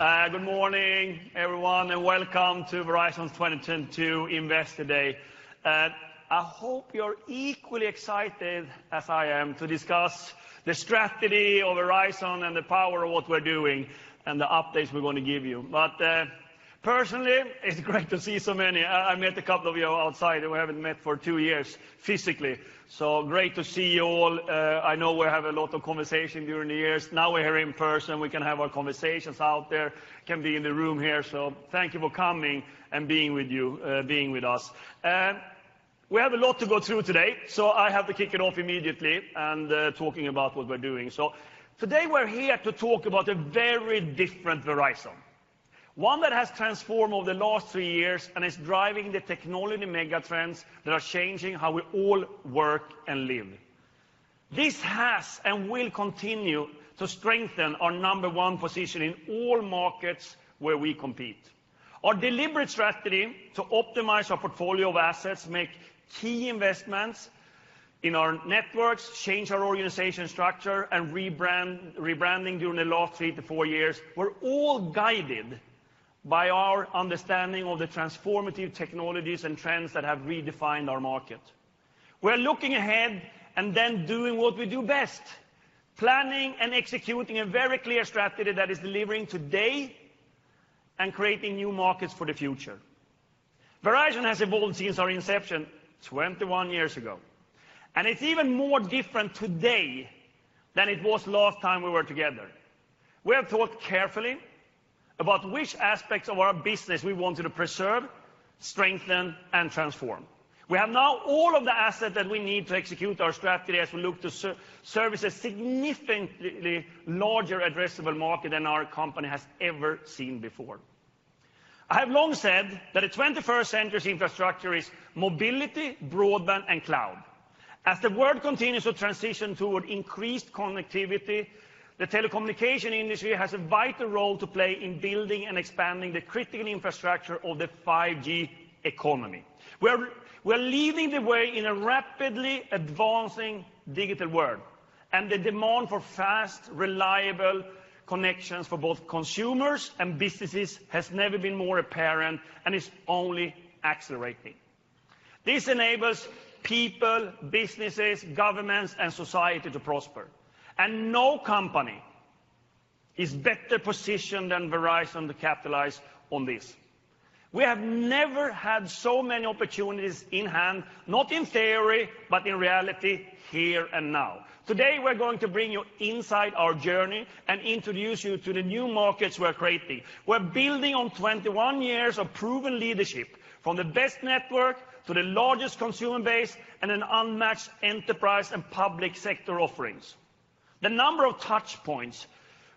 Good morning everyone, and welcome to Verizon's 2022 Investor Day. I hope you're equally excited as I am to discuss the strategy of Verizon and the power of what we're doing and the updates we're gonna give you. Personally, it's great to see so many. I met a couple of you outside, and we haven't met for two years physically. Great to see you all. I know we have a lot of conversation during the years. Now we're here in person, we can have our conversations out there, can be in the room here, so thank you for coming and being with you, being with us. We have a lot to go through today, so I have to kick it off immediately and talking about what we're doing. Today we're here to talk about a very different Verizon, one that has transformed over the last three years and is driving the technology mega trends that are changing how we all work and live. This has and will continue to strengthen our number one position in all markets where we compete. Our deliberate strategy to optimize our portfolio of assets, make key investments in our networks, change our organization structure, and rebranding during the last 3-4 years were all guided by our understanding of the transformative technologies and trends that have redefined our market. We're looking ahead and then doing what we do best, planning and executing a very clear strategy that is delivering today and creating new markets for the future. Verizon has evolved since our inception 21 years ago, and it's even more different today than it was last time we were together. We have thought carefully about which aspects of our business we wanted to preserve, strengthen, and transform. We have now all of the assets that we need to execute our strategy as we look to service a significantly larger addressable market than our company has ever seen before. I have long said that the 21st century's infrastructure is mobility, broadband, and cloud. As the world continues to transition toward increased connectivity, the telecommunications industry has a vital role to play in building and expanding the critical infrastructure of the 5G economy. We're leading the way in a rapidly advancing digital world, and the demand for fast, reliable connections for both consumers and businesses has never been more apparent and is only accelerating. This enables people, businesses, governments, and society to prosper, and no company is better positioned than Verizon to capitalize on this. We have never had so many opportunities in hand, not in theory, but in reality, here and now. Today we're going to bring you inside our journey and introduce you to the new markets we're creating. We're building on 21 years of proven leadership from the best network to the largest consumer base and an unmatched enterprise and public sector offerings. The number of touch points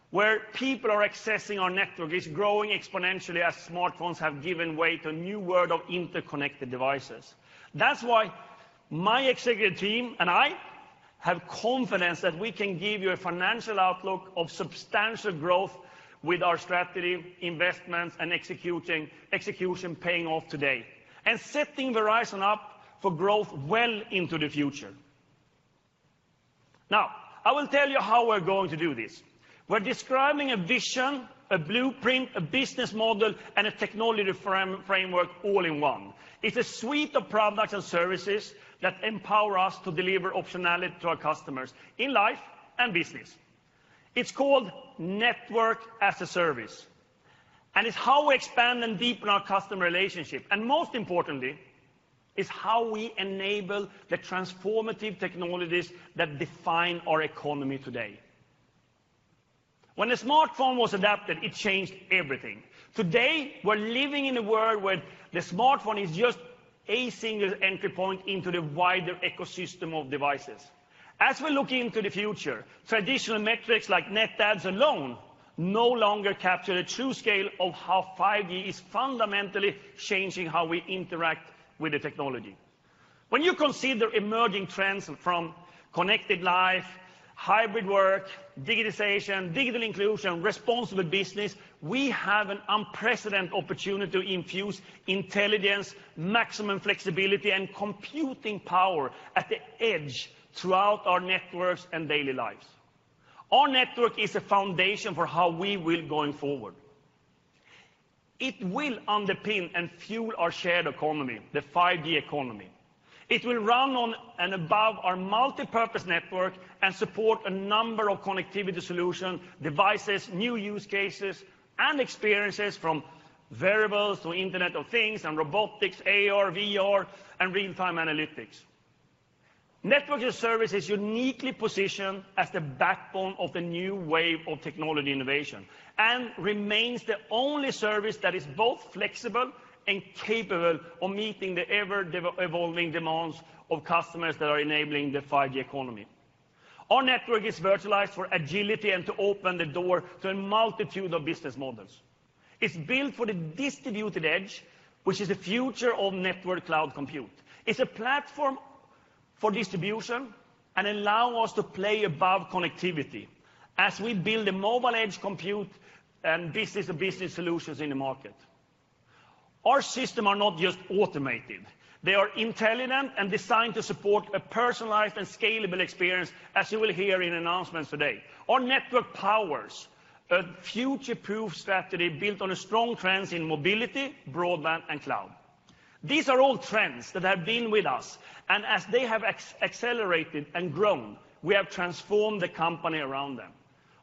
where people are accessing our network is growing exponentially as smartphones have given way to a new world of interconnected devices. That's why my executive team and I have confidence that we can give you a financial outlook of substantial growth with our strategy, investments, and executing, execution paying off today and setting Verizon up for growth well into the future. Now, I will tell you how we're going to do this. We're describing a vision, a blueprint, a business model, and a technology framework all in one. It's a suite of products and services that empower us to deliver optionality to our customers in life and business. It's called Network as a Service, and it's how we expand and deepen our customer relationship, and most importantly, it's how we enable the transformative technologies that define our economy today. When the smartphone was adopted, it changed everything. Today, we're living in a world where the smartphone is just a single entry point into the wider ecosystem of devices. As we're looking to the future, traditional metrics like net adds alone no longer capture the true scale of how 5G is fundamentally changing how we interact with the technology. When you consider emerging trends from connected life, hybrid work, digitization, digital inclusion, responsible business, we have an unprecedented opportunity to infuse intelligence, maximum flexibility, and computing power at the edge throughout our networks and daily lives. Our network is a foundation for how we will going forward. It will underpin and fuel our shared economy, the 5G economy. It will run on and above our multipurpose network and support a number of connectivity solution, devices, new use cases, and experiences from variables to Internet of Things and robotics, AR, VR, and real-time analytics. Network as a Service is uniquely positioned as the backbone of the new wave of technology innovation and remains the only service that is both flexible and capable of meeting the ever-evolving demands of customers that are enabling the 5G economy. Our network is virtualized for agility and to open the door to a multitude of business models. It's built for the distributed edge, which is the future of network cloud compute. It's a platform for distribution and allow us to play above connectivity as we build the mobile edge compute and business to business solutions in the market. Our systems are not just automated, they are intelligent and designed to support a personalized and scalable experience, as you will hear in announcements today. Our network powers a future-proof strategy built on strong trends in mobility, broadband, and cloud. These are all trends that have been with us, and as they have accelerated and grown, we have transformed the company around them.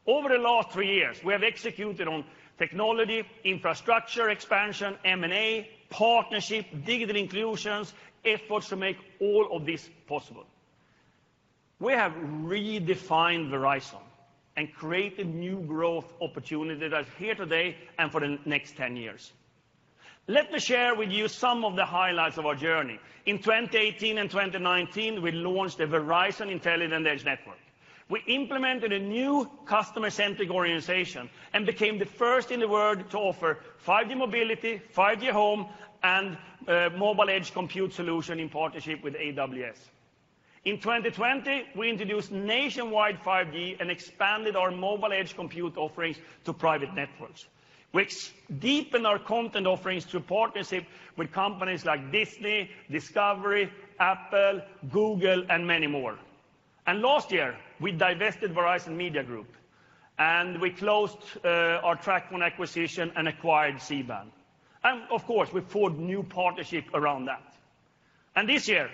Over the last three years, we have executed on technology, infrastructure expansion, M&A, partnership, digital inclusion efforts to make all of this possible. We have redefined Verizon and created new growth opportunities that are here today and for the next 10 years. Let me share with you some of the highlights of our journey. In 2018 and 2019, we launched the Verizon Intelligent Edge Network. We implemented a new customer-centric organization and became the first in the world to offer 5G mobility, 5G Home, and mobile edge compute solution in partnership with AWS. In 2020, we introduced nationwide 5G and expanded our mobile edge compute offerings to private networks, which deepened our content offerings through partnership with companies like Disney, Discovery, Apple, Google, and many more. Last year, we divested Verizon Media Group and we closed our TracFone acquisition and acquired C-Band. Of course, we forged new partnership around that. This year,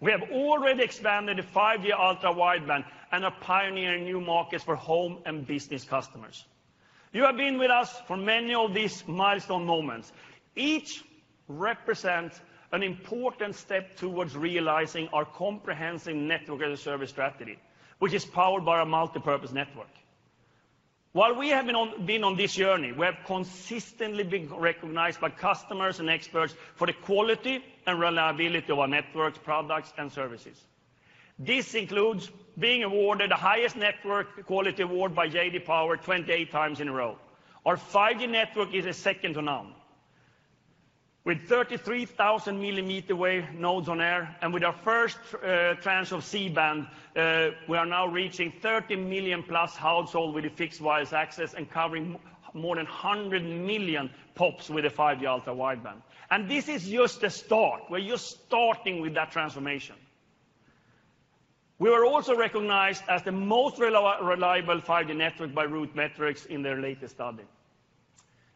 we have already expanded the 5G Ultra Wideband and are pioneering new markets for home and business customers. You have been with us for many of these milestone moments. Each represents an important step towards realizing our comprehensive Network as a Service strategy, which is powered by our multipurpose network. While we have been on this journey, we have consistently been recognized by customers and experts for the quality and reliability of our networks, products, and services. This includes being awarded the highest network quality award by J.D. Power 28 times in a row. Our 5G network is second to none. With 33,000 mm wave nodes on air and with our first transfer of C-Band, we are now reaching 30+ million households with a fixed wireless access and covering more than 100 million pops with a 5G Ultra Wideband. This is just a start. We're just starting with that transformation. We were also recognized as the most reliable 5G network by RootMetrics in their latest study.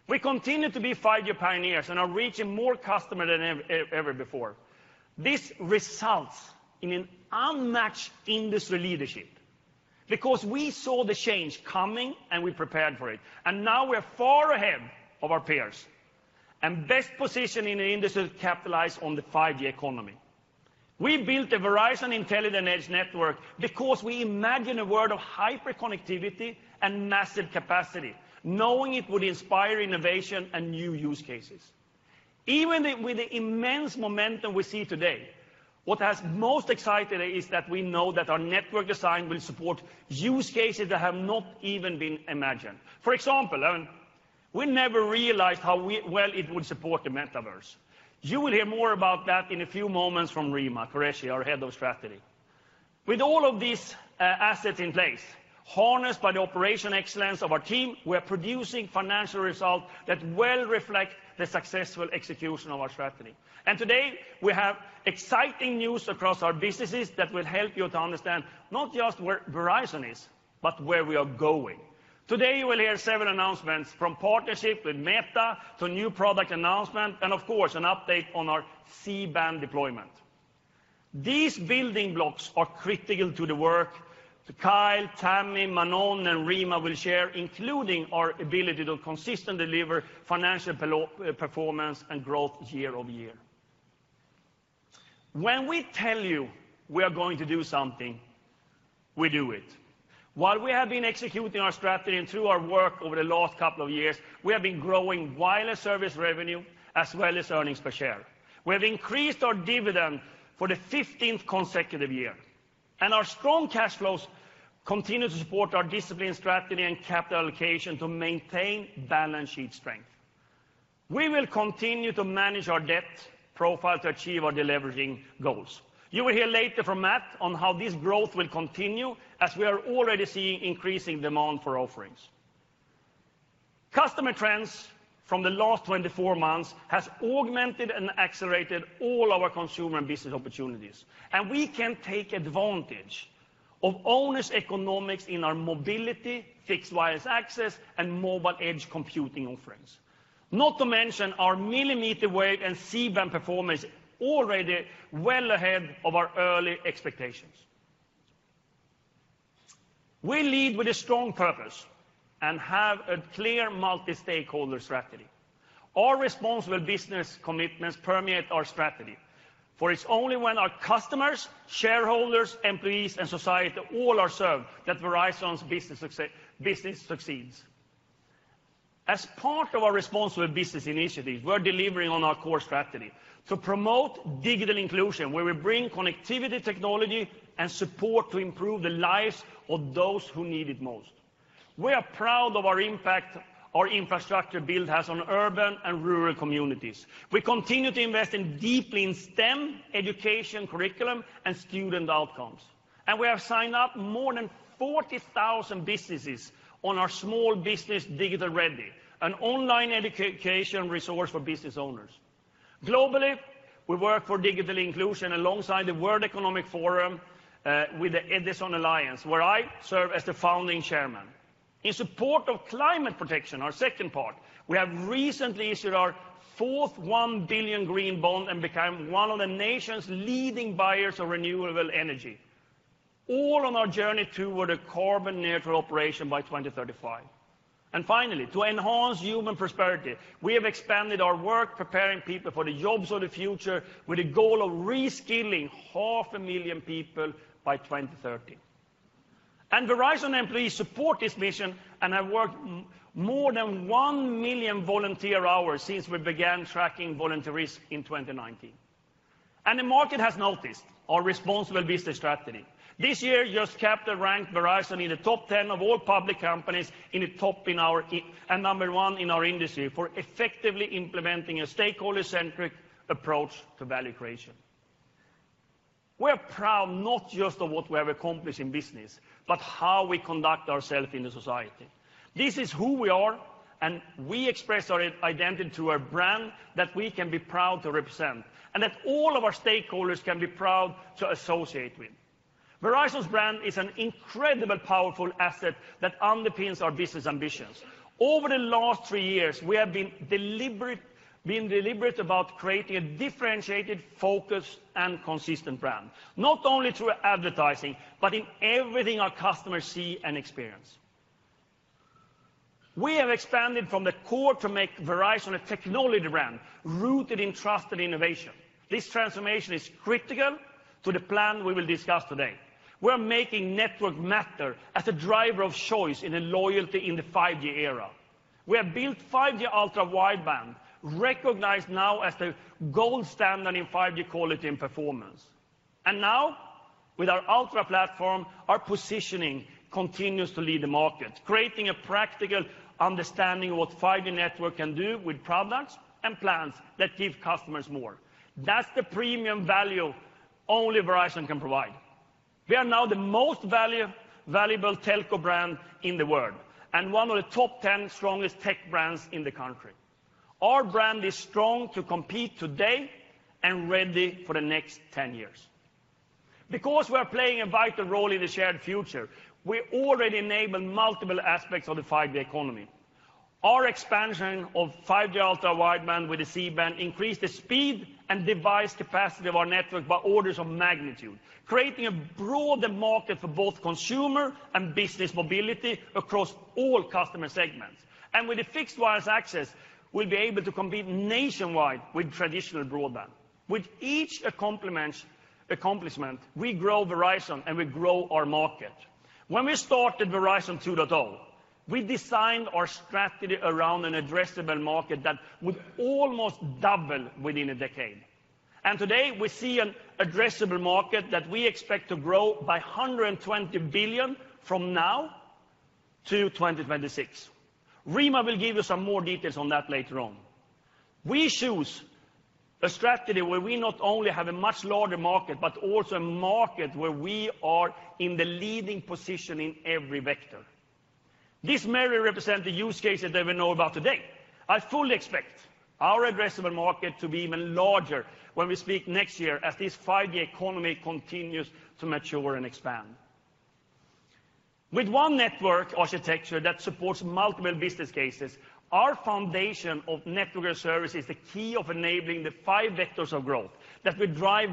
We continue to be 5G pioneers and are reaching more customers than ever before. This results in an unmatched industry leadership because we saw the change coming and we prepared for it, and now we're far ahead of our peers and best positioned in the industry to capitalize on the 5G economy. We built the Verizon Intelligent Edge Network because we imagine a world of hyperconnectivity and massive capacity, knowing it would inspire innovation and new use cases. Even with the immense momentum we see today, what has most excited is that we know that our network design will support use cases that have not even been imagined. For example, we never realized how well it would support the metaverse. You will hear more about that in a few moments from Rima Qureshi, our Head of Strategy. With all of these, assets in place, harnessed by the operation excellence of our team, we're producing financial results that well reflect the successful execution of our strategy. Today, we have exciting news across our businesses that will help you to understand not just where Verizon is, but where we are going. Today, you will hear several announcements from partnership with Meta to new product announcement and of course, an update on our C-Band deployment. These building blocks are critical to the work that Kyle, Tami, Manon, and Rima will share, including our ability to consistently deliver financial performance and growth year-over-year. When we tell you we are going to do something, we do it. While we have been executing our strategy and through our work over the last couple of years, we have been growing wireless service revenue as well as earnings per share. We have increased our dividend for the 15th consecutive year, and our strong cash flows continue to support our disciplined strategy and capital allocation to maintain balance sheet strength. We will continue to manage our debt profile to achieve our deleveraging goals. You will hear later from Matt on how this growth will continue as we are already seeing increasing demand for offerings. Customer trends from the last 24 months have augmented and accelerated all our consumer and business opportunities, and we can take advantage of our own economics in our mobility, fixed wireless access, and mobile edge computing offerings. Not to mention our millimeter wave and C-Band performance already well ahead of our early expectations. We lead with a strong purpose and have a clear multi-stakeholder strategy. Our responsible business commitments permeate our strategy, for it's only when our customers, shareholders, employees, and society all are served that Verizon's business succeeds. As part of our responsible business initiatives, we're delivering on our core strategy to promote digital inclusion, where we bring connectivity technology and support to improve the lives of those who need it most. We are proud of the impact our infrastructure build has on urban and rural communities. We continue to invest deeply in STEM education curriculum and student outcomes, and we have signed up more than 40,000 businesses on our Small Business Digital Ready, an online education resource for business owners. Globally, we work for digital inclusion alongside the World Economic Forum with the EDISON Alliance, where I serve as the founding chairman. In support of climate protection, our second part, we have recently issued our fourth $1 billion green bond and become one of the nation's leading buyers of renewable energy, all on our journey toward a carbon neutral operation by 2035. Finally, to enhance human prosperity, we have expanded our work preparing people for the jobs of the future with a goal of reskilling 500,000 people by 2030. Verizon employees support this mission and have worked more than 1 million volunteer hours since we began tracking volunteerism in 2019. The market has noticed our responsible business strategy. This year, Just Capital ranked Verizon in the top 10 of all public companies in the top in our ESG and number one in our industry for effectively implementing a stakeholder-centric approach to value creation. We're proud not just of what we have accomplished in business, but how we conduct ourselves in society. This is who we are, and we express our identity through our brand that we can be proud to represent, and that all of our stakeholders can be proud to associate with. Verizon's brand is an incredible, powerful asset that underpins our business ambitions. Over the last three years, we have been deliberate about creating a differentiated focus and consistent brand, not only through advertising, but in everything our customers see and experience. We have expanded from the core to make Verizon a technology brand rooted in trusted innovation. This transformation is critical to the plan we will discuss today. We're making network matter as a driver of choice and loyalty in the 5G era. We have built 5G Ultra Wideband, recognized now as the gold standard in 5G quality and performance. Now, with our Ultra platform, our positioning continues to lead the market, creating a practical understanding of what 5G network can do with products and plans that give customers more. That's the premium value only Verizon can provide. We are now the most valuable telco brand in the world and one of the top 10 strongest tech brands in the country. Our brand is strong to compete today and ready for the next 10 years. Because we're playing a vital role in the shared future, we already enabled multiple aspects of the 5G economy. Our expansion of 5G Ultra Wideband with the C-Band increased the speed and device capacity of our network by orders of magnitude, creating a broader market for both consumer and business mobility across all customer segments. With the fixed wireless access, we'll be able to compete nationwide with traditional broadband. With each accomplishment, we grow Verizon, and we grow our market. When we started Verizon 2.0, we designed our strategy around an addressable market that would almost double within a decade. Today, we see an addressable market that we expect to grow by $120 billion from now to 2026. Rima will give you some more details on that later on. We choose a strategy where we not only have a much larger market, but also a market where we are in the leading position in every vector. This may represent the use cases that we know about today. I fully expect our addressable market to be even larger when we speak next year as this 5G economy continues to mature and expand. With one network architecture that supports multiple business cases, our foundation of Network as a Service is the key of enabling the five vectors of growth that will drive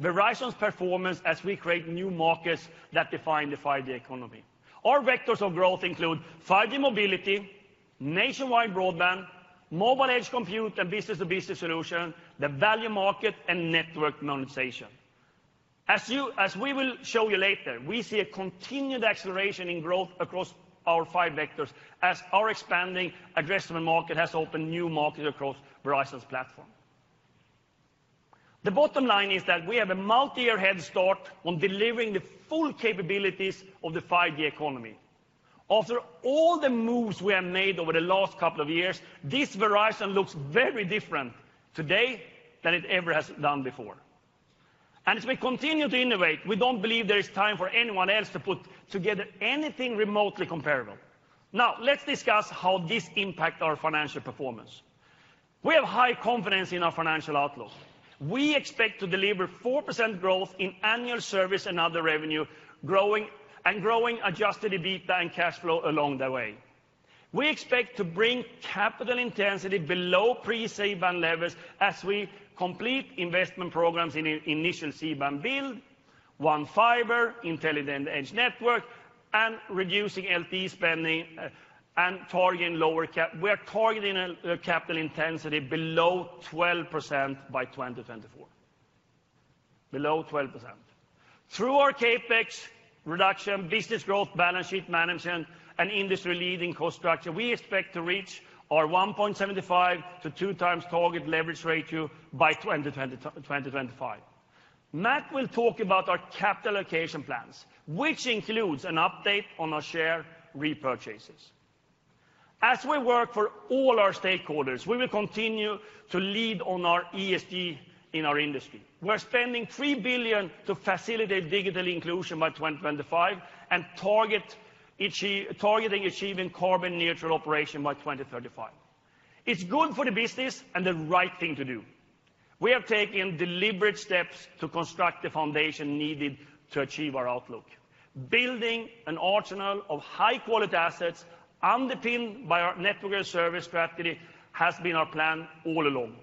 Verizon's performance as we create new markets that define the 5G economy. Our vectors of growth include 5G mobility, nationwide broadband, mobile edge compute, and business-to-business solution, the value market, and network monetization. As we will show you later, we see a continued acceleration in growth across our five vectors as our expanding addressable market has opened new markets across Verizon's platform. The bottom line is that we have a multi-year head start on delivering the full capabilities of the 5G economy. After all the moves we have made over the last couple of years, this Verizon looks very different today than it ever has done before. As we continue to innovate, we don't believe there is time for anyone else to put together anything remotely comparable. Now, let's discuss how this impact our financial performance. We have high confidence in our financial outlook. We expect to deliver 4% growth in annual service and other revenue, growing adjusted EBITDA and cash flow along the way. We expect to bring capital intensity below pre-C-Band levels as we complete investment programs in initial C-Band build, One Fiber, Intelligent Edge Network, and reducing LTE spending, and targeting a capital intensity below 12% by 2024. Below 12%. Through our CapEx reduction, business growth, balance sheet management, and industry leading cost structure, we expect to reach our 1.75x-2x target leverage ratio by 2025. Matt will talk about our capital allocation plans, which includes an update on our share repurchases. As we work for all our stakeholders, we will continue to lead on our ESG in our industry. We're spending $3 billion to facilitate digital inclusion by 2025 and targeting achieving carbon neutral operation by 2035. It's good for the business and the right thing to do. We have taken deliberate steps to construct the foundation needed to achieve our outlook. Building an arsenal of high-quality assets underpinned by our Network as a Service strategy has been our plan all along.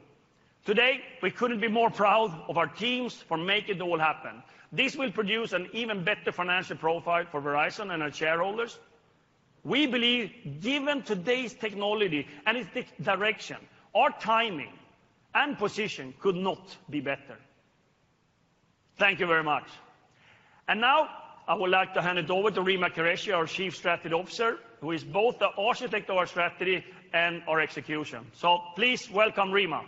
Today, we couldn't be more proud of our teams for making it all happen. This will produce an even better financial profile for Verizon and our shareholders. We believe given today's technology and its direction, our timing and position could not be better. Thank you very much. Now I would like to hand it over to Rima Qureshi, our Chief Strategy Officer, who is both the architect of our strategy and our execution. Please welcome Rima.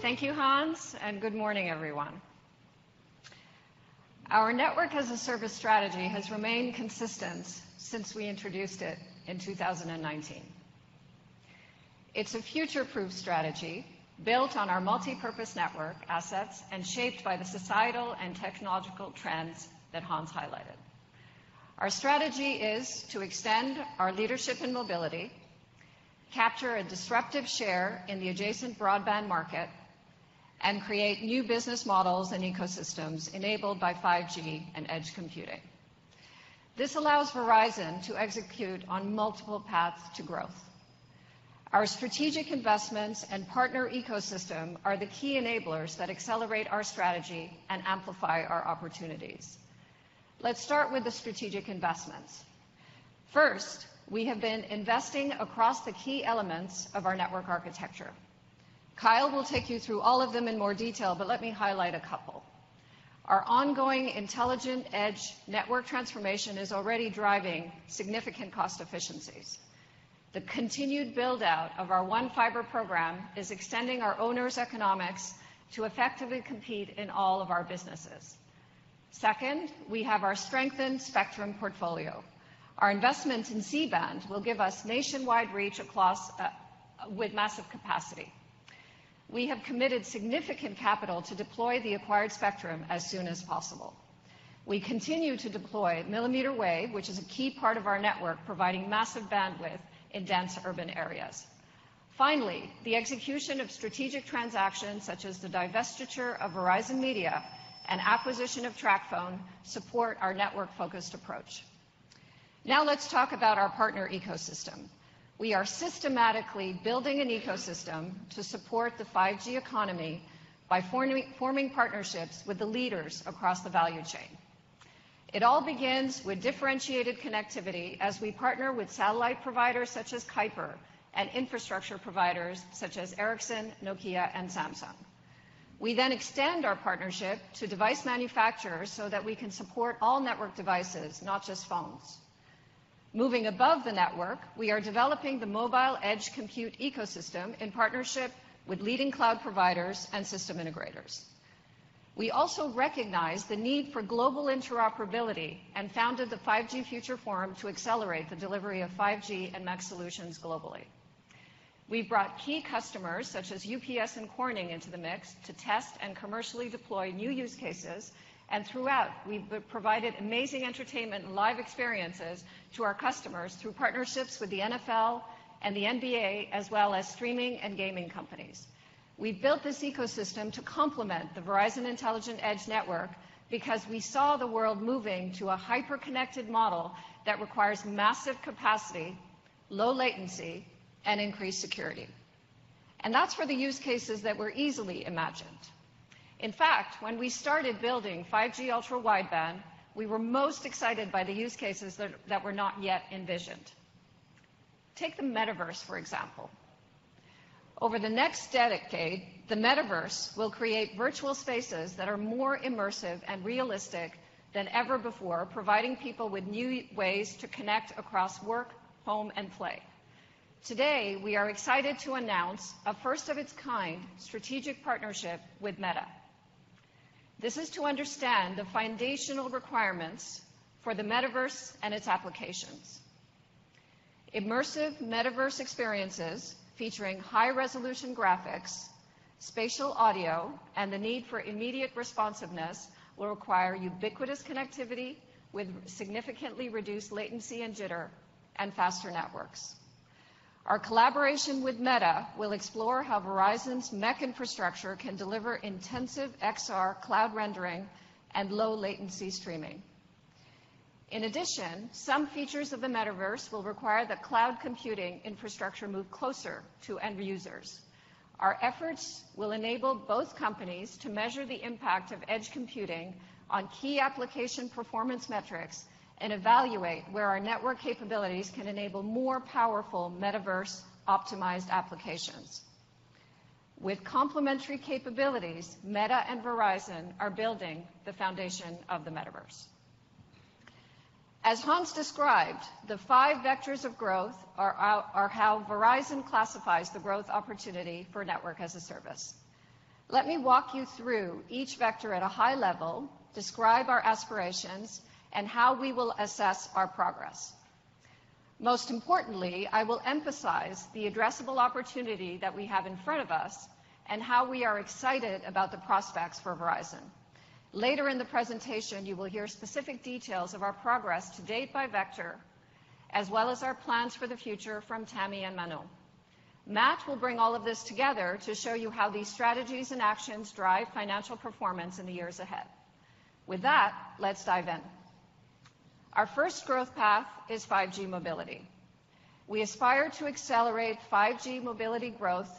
Thank you, Hans, and good morning, everyone. Our Network as a Service strategy has remained consistent since we introduced it in 2019. It's a future-proof strategy built on our multipurpose network assets and shaped by the societal and technological trends that Hans highlighted. Our strategy is to extend our leadership in mobility, capture a disruptive share in the adjacent broadband market, and create new business models and ecosystems enabled by 5G and edge computing. This allows Verizon to execute on multiple paths to growth. Our strategic investments and partner ecosystem are the key enablers that accelerate our strategy and amplify our opportunities. Let's start with the strategic investments. First, we have been investing across the key elements of our network architecture. Kyle will take you through all of them in more detail, but let me highlight a couple. Our ongoing Intelligent Edge Network transformation is already driving significant cost efficiencies. The continued build-out of our One Fiber program is extending our owners' economics to effectively compete in all of our businesses. Second, we have our strengthened spectrum portfolio. Our investment in C-Band will give us nationwide reach across with massive capacity. We have committed significant capital to deploy the acquired spectrum as soon as possible. We continue to deploy millimeter wave, which is a key part of our network, providing massive bandwidth in dense urban areas. Finally, the execution of strategic transactions such as the divestiture of Verizon Media and acquisition of TracFone support our network-focused approach. Now let's talk about our partner ecosystem. We are systematically building an ecosystem to support the 5G economy by forming partnerships with the leaders across the value chain. It all begins with differentiated connectivity as we partner with satellite providers such as Kuiper and infrastructure providers such as Ericsson, Nokia, and Samsung. We then extend our partnership to device manufacturers so that we can support all network devices, not just phones. Moving above the network, we are developing the mobile edge compute ecosystem in partnership with leading cloud providers and system integrators. We also recognize the need for global interoperability and founded the 5G Future Forum to accelerate the delivery of 5G and MEC solutions globally. We've brought key customers such as UPS in Corning into the mix to test and commercially deploy new use cases. Throughout, we've provided amazing entertainment and live experiences to our customers through partnerships with the NFL and the NBA, as well as streaming and gaming companies. We built this ecosystem to complement the Verizon Intelligent Edge Network because we saw the world moving to a hyper-connected model that requires massive capacity, low latency, and increased security. That's for the use cases that were easily imagined. In fact, when we started building 5G Ultra Wideband, we were most excited by the use cases that were not yet envisioned. Take the metaverse, for example. Over the next decade, the metaverse will create virtual spaces that are more immersive and realistic than ever before, providing people with new ways to connect across work, home, and play. Today, we are excited to announce a first of its kind strategic partnership with Meta. This is to understand the foundational requirements for the metaverse and its applications. Immersive metaverse experiences featuring high-resolution graphics, spatial audio, and the need for immediate responsiveness will require ubiquitous connectivity with significantly reduced latency and jitter and faster networks. Our collaboration with Meta will explore how Verizon's MEC infrastructure can deliver intensive XR cloud rendering and low latency streaming. In addition, some features of the metaverse will require that cloud computing infrastructure move closer to end users. Our efforts will enable both companies to measure the impact of edge computing on key application performance metrics and evaluate where our network capabilities can enable more powerful metaverse optimized applications. With complementary capabilities, Meta and Verizon are building the foundation of the metaverse. As Hans described, the five vectors of growth are how Verizon classifies the growth opportunity for Network as a Service. Let me walk you through each vector at a high level, describe our aspirations, and how we will assess our progress. Most importantly, I will emphasize the addressable opportunity that we have in front of us and how we are excited about the prospects for Verizon. Later in the presentation, you will hear specific details of our progress to date by vector, as well as our plans for the future from Tami and Manon. Matt will bring all of this together to show you how these strategies and actions drive financial performance in the years ahead. With that, let's dive in. Our first growth path is 5G mobility. We aspire to accelerate 5G mobility growth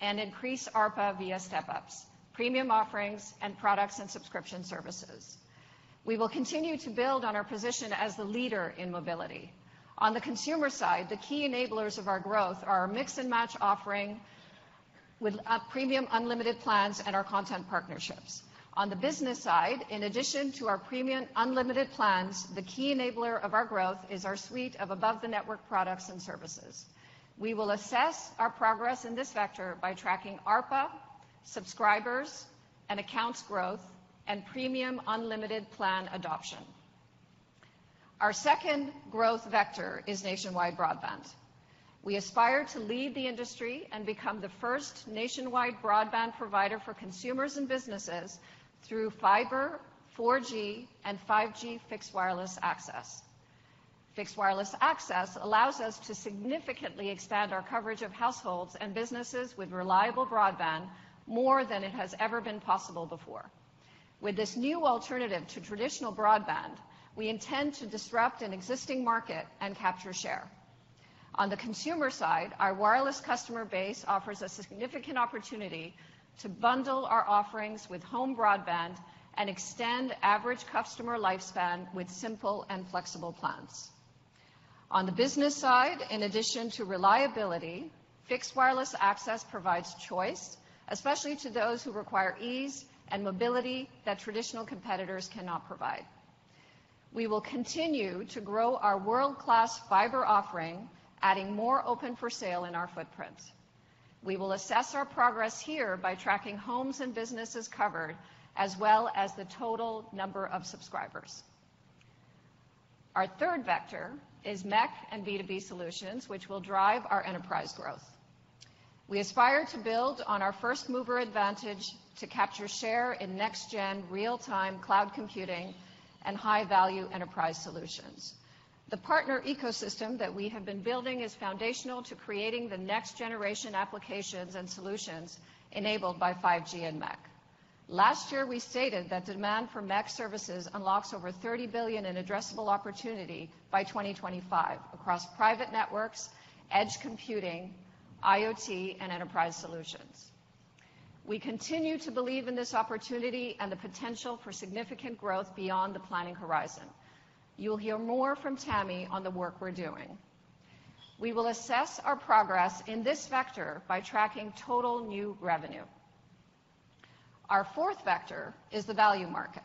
and increase ARPA via step-ups, premium offerings, and products and subscription services. We will continue to build on our position as the leader in mobility. On the consumer side, the key enablers of our growth are our Mix and Match offering with Premium Unlimited plans and our content partnerships. On the business side, in addition to our Premium Unlimited plans, the key enabler of our growth is our suite of above-the-network products and services. We will assess our progress in this vector by tracking ARPA, subscribers, and accounts growth, and Premium Unlimited plan adoption. Our second growth vector is nationwide broadband. We aspire to lead the industry and become the first nationwide broadband provider for consumers and businesses through fiber, 4G, and 5G fixed wireless access. Fixed wireless access allows us to significantly expand our coverage of households and businesses with reliable broadband more than it has ever been possible before. With this new alternative to traditional broadband, we intend to disrupt an existing market and capture share. On the consumer side, our wireless customer base offers a significant opportunity to bundle our offerings with home broadband and extend average customer lifespan with simple and flexible plans. On the business side, in addition to reliability, fixed wireless access provides choice, especially to those who require ease and mobility that traditional competitors cannot provide. We will continue to grow our world-class fiber offering, adding more open for sale in our footprint. We will assess our progress here by tracking homes and businesses covered, as well as the total number of subscribers. Our third vector is MEC and B2B solutions, which will drive our enterprise growth. We aspire to build on our first-mover advantage to capture share in next gen real-time cloud computing and high-value enterprise solutions. The partner ecosystem that we have been building is foundational to creating the next generation applications and solutions enabled by 5G and MEC. Last year, we stated that demand for MEC services unlocks over $30 billion in addressable opportunity by 2025 across private networks, edge computing, IoT, and enterprise solutions. We continue to believe in this opportunity and the potential for significant growth beyond the planning horizon. You'll hear more from Tami on the work we're doing. We will assess our progress in this vector by tracking total new revenue. Our fourth vector is the value market.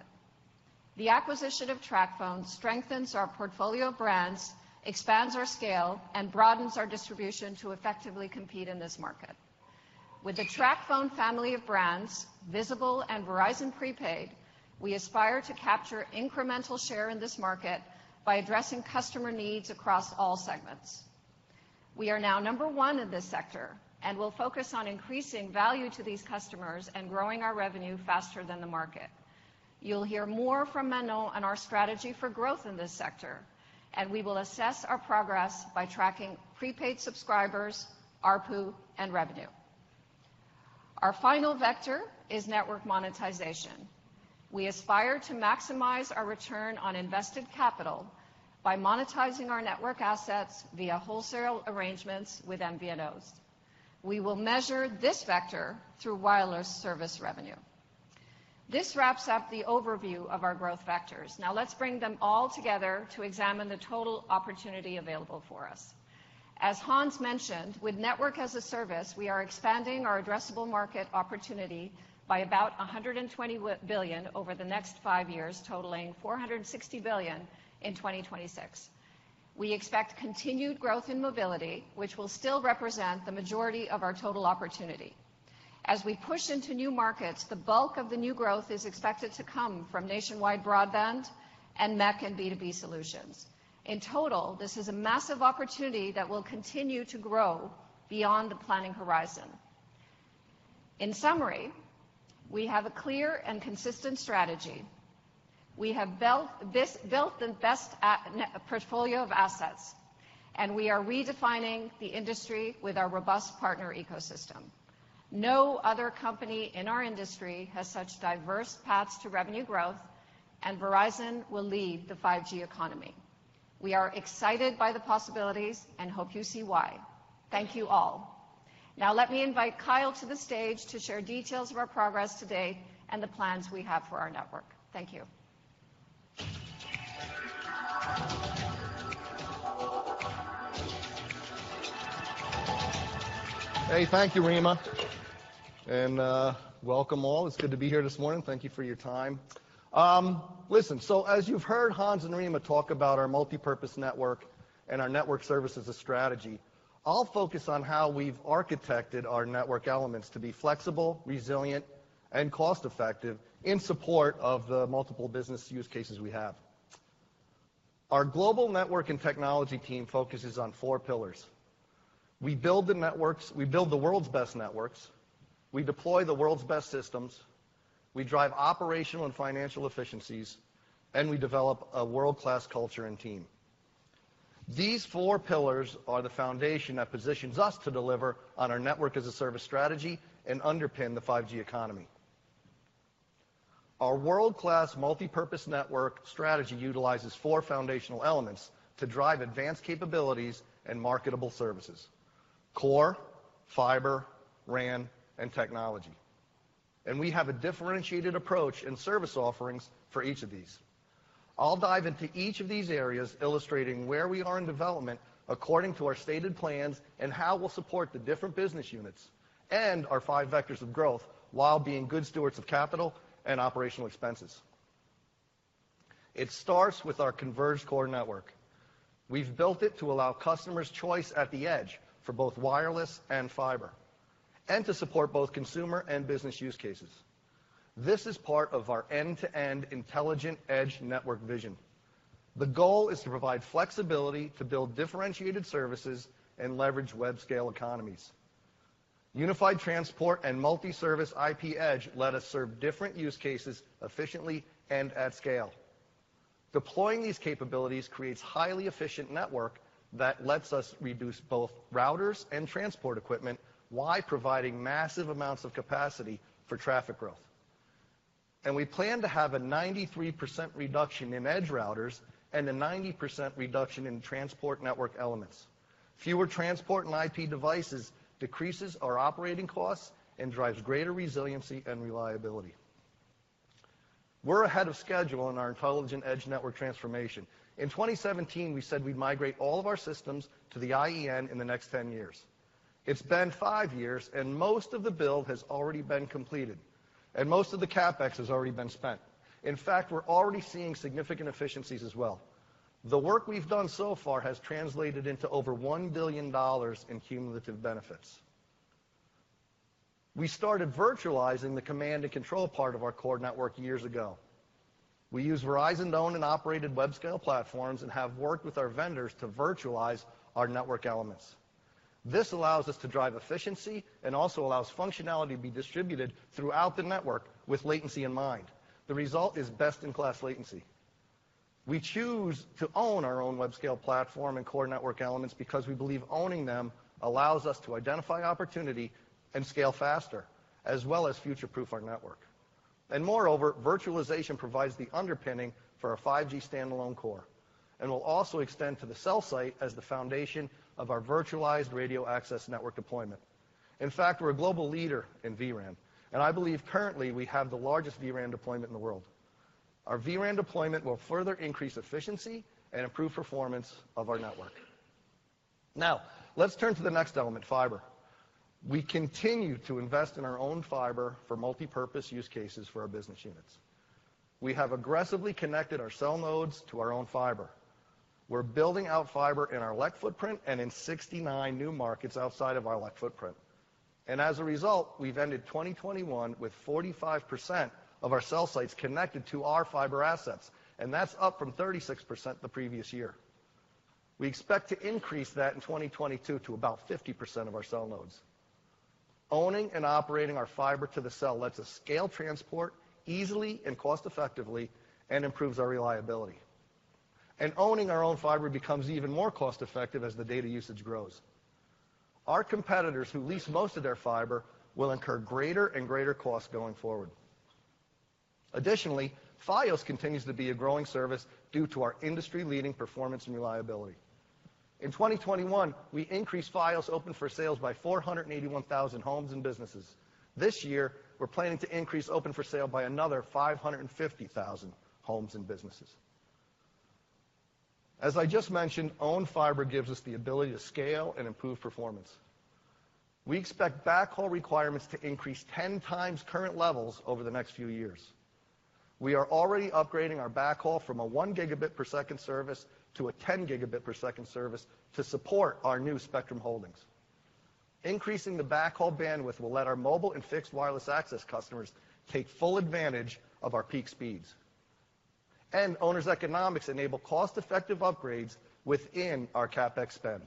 The acquisition of TracFone strengthens our portfolio of brands, expands our scale, and broadens our distribution to effectively compete in this market. With the TracFone family of brands, Visible and Verizon Prepaid, we aspire to capture incremental share in this market by addressing customer needs across all segments. We are now number one in this sector, and we'll focus on increasing value to these customers and growing our revenue faster than the market. You'll hear more from Manon on our strategy for growth in this sector, and we will assess our progress by tracking prepaid subscribers, ARPU, and revenue. Our final vector is network monetization. We aspire to maximize our return on invested capital by monetizing our network assets via wholesale arrangements with MVNOs. We will measure this vector through wireless service revenue. This wraps up the overview of our growth vectors. Now let's bring them all together to examine the total opportunity available for us. As Hans mentioned, with Network as a Service, we are expanding our addressable market opportunity by about $120 billion over the next five years, totaling $460 billion in 2026. We expect continued growth in mobility, which will still represent the majority of our total opportunity. As we push into new markets, the bulk of the new growth is expected to come from nationwide broadband and MEC and B2B solutions. In total, this is a massive opportunity that will continue to grow beyond the planning horizon. In summary, we have a clear and consistent strategy. We have built the best network portfolio of assets, and we are redefining the industry with our robust partner ecosystem. No other company in our industry has such diverse paths to revenue growth, and Verizon will lead the 5G economy. We are excited by the possibilities and hope you see why. Thank you all. Now let me invite Kyle to the stage to share details of our progress today and the plans we have for our network. Thank you. Hey, thank you, Rima, and welcome all. It's good to be here this morning. Thank you for your time. Listen, as you've heard Hans and Rima talk about our multipurpose network and our Network as a Service strategy, I'll focus on how we've architected our network elements to be flexible, resilient, and cost-effective in support of the multiple business use cases we have. Our global network and technology team focuses on four pillars. We build the networks, we build the world's best networks, we deploy the world's best systems, we drive operational and financial efficiencies, and we develop a world-class culture and team. These four pillars are the foundation that positions us to deliver on our Network as a Service strategy and underpin the 5G economy. Our world-class multipurpose network strategy utilizes four foundational elements to drive advanced capabilities and marketable services, core, fiber, RAN, and technology. We have a differentiated approach and service offerings for each of these. I'll dive into each of these areas illustrating where we are in development according to our stated plans and how we'll support the different business units and our five vectors of growth while being good stewards of capital and operational expenses. It starts with our converged core network. We've built it to allow customers choice at the edge for both wireless and fiber, and to support both consumer and business use cases. This is part of our end-to-end Intelligent Edge Network vision. The goal is to provide flexibility to build differentiated services and leverage web-scale economies. Unified transport and multi-service IP edge let us serve different use cases efficiently and at scale. Deploying these capabilities creates highly efficient network that lets us reduce both routers and transport equipment while providing massive amounts of capacity for traffic growth. We plan to have a 93% reduction in edge routers and a 90% reduction in transport network elements. Fewer transport and IP devices decreases our operating costs and drives greater resiliency and reliability. We're ahead of schedule in our Intelligent Edge Network transformation. In 2017, we said we'd migrate all of our systems to the IEN in the next 10 years. It's been five years, and most of the build has already been completed, and most of the CapEx has already been spent. In fact, we're already seeing significant efficiencies as well. The work we've done so far has translated into over $1 billion in cumulative benefits. We started virtualizing the command and control part of our core network years ago. We use Verizon-owned and operated web-scale platforms and have worked with our vendors to virtualize our network elements. This allows us to drive efficiency and also allows functionality to be distributed throughout the network with latency in mind. The result is best-in-class latency. We choose to own our own web scale platform and core network elements because we believe owning them allows us to identify opportunity and scale faster, as well as future-proof our network. Moreover, virtualization provides the underpinning for our 5G standalone core and will also extend to the cell site as the foundation of our virtualized radio access network deployment. In fact, we're a global leader in vRAN, and I believe currently we have the largest vRAN deployment in the world. Our vRAN deployment will further increase efficiency and improve performance of our network. Now, let's turn to the next element, fiber. We continue to invest in our own fiber for multipurpose use cases for our business units. We have aggressively connected our cell nodes to our own fiber. We're building out fiber in our LEC footprint and in 69 new markets outside of our LEC footprint. As a result, we've ended 2021 with 45% of our cell sites connected to our fiber assets, and that's up from 36% the previous year. We expect to increase that in 2022 to about 50% of our cell nodes. Owning and operating our fiber to the cell lets us scale transport easily and cost effectively and improves our reliability. Owning our own fiber becomes even more cost effective as the data usage grows. Our competitors who lease most of their fiber will incur greater and greater costs going forward. Additionally, Fios continues to be a growing service due to our industry-leading performance and reliability. In 2021, we increased Fios open for sales by 481,000 homes and businesses. This year, we're planning to increase open for sale by another 550,000 homes and businesses. As I just mentioned, owned fiber gives us the ability to scale and improve performance. We expect backhaul requirements to increase 10 times current levels over the next few years. We are already upgrading our backhaul from a 1 Gbps service to a 10 Gbps service to support our new spectrum holdings. Increasing the backhaul bandwidth will let our mobile and fixed wireless access customers take full advantage of our peak speeds. Owners' economics enable cost-effective upgrades within our CapEx spend.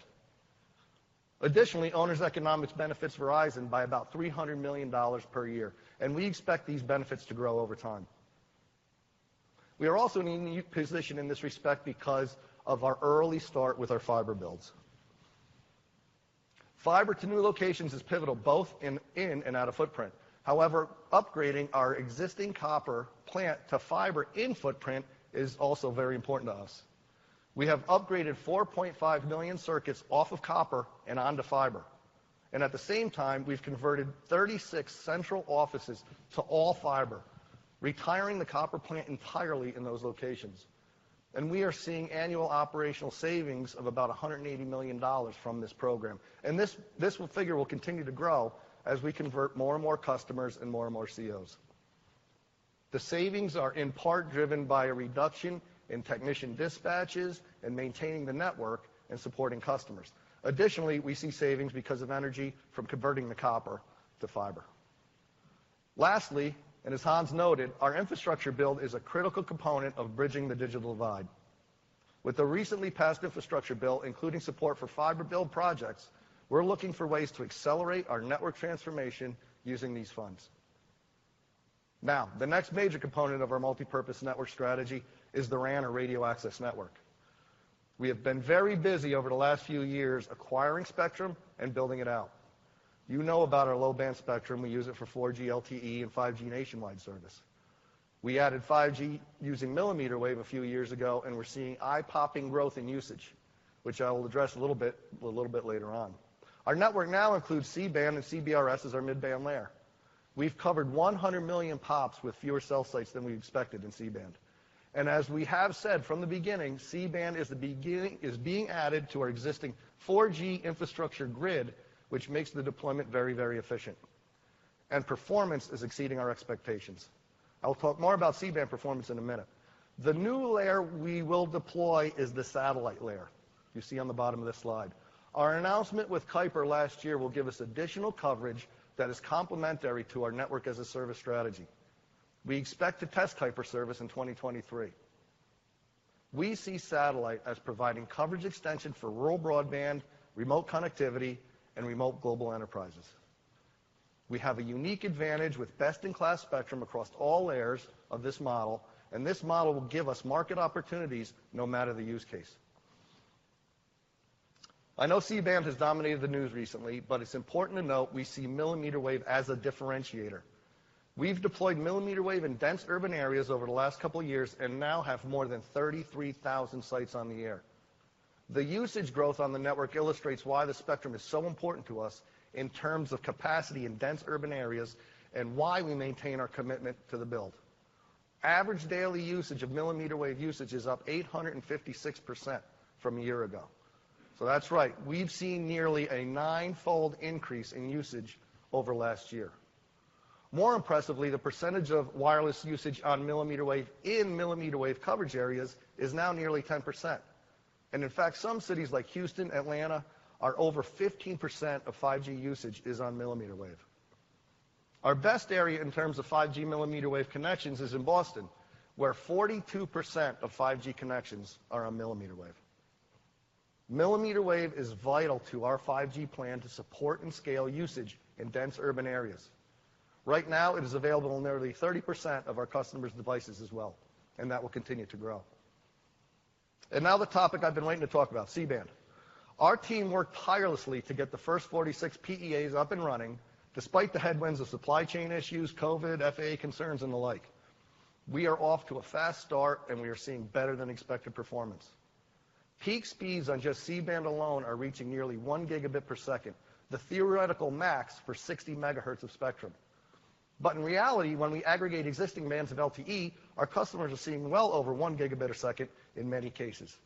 Additionally, owners' economics benefits Verizon by about $300 million per year, and we expect these benefits to grow over time. We are also in a unique position in this respect because of our early start with our fiber builds. Fiber to new locations is pivotal both in and out of footprint. However, upgrading our existing copper plant to fiber in footprint is also very important to us. We have upgraded 4.5 million circuits off of copper and onto fiber. At the same time, we've converted 36 central offices to all fiber, retiring the copper plant entirely in those locations. We are seeing annual operational savings of about $180 million from this program. This figure will continue to grow as we convert more and more customers and more and more COs. The savings are in part driven by a reduction in technician dispatches and maintaining the network and supporting customers. Additionally, we see savings because of energy from converting the copper to fiber. Lastly, and as Hans noted, our infrastructure build is a critical component of bridging the digital divide. With the recently passed infrastructure bill, including support for fiber build projects, we're looking for ways to accelerate our network transformation using these funds. Now, the next major component of our multipurpose network strategy is the RAN or Radio Access Network. We have been very busy over the last few years acquiring spectrum and building it out. You know about our low-band spectrum. We use it for 4G LTE and 5G nationwide service. We added 5G using millimeter wave a few years ago, and we're seeing eye-popping growth in usage, which I will address a little bit, a little bit later on. Our network now includes C-Band and CBRS as our mid-band layer. We've covered 100 million pops with fewer cell sites than we expected in C-Band. As we have said from the beginning, C-Band is being added to our existing 4G infrastructure grid, which makes the deployment very, very efficient. Performance is exceeding our expectations. I'll talk more about C-Band performance in a minute. The new layer we will deploy is the satellite layer you see on the bottom of this slide. Our announcement with Kuiper last year will give us additional coverage that is complementary to our Network as a Service strategy. We expect to test Kuiper service in 2023. We see satellite as providing coverage extension for rural broadband, remote connectivity, and remote global enterprises. We have a unique advantage with best-in-class spectrum across all layers of this model, and this model will give us market opportunities no matter the use case. I know C-Band has dominated the news recently, but it's important to note we see millimeter wave as a differentiator. We've deployed millimeter wave in dense urban areas over the last couple years and now have more than 33,000 sites on the air. The usage growth on the network illustrates why the spectrum is so important to us in terms of capacity in dense urban areas and why we maintain our commitment to the build. Average daily usage of millimeter wave usage is up 856% from a year ago. That's right. We've seen nearly a 9-fold increase in usage over last year. More impressively, the percentage of wireless usage on millimeter wave in millimeter wave coverage areas is now nearly 10%. In fact, some cities like Houston, Atlanta, are over 15% of 5G usage is on millimeter wave. Our best area in terms of 5G millimeter wave connections is in Boston, where 42% of 5G connections are on millimeter wave. Millimeter wave is vital to our 5G plan to support and scale usage in dense urban areas. Right now, it is available on nearly 30% of our customers' devices as well, and that will continue to grow. Now the topic I've been waiting to talk about, C-Band. Our team worked tirelessly to get the first 46 PEAs up and running, despite the headwinds of supply chain issues, COVID, FAA concerns, and the like. We are off to a fast start, and we are seeing better than expected performance. Peak speeds on just C-Band alone are reaching nearly 1 Gb per second, the theoretical max for 60 megahertz of spectrum. In reality, when we aggregate existing bands of LTE, our customers are seeing well over 1 Gb a second in many cases.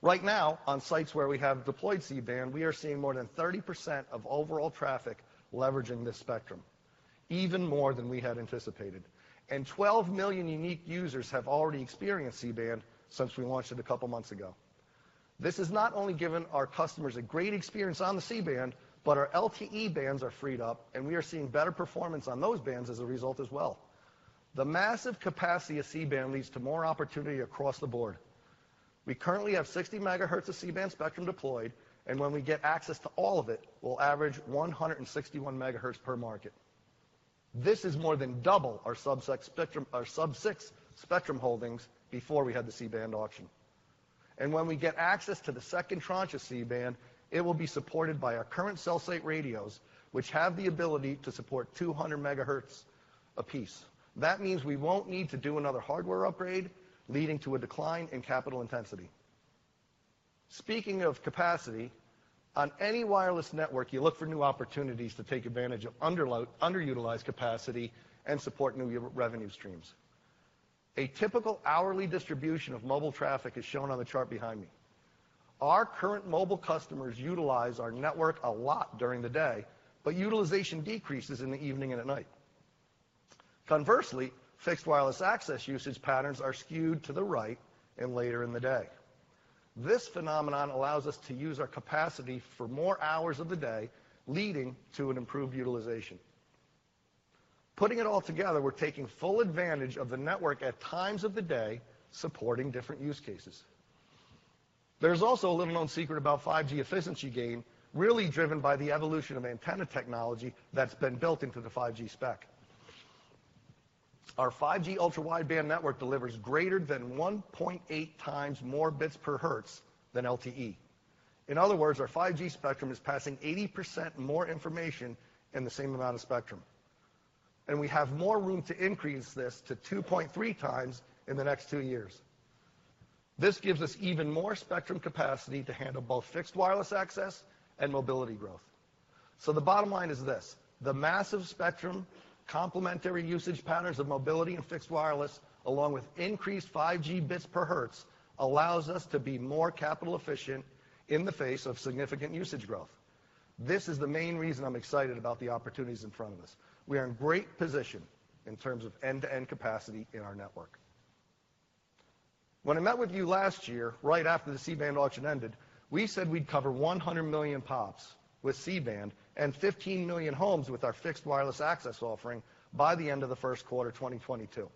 Right now, on sites where we have deployed C-Band, we are seeing more than 30% of overall traffic leveraging this spectrum, even more than we had anticipated. Twelve million unique users have already experienced C-Band since we launched it a couple months ago. This has not only given our customers a great experience on the C-Band, but our LTE bands are freed up, and we are seeing better performance on those bands as a result as well. The massive capacity of C-Band leads to more opportunity across the board. We currently have 60 MHz of C-Band spectrum deployed, and when we get access to all of it, we'll average 161 MHz per market. This is more than double our sub-six spectrum, our sub-six spectrum holdings before we had the C-Band auction. When we get access to the second tranche of C-Band, it will be supported by our current cell site radios, which have the ability to support 200 MHz apiece. That means we won't need to do another hardware upgrade, leading to a decline in capital intensity. Speaking of capacity, on any wireless network, you look for new opportunities to take advantage of underutilized capacity and support new revenue streams. A typical hourly distribution of mobile traffic is shown on the chart behind me. Our current mobile customers utilize our network a lot during the day, but utilization decreases in the evening and at night. Conversely, fixed wireless access usage patterns are skewed to the right and later in the day. This phenomenon allows us to use our capacity for more hours of the day, leading to an improved utilization. Putting it all together, we're taking full advantage of the network at times of the day, supporting different use cases. There's also a little-known secret about 5G efficiency gain, really driven by the evolution of antenna technology that's been built into the 5G spec. Our 5G Ultra Wideband network delivers greater than 1.8 times more bits per hertz than LTE. In other words, our 5G spectrum is passing 80% more information in the same amount of spectrum. We have more room to increase this to 2.3 times in the next two years. This gives us even more spectrum capacity to handle both fixed wireless access and mobility growth. The bottom line is this: The massive spectrum, complementary usage patterns of mobility and fixed wireless, along with increased 5G bits per hertz, allows us to be more capital efficient in the face of significant usage growth. This is the main reason I'm excited about the opportunities in front of us. We are in great position in terms of end-to-end capacity in our network. When I met with you last year, right after the C-Band auction ended, we said we'd cover 100 million pops with C-Band and 15 million homes with our fixed wireless access offering by the end of the first quarter 2022.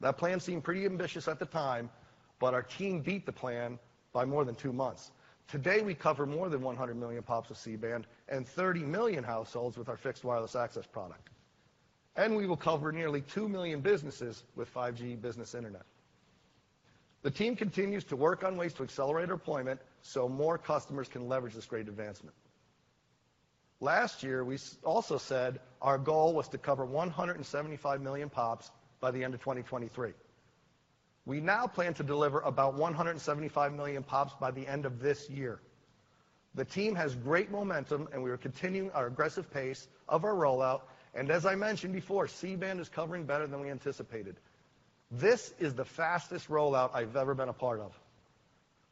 That plan seemed pretty ambitious at the time, but our team beat the plan by more than two months. Today, we cover more than 100 million pops with C-Band and 30 million households with our fixed wireless access product. We will cover nearly 2 million businesses with 5G business internet. The team continues to work on ways to accelerate deployment so more customers can leverage this great advancement. Last year, we also said our goal was to cover 175 million pops by the end of 2023. We now plan to deliver about 175 million pops by the end of this year. The team has great momentum, and we are continuing our aggressive pace of our rollout, and as I mentioned before, C-Band is covering better than we anticipated. This is the fastest rollout I've ever been a part of.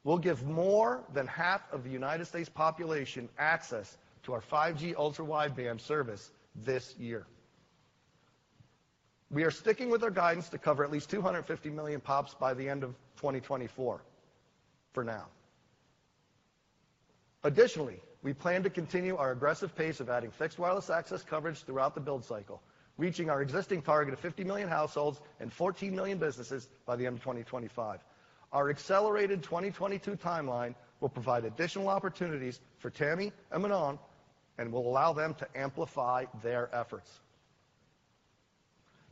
We'll give more than half of the United States population access to our 5G Ultra Wideband service this year. We are sticking with our guidance to cover at least 250 million pops by the end of 2024, for now. Additionally, we plan to continue our aggressive pace of adding fixed wireless access coverage throughout the build cycle, reaching our existing target of 50 million households and 14 million businesses by the end of 2025. Our accelerated 2022 timeline will provide additional opportunities for Tami and Manon and will allow them to amplify their efforts.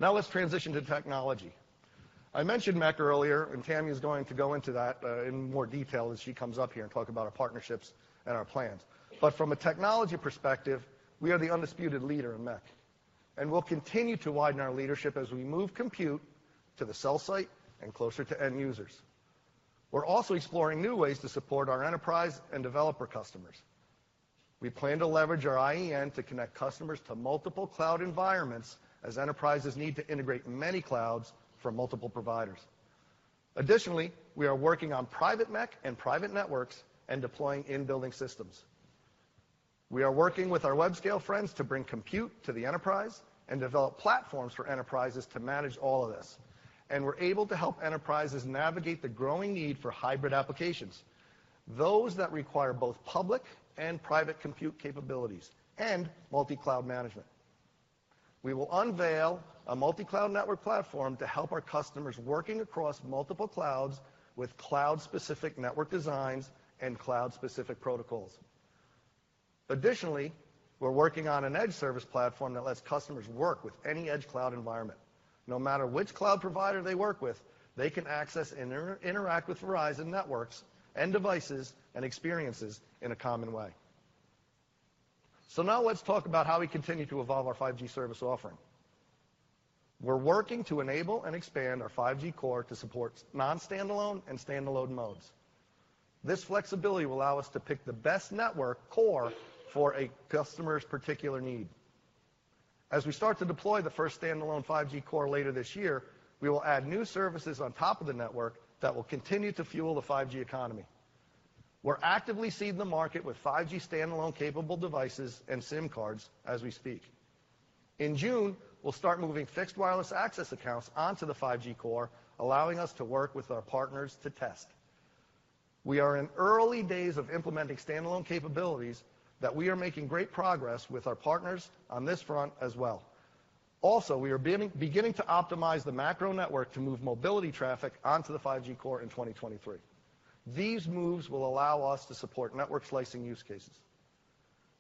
Now let's transition to technology. I mentioned MEC earlier, and Tami is going to go into that in more detail as she comes up here and talk about our partnerships and our plans. From a technology perspective, we are the undisputed leader in MEC, and we'll continue to widen our leadership as we move compute to the cell site and closer to end users. We're also exploring new ways to support our enterprise and developer customers. We plan to leverage our IEN to connect customers to multiple cloud environments as enterprises need to integrate many clouds from multiple providers. Additionally, we are working on private MEC and private networks and deploying in-building systems. We are working with our web scale friends to bring compute to the enterprise and develop platforms for enterprises to manage all of this. We're able to help enterprises navigate the growing need for hybrid applications, those that require both public and private compute capabilities and multi-cloud management. We will unveil a multi-cloud network platform to help our customers working across multiple clouds with cloud-specific network designs and cloud-specific protocols. Additionally, we're working on an edge service platform that lets customers work with any edge cloud environment. No matter which cloud provider they work with, they can access and interact with Verizon networks and devices and experiences in a common way. Now let's talk about how we continue to evolve our 5G service offering. We're working to enable and expand our 5G core to support non-standalone and standalone modes. This flexibility will allow us to pick the best network core for a customer's particular need. As we start to deploy the first standalone 5G core later this year, we will add new services on top of the network that will continue to fuel the 5G economy. We're actively seeding the market with 5G standalone capable devices and SIM cards as we speak. In June, we'll start moving fixed wireless access accounts onto the 5G core, allowing us to work with our partners to test. We are in early days of implementing standalone capabilities that we are making great progress with our partners on this front as well. We are beginning to optimize the macro network to move mobility traffic onto the 5G core in 2023. These moves will allow us to support network slicing use cases.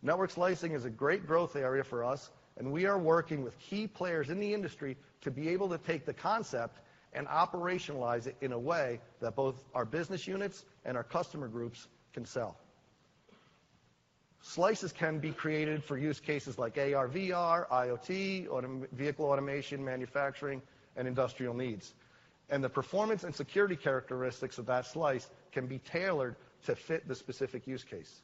Network slicing is a great growth area for us, and we are working with key players in the industry to be able to take the concept and operationalize it in a way that both our business units and our customer groups can sell. Slices can be created for use cases like AR/VR, IoT, vehicle automation, manufacturing, and industrial needs. The performance and security characteristics of that slice can be tailored to fit the specific use case.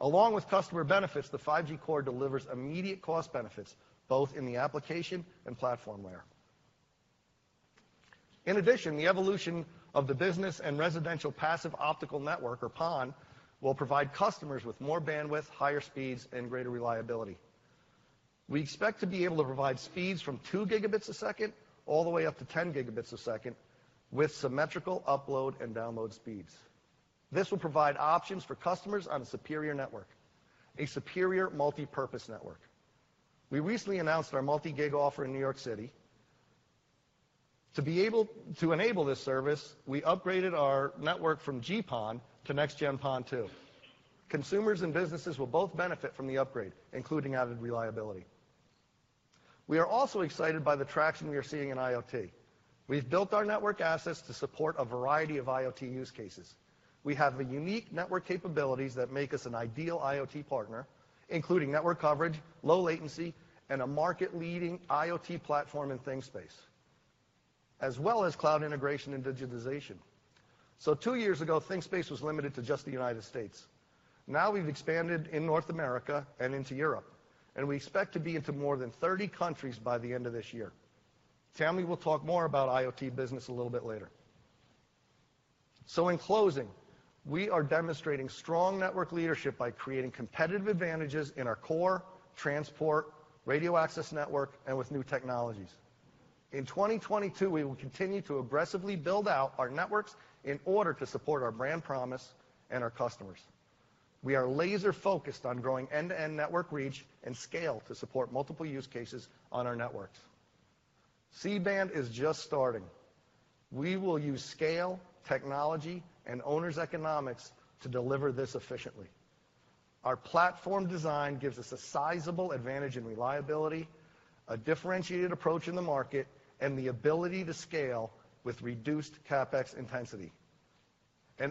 Along with customer benefits, the 5G core delivers immediate cost benefits, both in the application and platform layer. In addition, the evolution of the business and residential passive optical network, or PON, will provide customers with more bandwidth, higher speeds, and greater reliability. We expect to be able to provide speeds from 2 Gb a second all the way up to 10 Gb a second with symmetrical upload and download speeds. This will provide options for customers on a superior network, a superior multipurpose network. We recently announced our multi-gig offer in New York City. To enable this service, we upgraded our network from GPON to NG-PON2. Consumers and businesses will both benefit from the upgrade, including added reliability. We are also excited by the traction we are seeing in IoT. We've built our network assets to support a variety of IoT use cases. We have the unique network capabilities that make us an ideal IoT partner, including network coverage, low latency, and a market-leading IoT platform in ThingSpace, as well as cloud integration and digitization. Two years ago, ThingSpace was limited to just the United States. Now we've expanded in North America and into Europe, and we expect to be into more than 30 countries by the end of this year. Tami will talk more about IoT business a little bit later. In closing, we are demonstrating strong network leadership by creating competitive advantages in our core transport radio access network and with new technologies. In 2022, we will continue to aggressively build out our networks in order to support our brand promise and our customers. We are laser focused on growing end-to-end network reach and scale to support multiple use cases on our networks. C-Band is just starting. We will use scale, technology, and owners' economics to deliver this efficiently. Our platform design gives us a sizable advantage in reliability, a differentiated approach in the market, and the ability to scale with reduced CapEx intensity.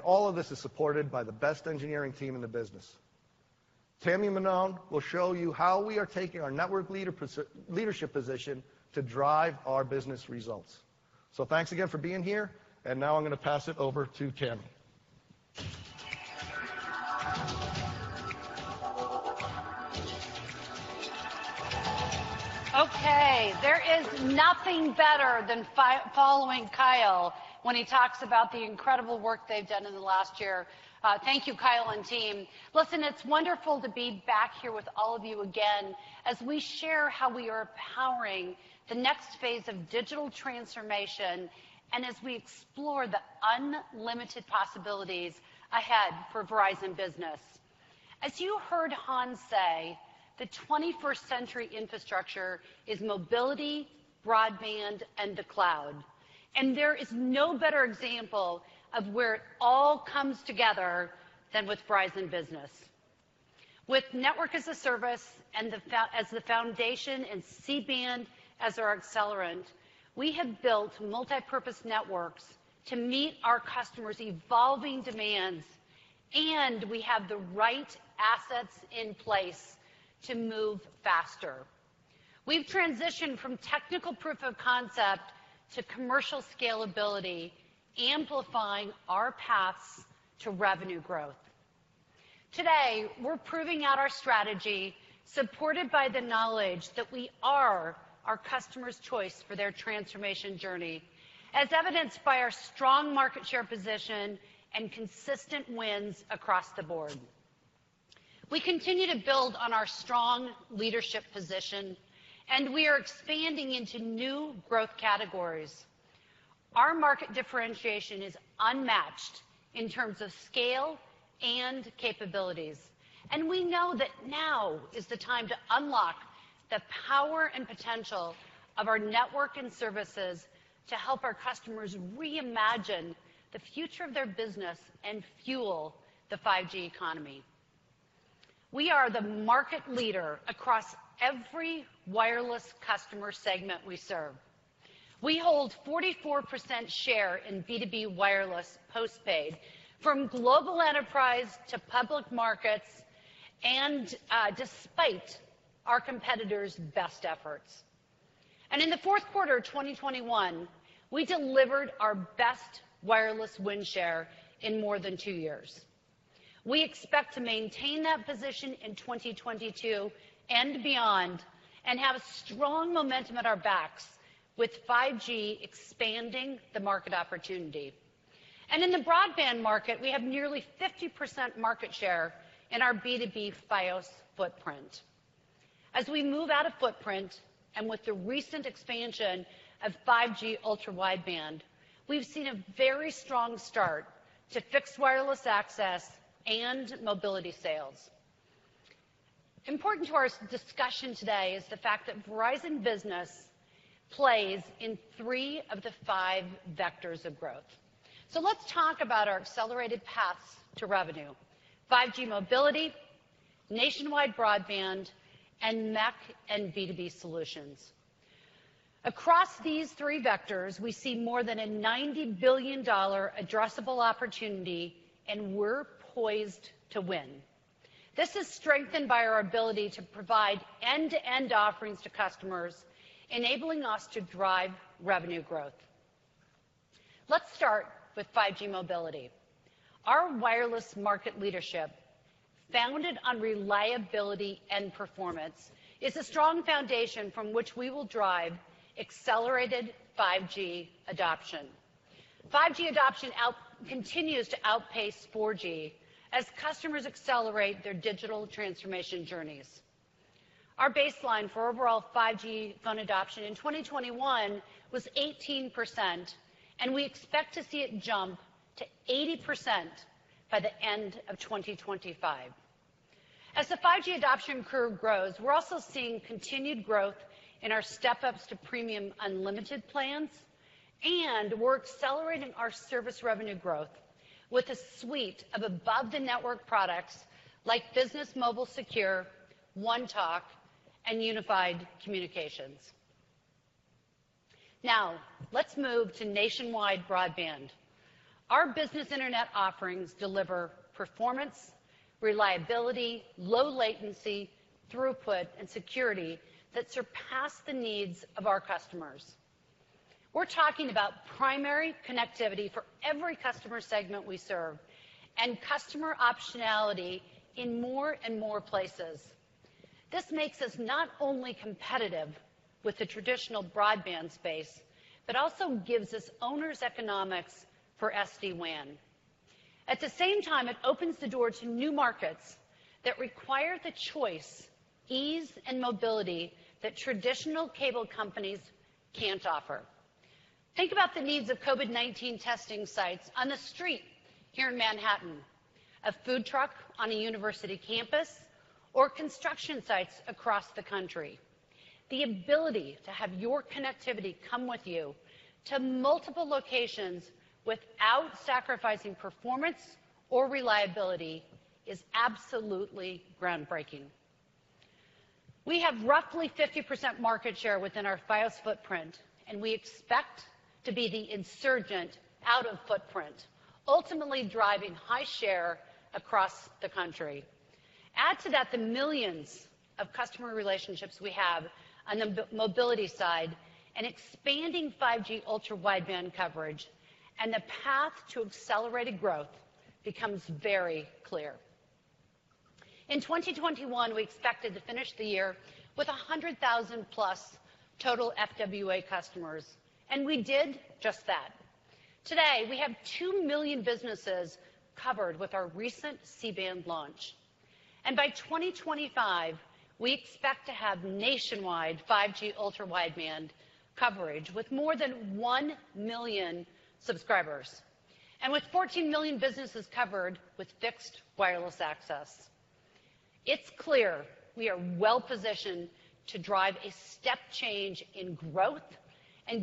All of this is supported by the best engineering team in the business. Tami, Manon will show you how we are taking our network leadership position to drive our business results. Thanks again for being here, and now I'm gonna pass it over to Tami. Okay. There is nothing better than following Kyle when he talks about the incredible work they've done in the last year. Thank you, Kyle and team. Listen, it's wonderful to be back here with all of you again as we share how we are powering the next phase of digital transformation and as we explore the unlimited possibilities ahead for Verizon Business. As you heard Hans say, the 21st century infrastructure is mobility, broadband, and the cloud, and there is no better example of where it all comes together than with Verizon Business. With Network as a Service as the foundation and C-Band as our accelerant, we have built multipurpose networks to meet our customers' evolving demands, and we have the right assets in place to move faster. We've transitioned from technical proof of concept to commercial scalability, amplifying our paths to revenue growth. Today, we're proving out our strategy, supported by the knowledge that we are our customers' choice for their transformation journey, as evidenced by our strong market share position and consistent wins across the board. We continue to build on our strong leadership position, and we are expanding into new growth categories. Our market differentiation is unmatched in terms of scale and capabilities, and we know that now is the time to unlock the power and potential of our network and services to help our customers reimagine the future of their business and fuel the 5G economy. We are the market leader across every wireless customer segment we serve. We hold 44% share in B2B wireless postpaid from global enterprise to public markets and, despite our competitors' best efforts. In the fourth quarter of 2021, we delivered our best wireless win share in more than two years. We expect to maintain that position in 2022 and beyond and have a strong momentum at our backs with 5G expanding the market opportunity. In the broadband market, we have nearly 50% market share in our B2B Fios footprint. As we move out of footprint, and with the recent expansion of 5G Ultra Wideband, we've seen a very strong start to fixed wireless access and mobility sales. Important to our discussion today is the fact that Verizon Business plays in three of the five vectors of growth. Let's talk about our accelerated paths to revenue, 5G mobility, nationwide broadband, and MEC and B2B solutions. Across these three vectors, we see more than $90 billion addressable opportunity, and we're poised to win. This is strengthened by our ability to provide end-to-end offerings to customers, enabling us to drive revenue growth. Let's start with 5G mobility. Our wireless market leadership, founded on reliability and performance, is a strong foundation from which we will drive accelerated 5G adoption. 5G adoption continues to outpace 4G as customers accelerate their digital transformation journeys. Our baseline for overall 5G phone adoption in 2021 was 18%, and we expect to see it jump to 80% by the end of 2025. As the 5G adoption curve grows, we're also seeing continued growth in our step-ups to Premium Unlimited plans, and we're accelerating our service revenue growth with a suite of above-the-network products like Business Mobile Secure, One Talk, and Unified Communications. Now, let's move to nationwide broadband. Our business internet offerings deliver performance, reliability, low latency, throughput, and security that surpass the needs of our customers. We're talking about primary connectivity for every customer segment we serve and customer optionality in more and more places. This makes us not only competitive with the traditional broadband space, but also gives us owners economics for SD-WAN. At the same time, it opens the door to new markets that require the choice, ease, and mobility that traditional cable companies can't offer. Think about the needs of COVID-19 testing sites on a street here in Manhattan, a food truck on a university campus, or construction sites across the country. The ability to have your connectivity come with you to multiple locations without sacrificing performance or reliability is absolutely groundbreaking. We have roughly 50% market share within our Fios footprint, and we expect to be the insurgent out of footprint, ultimately driving high share across the country. Add to that the millions of customer relationships we have on the mobility side and expanding 5G Ultra Wideband coverage, and the path to accelerated growth becomes very clear. In 2021, we expected to finish the year with 100,000+ total FWA customers, and we did just that. Today, we have 2 million businesses covered with our recent C-Band launch. By 2025, we expect to have nationwide 5G Ultra Wideband coverage with more than 1 million subscribers. With 14 million businesses covered with fixed wireless access, it's clear we are well-positioned to drive a step change in growth.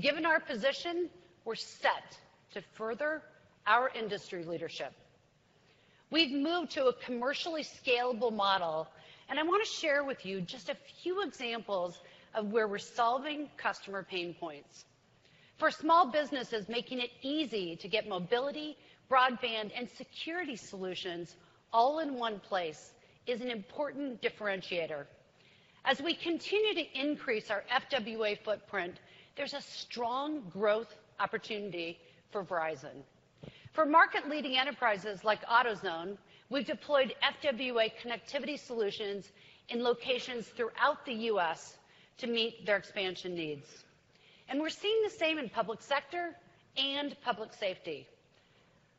Given our position, we're set to further our industry leadership. We've moved to a commercially scalable model, and I want to share with you just a few examples of where we're solving customer pain points. For small businesses, making it easy to get mobility, broadband, and security solutions all in one place is an important differentiator. As we continue to increase our FWA footprint, there's a strong growth opportunity for Verizon. For market-leading enterprises like AutoZone, we've deployed FWA connectivity solutions in locations throughout the U.S. to meet their expansion needs. We're seeing the same in public sector and public safety.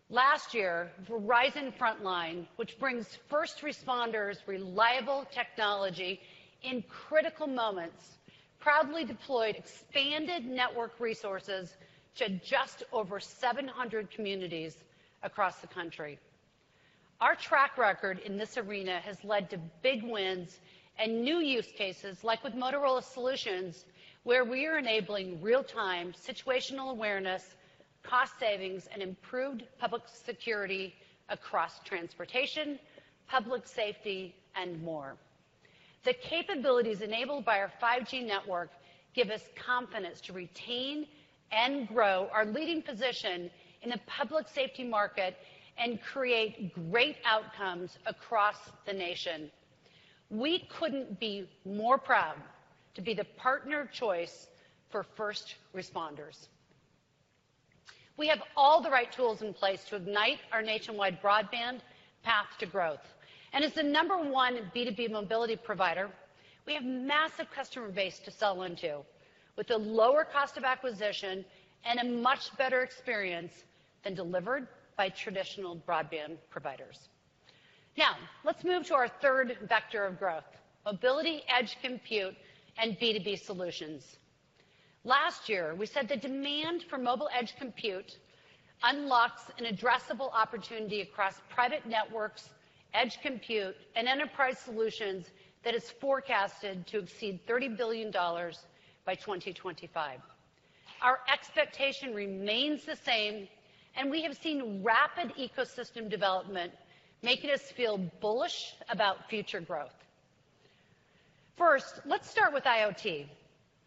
Last year, Verizon Frontline, which brings first responders reliable technology in critical moments, proudly deployed expanded network resources to just over 700 communities across the country. Our track record in this arena has led to big wins and new use cases like with Motorola Solutions, where we are enabling real-time situational awareness, cost savings, and improved public security across transportation, public safety, and more. The capabilities enabled by our 5G network give us confidence to retain and grow our leading position in the public safety market and create great outcomes across the nation. We couldn't be more proud to be the partner of choice for first responders. We have all the right tools in place to ignite our nationwide broadband path to growth. As the number one B2B mobility provider, we have a massive customer base to sell into with a lower cost of acquisition and a much better experience than delivered by traditional broadband providers. Now, let's move to our third vector of growth, mobility, edge compute, and B2B solutions. Last year, we said the demand for mobile edge compute unlocks an addressable opportunity across private networks, edge compute, and enterprise solutions that is forecasted to exceed $30 billion by 2025. Our expectation remains the same, and we have seen rapid ecosystem development, making us feel bullish about future growth. First, let's start with IoT.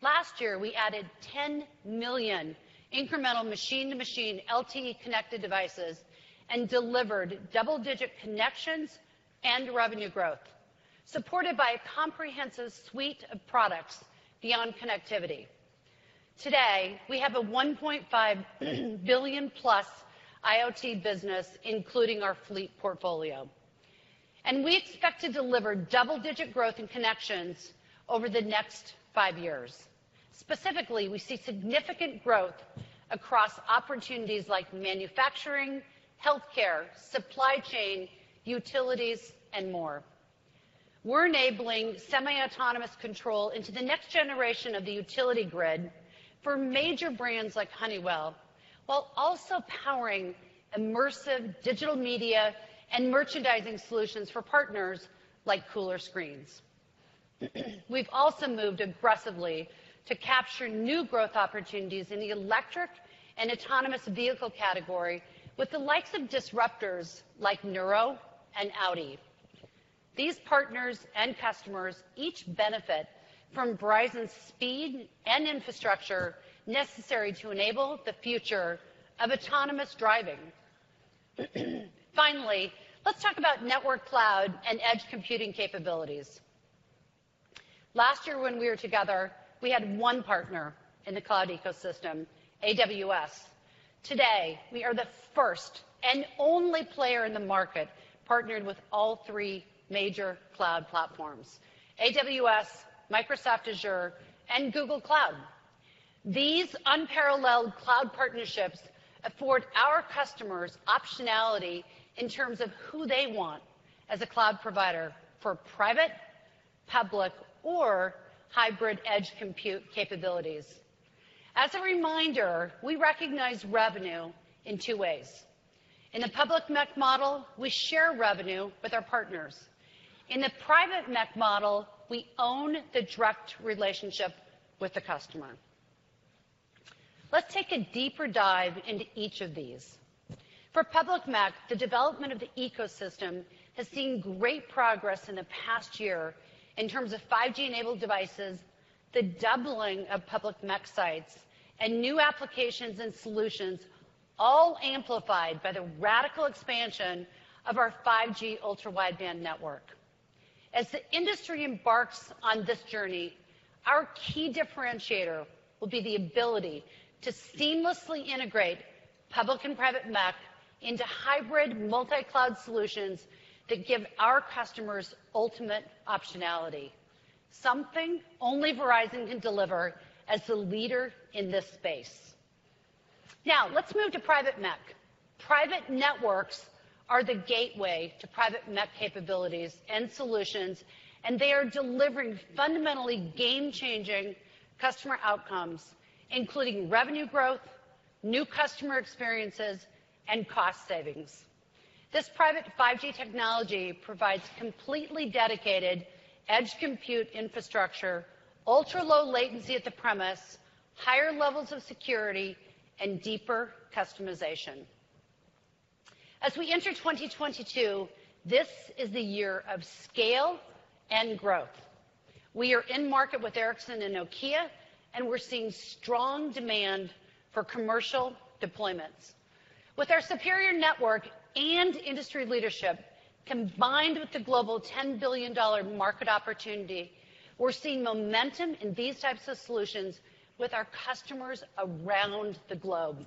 Last year, we added $10 million incremental machine-to-machine LTE connected devices and delivered double-digit connections and revenue growth, supported by a comprehensive suite of products beyond connectivity. Today, we have a $1.5+ billion IoT business, including our fleet portfolio. We expect to deliver double-digit growth in connections over the next five years. Specifically, we see significant growth across opportunities like manufacturing, healthcare, supply chain, utilities, and more. We're enabling semi-autonomous control into the next generation of the utility grid for major brands like Honeywell, while also powering immersive digital media and merchandising solutions for partners like Cooler Screens. We've also moved aggressively to capture new growth opportunities in the electric and autonomous vehicle category with the likes of disruptors like Nuro and Audi. These partners and customers each benefit from Verizon's speed and infrastructure necessary to enable the future of autonomous driving. Finally, let's talk about network cloud and edge computing capabilities. Last year when we were together, we had one partner in the cloud ecosystem, AWS. Today, we are the first and only player in the market partnered with all three major cloud platforms, AWS, Microsoft Azure, and Google Cloud. These unparalleled cloud partnerships afford our customers optionality in terms of who they want as a cloud provider for private, public, or hybrid edge compute capabilities. As a reminder, we recognize revenue in two ways. In the public MEC model, we share revenue with our partners. In the private MEC model, we own the direct relationship with the customer. Let's take a deeper dive into each of these. For public MEC, the development of the ecosystem has seen great progress in the past year in terms of 5G-enabled devices, the doubling of public MEC sites, and new applications and solutions, all amplified by the radical expansion of our 5G Ultra Wideband network. As the industry embarks on this journey, our key differentiator will be the ability to seamlessly integrate public and private MEC into hybrid multi-cloud solutions that give our customers ultimate optionality, something only Verizon can deliver as the leader in this space. Now, let's move to private MEC. Private networks are the gateway to private MEC capabilities and solutions, and they are delivering fundamentally game-changing customer outcomes, including revenue growth, new customer experiences, and cost savings. This private 5G technology provides completely dedicated edge compute infrastructure, ultra-low latency at the premise, higher levels of security, and deeper customization. As we enter 2022, this is the year of scale and growth. We are in market with Ericsson and Nokia, and we're seeing strong demand for commercial deployments. With our superior network and industry leadership, combined with the global $10 billion market opportunity, we're seeing momentum in these types of solutions with our customers around the globe.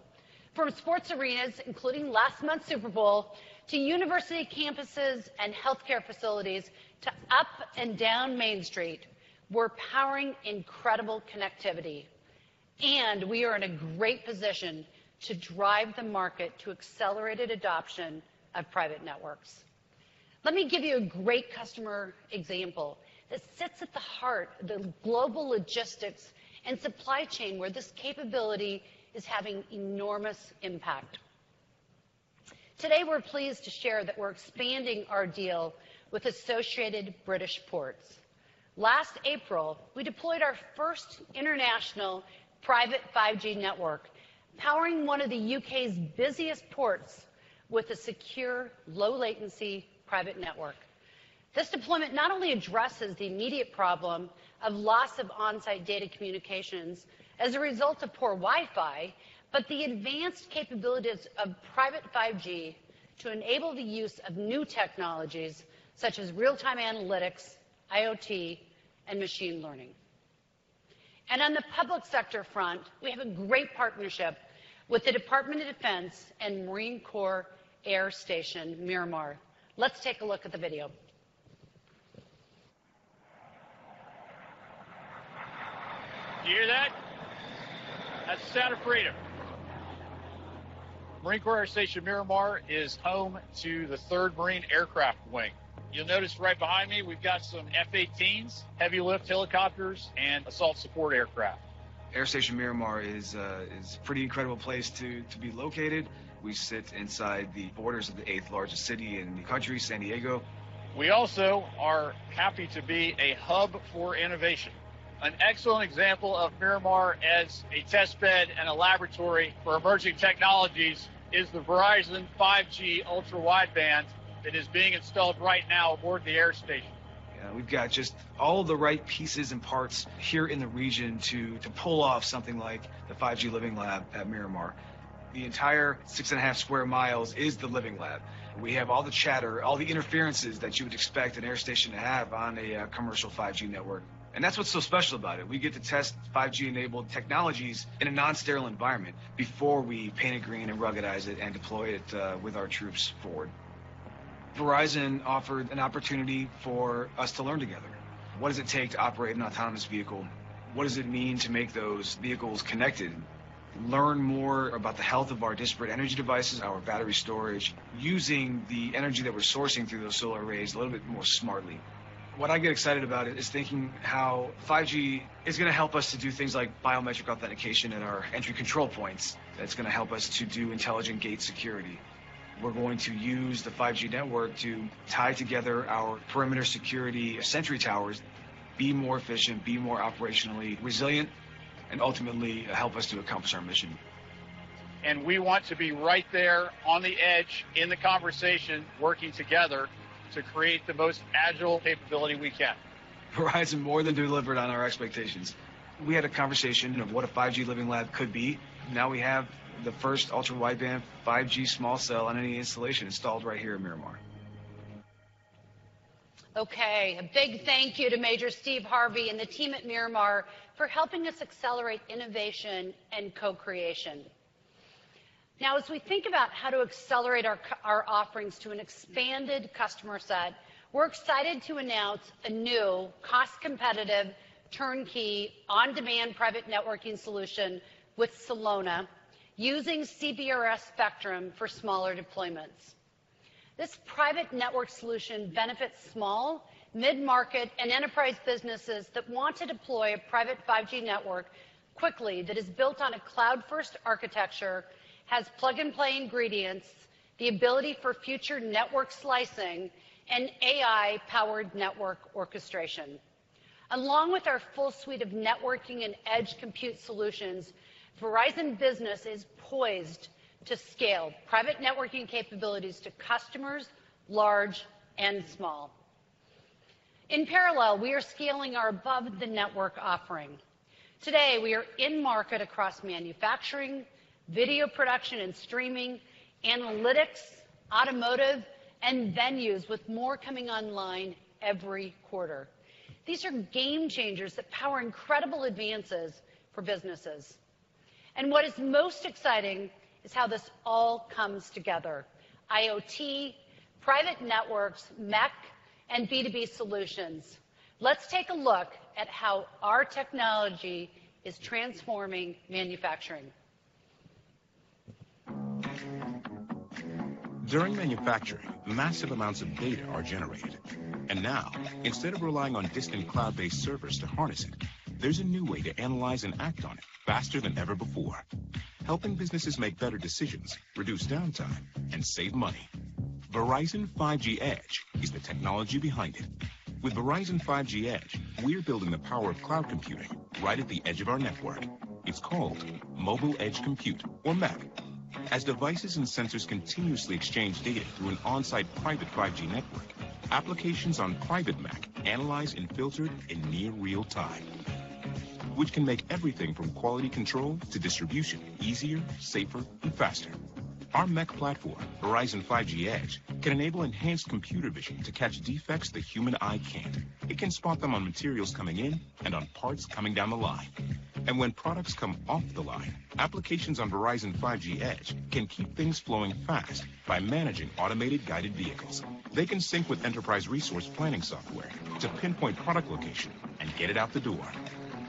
From sports arenas, including last month's Super Bowl, to university campuses and healthcare facilities, to up and down Main Street, we're powering incredible connectivity, and we are in a great position to drive the market to accelerated adoption of private networks. Let me give you a great customer example that sits at the heart of the global logistics and supply chain where this capability is having enormous impact. Today, we're pleased to share that we're expanding our deal with Associated British Ports. Last April, we deployed our first international private 5G network, powering one of the U.K.'s busiest ports with a secure low-latency private network. This deployment not only addresses the immediate problem of loss of on-site data communications as a result of poor Wi-Fi, but the advanced capabilities of private 5G to enable the use of new technologies such as real-time analytics, IoT, and machine learning. On the public sector front, we have a great partnership with the Department of Defense and Marine Corps Air Station Miramar. Let's take a look at the video. Do you hear that? That's the sound of freedom. Marine Corps Air Station Miramar is home to the third Marine Aircraft Wing. You'll notice right behind me we've got some F/A-18s, heavy lift helicopters, and assault support aircraft. MCAS Miramar is a pretty incredible place to be located. We sit inside the borders of the eighth largest city in the country, San Diego. We also are happy to be a hub for innovation. An excellent example of Miramar as a test bed and a laboratory for emerging technologies is the Verizon 5G Ultra Wideband that is being installed right now aboard the air station. Yeah, we've got just all the right pieces and parts here in the region to pull off something like the 5G Living Lab at Miramar. The entire 6.5 sq mi is the living lab. We have all the chatter, all the interferences that you would expect an air station to have on a commercial 5G network. That's what's so special about it. We get to test 5G-enabled technologies in a non-sterile environment before we paint it green and ruggedize it and deploy it with our troops forward. Verizon offered an opportunity for us to learn together. What does it take to operate an autonomous vehicle? What does it mean to make those vehicles connected? Learn more about the health of our disparate energy devices, our battery storage, using the energy that we're sourcing through those solar arrays a little bit more smartly. What I get excited about is thinking how 5G is gonna help us to do things like biometric authentication at our entry control points. That's gonna help us to do intelligent gate security. We're going to use the 5G network to tie together our perimeter security sentry towers, be more efficient, be more operationally resilient, and ultimately help us to accomplish our mission. We want to be right there on the edge in the conversation, working together to create the most agile capability we can. Verizon more than delivered on our expectations. We had a conversation of what a 5G Living Lab could be. Now we have the first 5G Ultra Wideband small cell on any installation installed right here at Miramar. Okay. A big thank you to Major Steve Harvey and the team at Miramar for helping us accelerate innovation and co-creation. Now, as we think about how to accelerate our offerings to an expanded customer set, we're excited to announce a new cost-competitive, turnkey, on-demand private networking solution with Celona using CBRS spectrum for smaller deployments. This private network solution benefits small, mid-market, and enterprise businesses that want to deploy a private 5G network quickly that is built on a cloud-first architecture, has plug-and-play ingredients, the ability for future network slicing, and AI-powered network orchestration. Along with our full suite of networking and edge compute solutions, Verizon Business is poised to scale private networking capabilities to customers large and small. In parallel, we are scaling our above-the-network offering. Today, we are in market across manufacturing, video production and streaming, analytics, automotive, and venues, with more coming online every quarter. These are game changers that power incredible advances for businesses. What is most exciting is how this all comes together, IoT, private networks, MEC, and B2B solutions. Let's take a look at how our technology is transforming manufacturing. During manufacturing, massive amounts of data are generated. Now, instead of relying on distant cloud-based servers to harness it, there's a new way to analyze and act on it faster than ever before, helping businesses make better decisions, reduce downtime, and save money. Verizon 5G Edge is the technology behind it. With Verizon 5G Edge, we're building the power of cloud computing right at the edge of our network. It's called mobile edge compute, or MEC. As devices and sensors continuously exchange data through an on-site private 5G network, applications on private MEC analyze and filter it in near real time, which can make everything from quality control to distribution easier, safer, and faster. Our MEC platform, Verizon 5G Edge, can enable enhanced computer vision to catch defects the human eye can't. It can spot them on materials coming in and on parts coming down the line. When products come off the line, applications on Verizon 5G Edge can keep things flowing fast by managing automated guided vehicles. They can sync with enterprise resource planning software to pinpoint product location and get it out the door.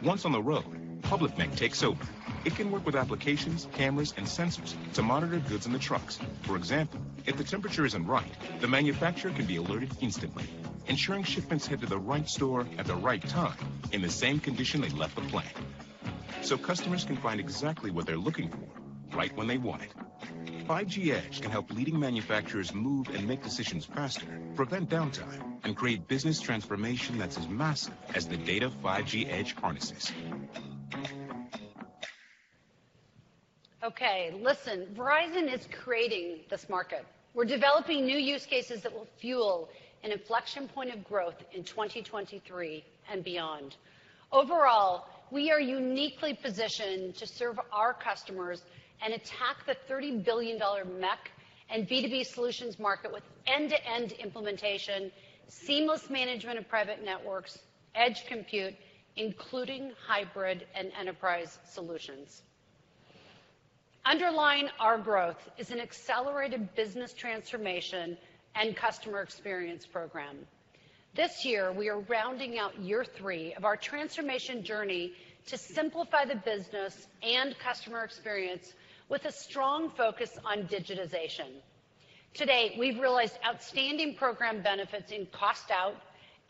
Once on the road, public MEC takes over. It can work with applications, cameras, and sensors to monitor goods in the trucks. For example, if the temperature isn't right, the manufacturer can be alerted instantly, ensuring shipments head to the right store at the right time in the same condition they left the plant, so customers can find exactly what they're looking for right when they want it. 5G Edge can help leading manufacturers move and make decisions faster, prevent downtime, and create business transformation that's as massive as the data 5G Edge harnesses. Okay. Listen, Verizon is creating this market. We're developing new use cases that will fuel an inflection point of growth in 2023 and beyond. Overall, we are uniquely positioned to serve our customers and attack the $30 billion MEC and B2B solutions market with end-to-end implementation, seamless management of private networks, edge compute, including hybrid and enterprise solutions. Underlying our growth is an accelerated business transformation and customer experience program. This year, we are rounding out year 3 of our transformation journey to simplify the business and customer experience with a strong focus on digitization. To date, we've realized outstanding program benefits in cost out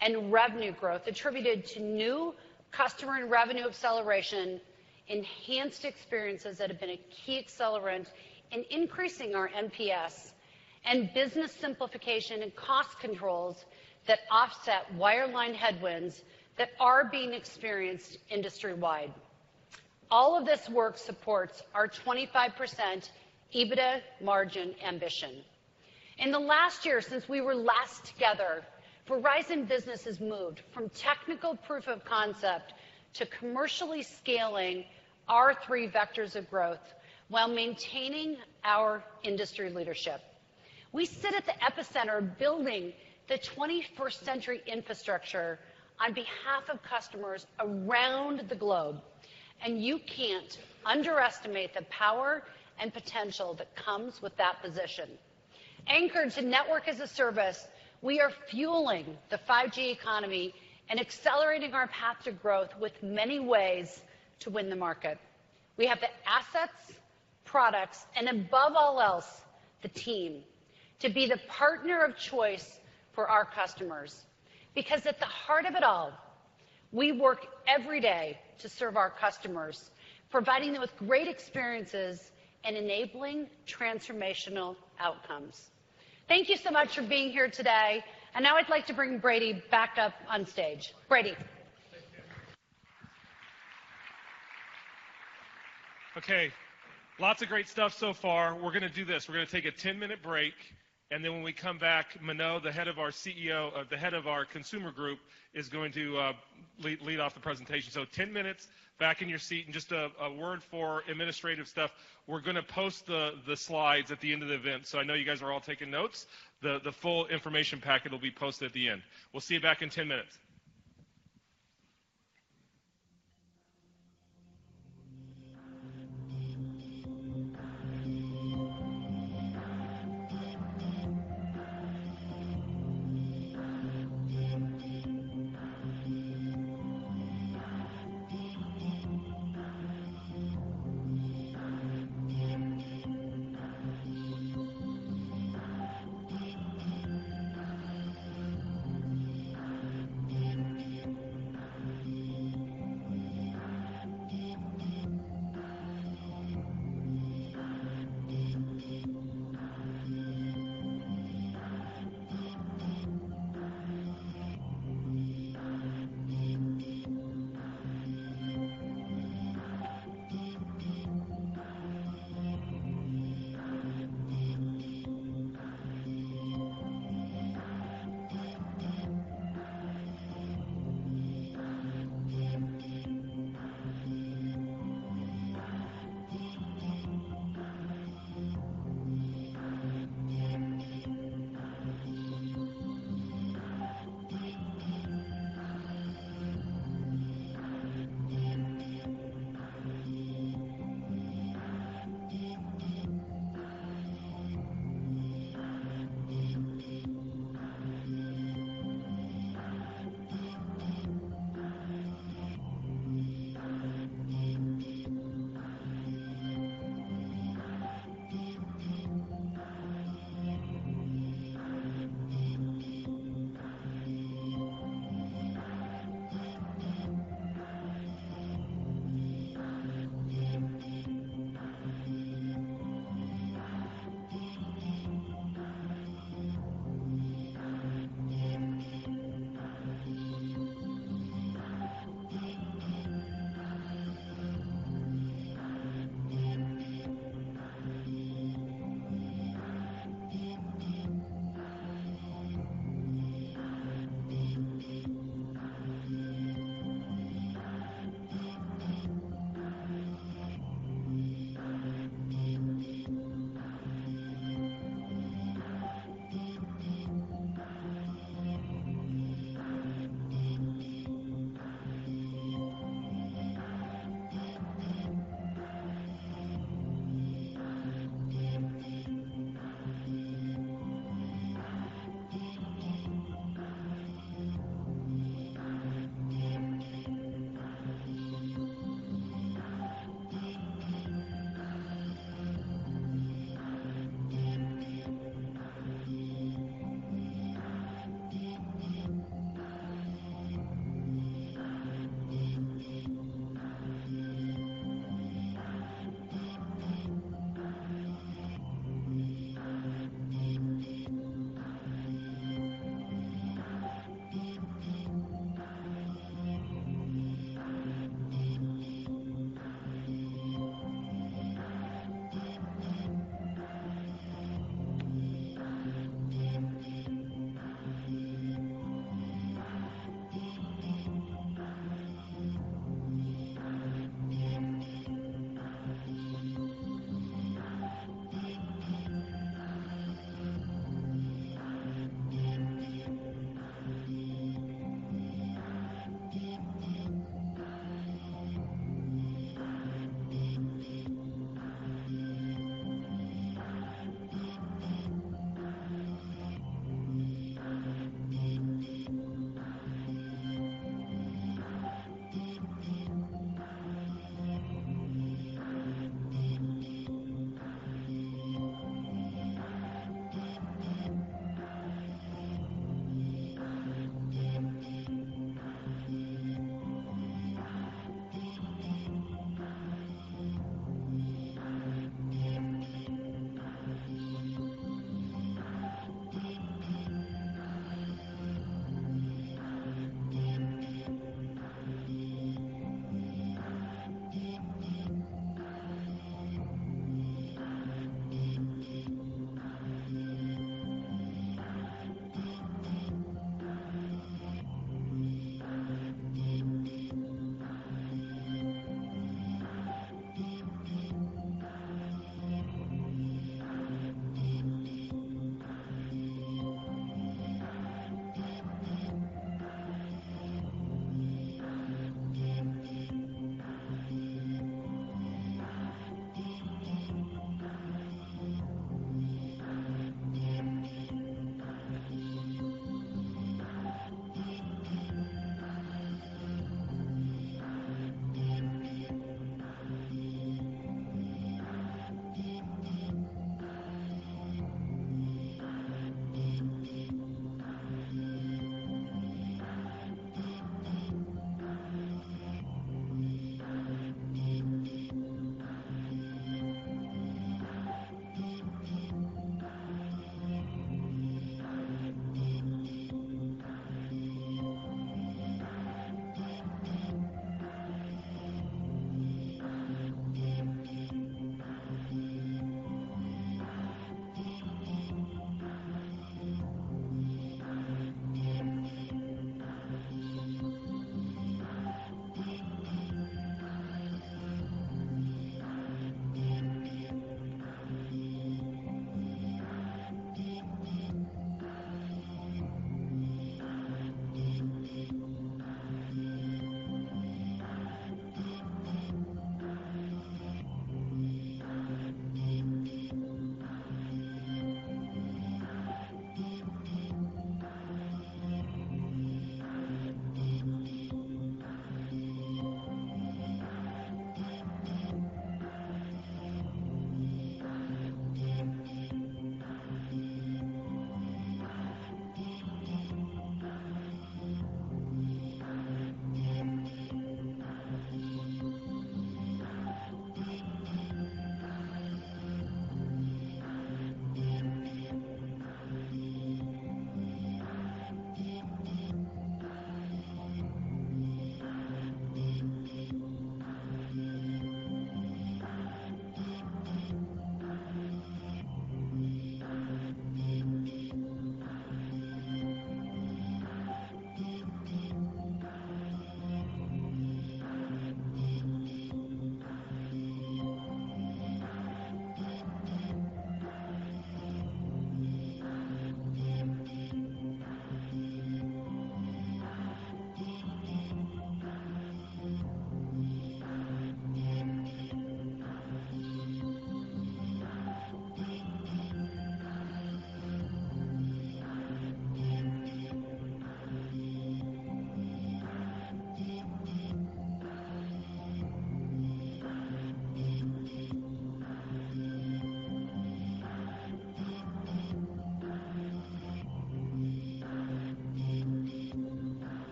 and revenue growth attributed to new customer and revenue acceleration, enhanced experiences that have been a key accelerant in increasing our NPS, and business simplification and cost controls that offset wireline headwinds that are being experienced industry-wide. All of this work supports our 25% EBITDA margin ambition. In the last year since we were last together, Verizon Business has moved from technical proof of concept to commercially scaling our three vectors of growth while maintaining our industry leadership. We sit at the epicenter building the 21st century infrastructure on behalf of customers around the globe, and you can't underestimate the power and potential that comes with that position. Anchored to Network as a Service, we are fueling the 5G economy and accelerating our path to growth with many ways to win the market. We have the assets, products, and above all else, the team to be the partner of choice for our customers. Because at the heart of it all, we work every day to serve our customers, providing them with great experiences and enabling transformational outcomes. Thank you so much for being here today. Now I'd like to bring Brady back up on stage. Brady. Thank you. Okay, lots of great stuff so far. We're gonna do this. We're gonna take a 10-minute break, and then when we come back, Manon, the head of our consumer group, is going to lead off the presentation. Ten minutes back in your seat. Just a word for administrative stuff, we're gonna post the slides at the end of the event. I know you guys are all taking notes. The full information packet will be posted at the end. We'll see you back in 10 minutes.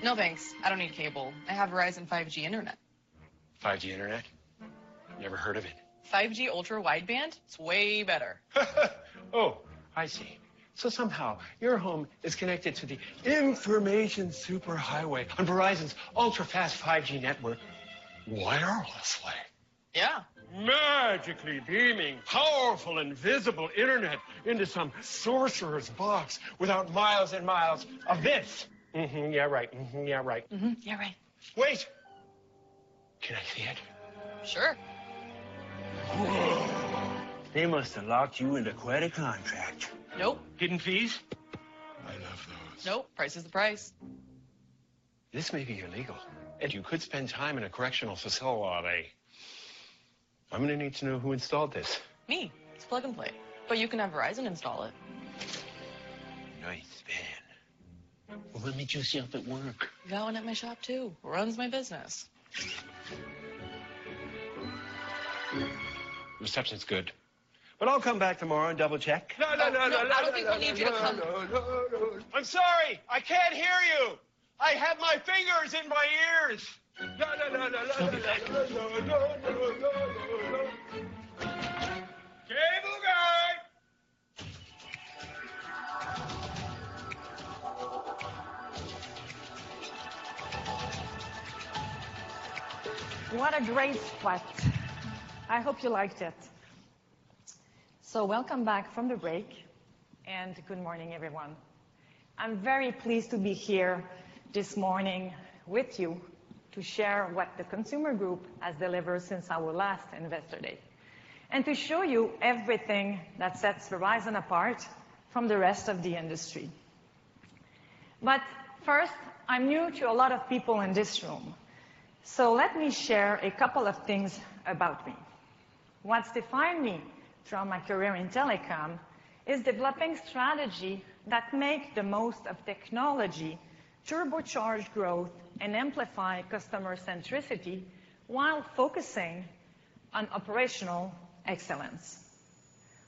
No, thanks. I don't need cable. I have Verizon 5G internet. 5G internet? Never heard of it. 5G Ultra Wideband. It's way better. Oh, I see. Somehow your home is connected to the information super highway on Verizon's ultra-fast 5G network wirelessly. Yeah. Magically beaming powerful invisible internet into some sorcerer's box without miles and miles of this. Yeah right. Yeah right. Wait! Can I see it? Sure. Whoa. They must have locked you into quite a contract. Nope. Hidden fees? I love those. Nope. Price is the price. This may be illegal, and you could spend time in a correctional facility. I'm gonna need to know who installed this. Me. It's plug and play. You can have Verizon install it. Nice van. Well, let me juice you up at work. Got one at my shop, too. Runs my business. Reception's good. I'll come back tomorrow and double-check. No, no, no. No, I don't think we'll need you to come. No, no, no. I'm sorry. I can't hear you. I have my fingers in my ears. La, la, la, la, la. Thanks. Cable guy. What a great spot. I hope you liked it. Welcome back from the break, and good morning, everyone. I'm very pleased to be here this morning with you to share what the consumer group has delivered since our last Investor Day, and to show you everything that sets Verizon apart from the rest of the industry. First, I'm new to a lot of people in this room, so let me share a couple of things about me. What's defined me through my career in Telecom is developing strategy that make the most of technology, turbocharge growth, and amplify customer centricity while focusing on operational excellence.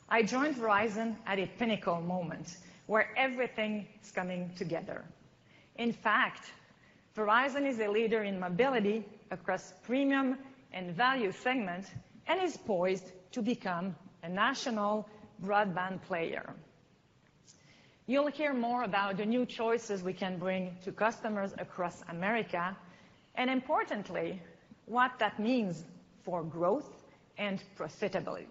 I joined Verizon at a pinnacle moment, where everything is coming together. In fact, Verizon is a leader in mobility across premium and value segment, and is poised to become a national broadband player. You'll hear more about the new choices we can bring to customers across America, and importantly, what that means for growth and profitability.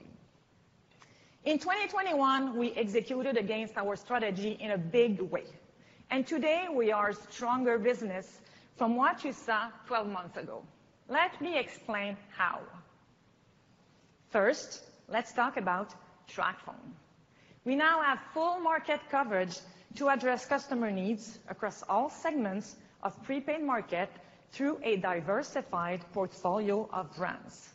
In 2021, we executed against our strategy in a big way, and today we are stronger business from what you saw 12 months ago. Let me explain how. First, let's talk about TracFone. We now have full market coverage to address customer needs across all segments of prepaid market through a diversified portfolio of brands.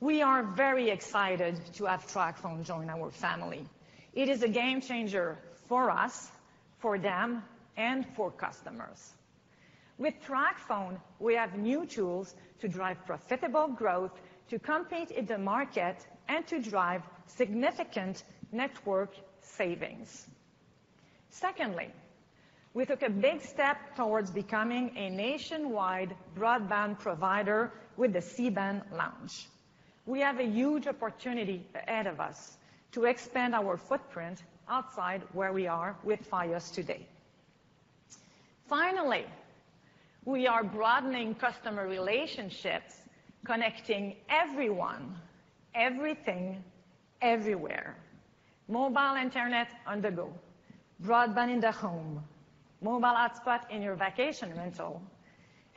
We are very excited to have TracFone join our family. It is a game changer for us, for them, and for customers. With TracFone, we have new tools to drive profitable growth, to compete in the market, and to drive significant network savings. Secondly, we took a big step towards becoming a nationwide broadband provider with the C-Band launch. We have a huge opportunity ahead of us to expand our footprint outside where we are with Fios today. Finally, we are broadening customer relationships, connecting everyone, everything, everywhere. Mobile internet on the go, broadband in the home, mobile hotspot in your vacation rental.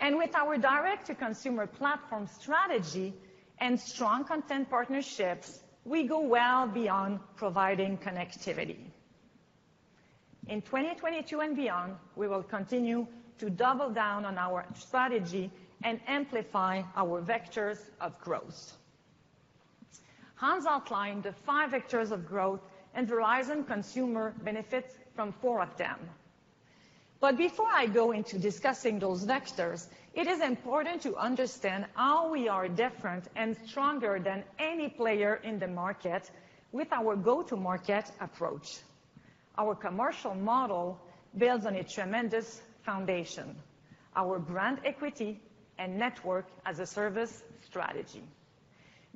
With our direct-to-consumer platform strategy and strong content partnerships, we go well beyond providing connectivity. In 2022 and beyond, we will continue to double down on our strategy and amplify our vectors of growth. Hans outlined the five vectors of growth and Verizon Consumer benefits from four of them. Before I go into discussing those vectors, it is important to understand how we are different and stronger than any player in the market with our go-to-market approach. Our commercial model builds on a tremendous foundation, our brand equity and Network as a Service strategy.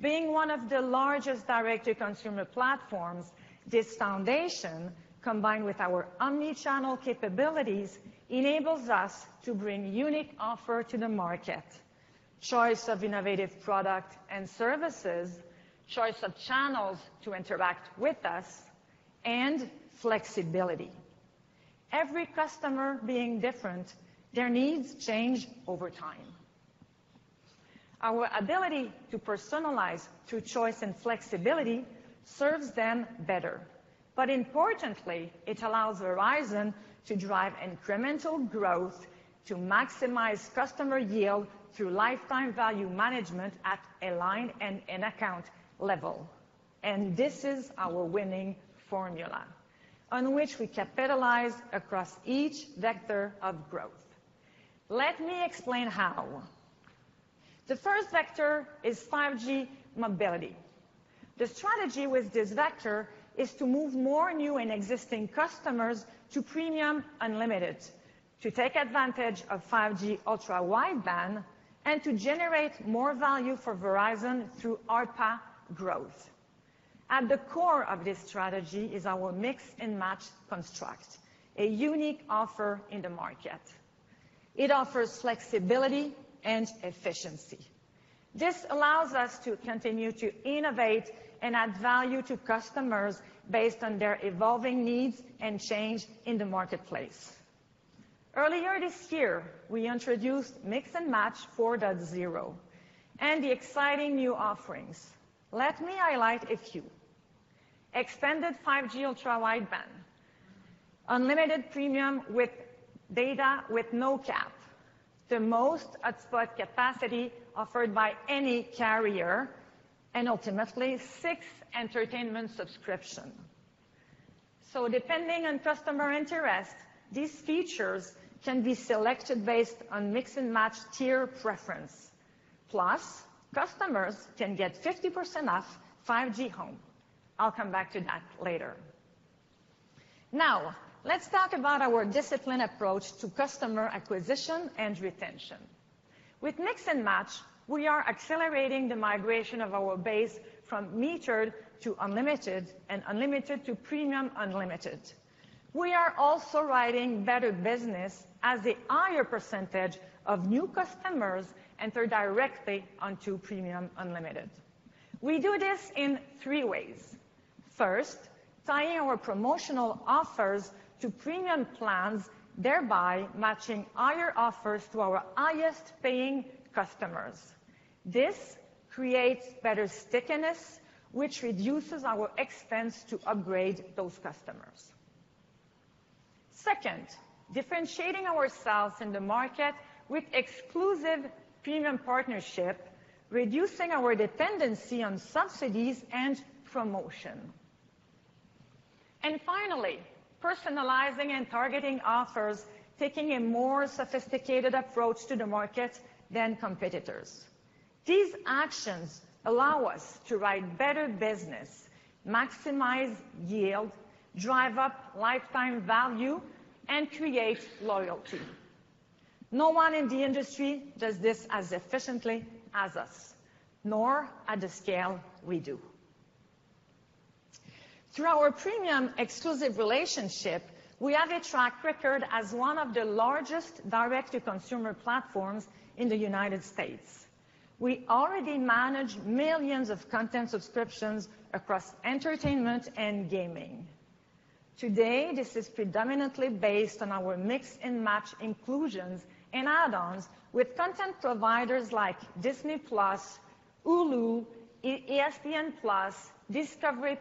Being one of the largest direct-to-consumer platforms, this foundation, combined with our omni-channel capabilities, enables us to bring unique offer to the market, choice of innovative product and services, choice of channels to interact with us, and flexibility. Every customer being different, their needs change over time. Our ability to personalize through choice and flexibility serves them better. Importantly, it allows Verizon to drive incremental growth to maximize customer yield through lifetime value management at a line and an account level. This is our winning formula on which we capitalize across each vector of growth. Let me explain how. The first vector is 5G mobility. The strategy with this vector is to move more new and existing customers to Premium Unlimited, to take advantage of 5G Ultra Wideband, and to generate more value for Verizon through ARPA growth. At the core of this strategy is our Mix and Match construct, a unique offer in the market. It offers flexibility and efficiency. This allows us to continue to innovate and add value to customers based on their evolving needs and change in the marketplace. Earlier this year, we introduced Mix and Match 4.0 and the exciting new offerings. Let me highlight a few. Extended 5G Ultra Wideband, unlimited premium with data with no cap, the most hotspot capacity offered by any carrier, and ultimately, six entertainment subscription. Depending on customer interest, these features can be selected based on Mix and Match tier preference. Plus, customers can get 50% off 5G Home. I'll come back to that later. Now, let's talk about our discipline approach to customer acquisition and retention. With Mix and Match, we are accelerating the migration of our base from metered to unlimited and unlimited to Premium Unlimited. We are also riding better business as a higher percentage of new customers enter directly onto Premium Unlimited. We do this in three ways. First, tying our promotional offers to premium plans, thereby matching higher offers to our highest-paying customers. This creates better stickiness, which reduces our expense to upgrade those customers. Second, differentiating ourselves in the market with exclusive premium partnership, reducing our dependency on subsidies and promotion. Finally, personalizing and targeting offers, taking a more sophisticated approach to the market than competitors. These actions allow us to ride better business, maximize yield, drive up lifetime value, and create loyalty. No one in the industry does this as efficiently as us, nor at the scale we do. Through our premium exclusive relationship, we have a track record as one of the largest direct-to-consumer platforms in the United States. We already manage millions of content subscriptions across entertainment and gaming. Today, this is predominantly based on our Mix and Match inclusions and add-ons with content providers like Disney+, Hulu, ESPN+, Discovery+,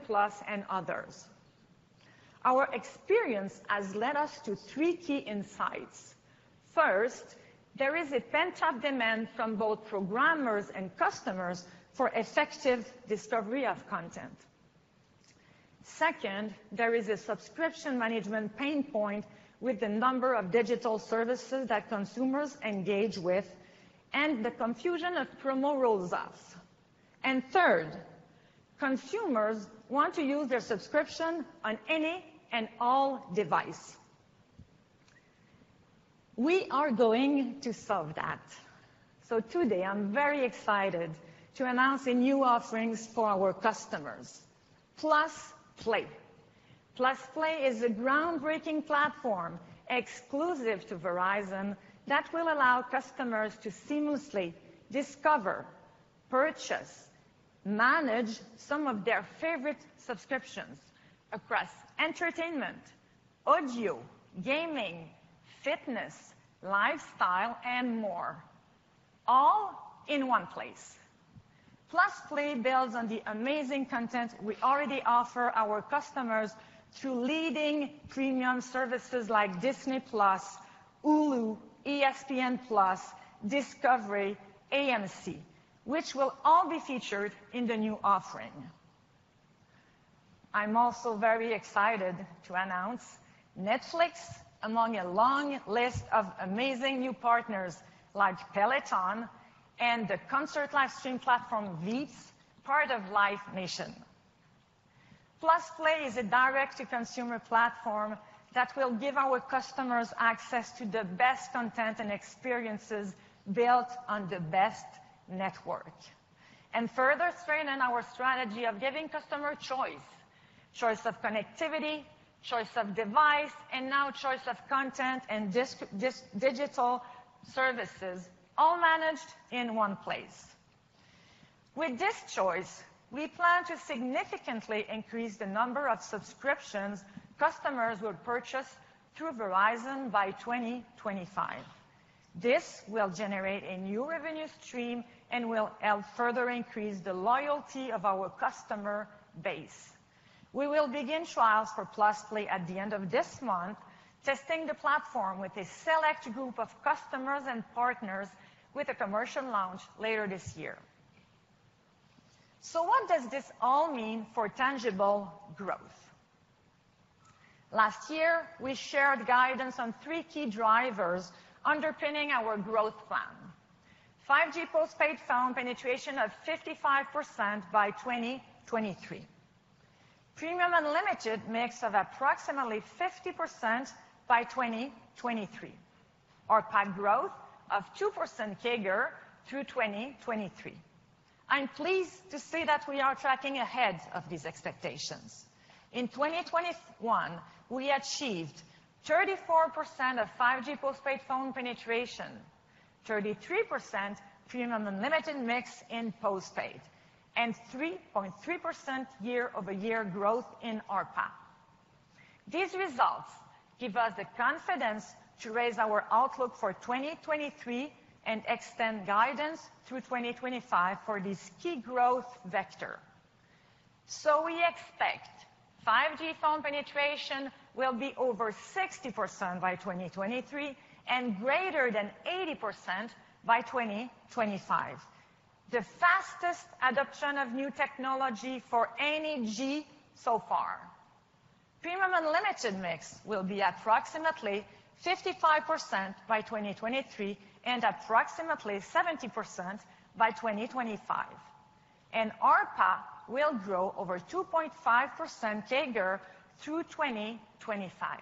and others. Our experience has led us to three key insights. First, there is a pent-up demand from both programmers and customers for effective discovery of content. Second, there is a subscription management pain point with the number of digital services that consumers engage with and the confusion of promo rollups. Third, consumers want to use their subscription on any and all device. We are going to solve that. Today, I'm very excited to announce the new offerings for our customers, +play. +play is a groundbreaking platform exclusive to Verizon that will allow customers to seamlessly discover, purchase, manage some of their favorite subscriptions across entertainment, audio, gaming, fitness, lifestyle, and more, all in one place. +play builds on the amazing content we already offer our customers through leading premium services like Disney+, Hulu, ESPN+, Discovery+, AMC+, which will all be featured in the new offering. I'm also very excited to announce Netflix among a long list of amazing new partners like Peloton and the concert live stream platform Veeps, part of Live Nation. +play is a direct-to-consumer platform that will give our customers access to the best content and experiences built on the best network. Further strengthen our strategy of giving customer choice of connectivity, choice of device, and now choice of content and digital services, all managed in one place. With this choice, we plan to significantly increase the number of subscriptions customers will purchase through Verizon by 2025. This will generate a new revenue stream and will help further increase the loyalty of our customer base. We will begin trials for +play at the end of this month, testing the platform with a select group of customers and partners with a commercial launch later this year. What does this all mean for tangible growth? Last year, we shared guidance on three key drivers underpinning our growth plan. 5G postpaid phone penetration of 55% by 2023. Premium Unlimited mix of approximately 50% by 2023. ARPA growth of 2% CAGR through 2023. I'm pleased to say that we are tracking ahead of these expectations. In 2021, we achieved 34% 5G postpaid phone penetration, 33% Premium Unlimited mix in postpaid, and 3.3% year-over-year growth in ARPA. These results give us the confidence to raise our outlook for 2023 and extend guidance through 2025 for this key growth vector. We expect 5G phone penetration will be over 60% by 2023 and greater than 80% by 2025. The fastest adoption of new technology for any G so far. Premium Unlimited Mix will be approximately 55% by 2023 and approximately 70% by 2025. ARPA will grow over 2.5% CAGR through 2025.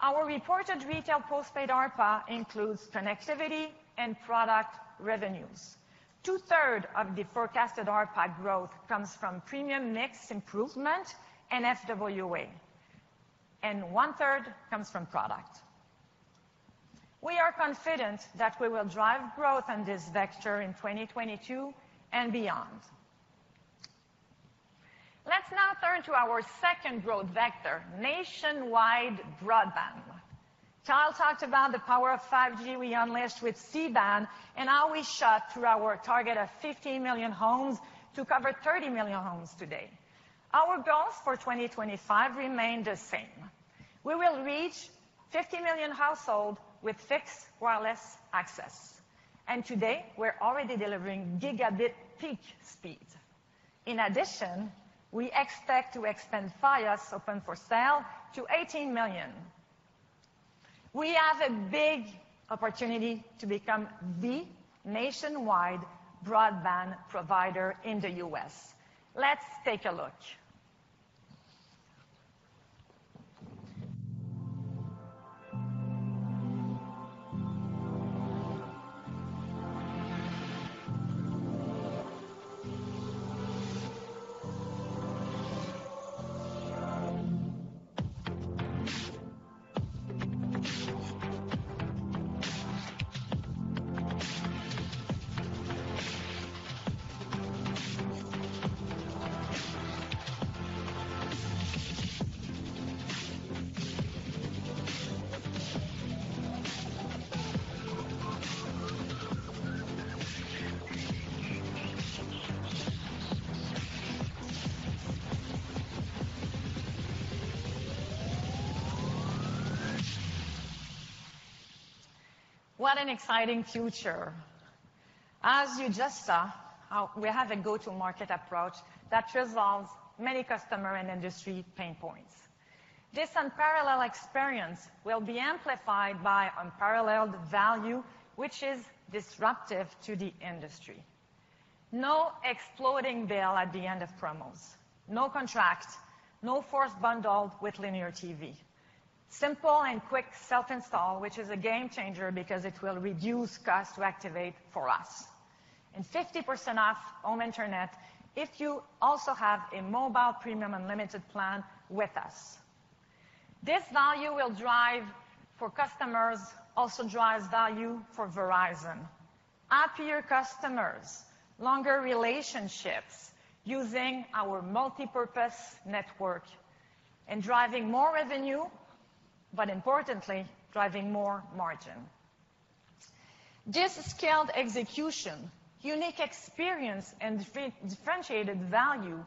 Our reported retail postpaid ARPA includes connectivity and product revenues. Two-thirds of the forecasted ARPA growth comes from premium mix improvement and FWA, and one-third comes from product. We are confident that we will drive growth on this vector in 2022 and beyond. Let's now turn to our second growth vector, nationwide broadband. Kyle talked about the power of 5G we unleashed with C-Band and how we shot through our target of 50 million homes to cover 30 million homes today. Our goals for 2025 remain the same. We will reach 50 million households with fixed wireless access. Today, we're already delivering gigabit peak speed. In addition, we expect to expand Fios open for sale to 18 million. We have a big opportunity to become the nationwide broadband provider in the U.S. Let's take a look. What an exciting future. As you just saw, we have a go-to-market approach that resolves many customer and industry pain points. This unparalleled experience will be amplified by unparalleled value, which is disruptive to the industry. No exploding bill at the end of promos, no contract, no forced bundled with linear TV. Simple and quick self-install, which is a game changer because it will reduce cost to activate for us. 50% off home internet if you also have a mobile Premium Unlimited plan with us. This value will drive for customers, also drives value for Verizon. Happier customers, longer relationships using our multipurpose network and driving more revenue, but importantly, driving more margin. This scaled execution, unique experience, and differentiated value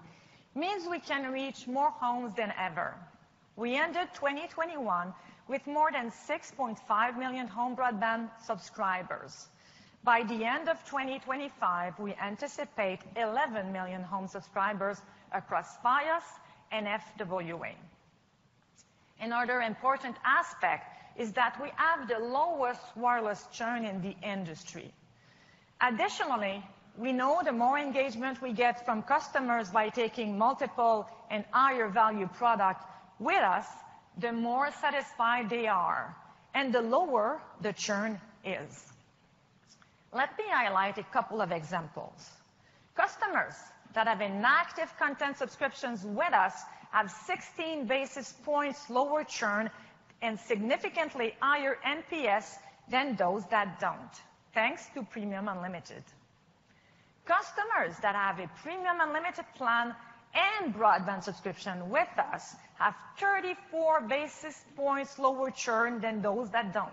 means we can reach more homes than ever. We ended 2021 with more than 6.5 million home broadband subscribers. By the end of 2025, we anticipate 11 million home subscribers across Fios and FWA. Another important aspect is that we have the lowest wireless churn in the industry. Additionally, we know the more engagement we get from customers by taking multiple and higher value product with us, the more satisfied they are and the lower the churn is. Let me highlight a couple of examples. Customers that have an active content subscriptions with us have 16 basis points lower churn and significantly higher NPS than those that don't, thanks to Premium Unlimited. Customers that have a Premium Unlimited Plan and broadband subscription with us have 34 basis points lower churn than those that don't.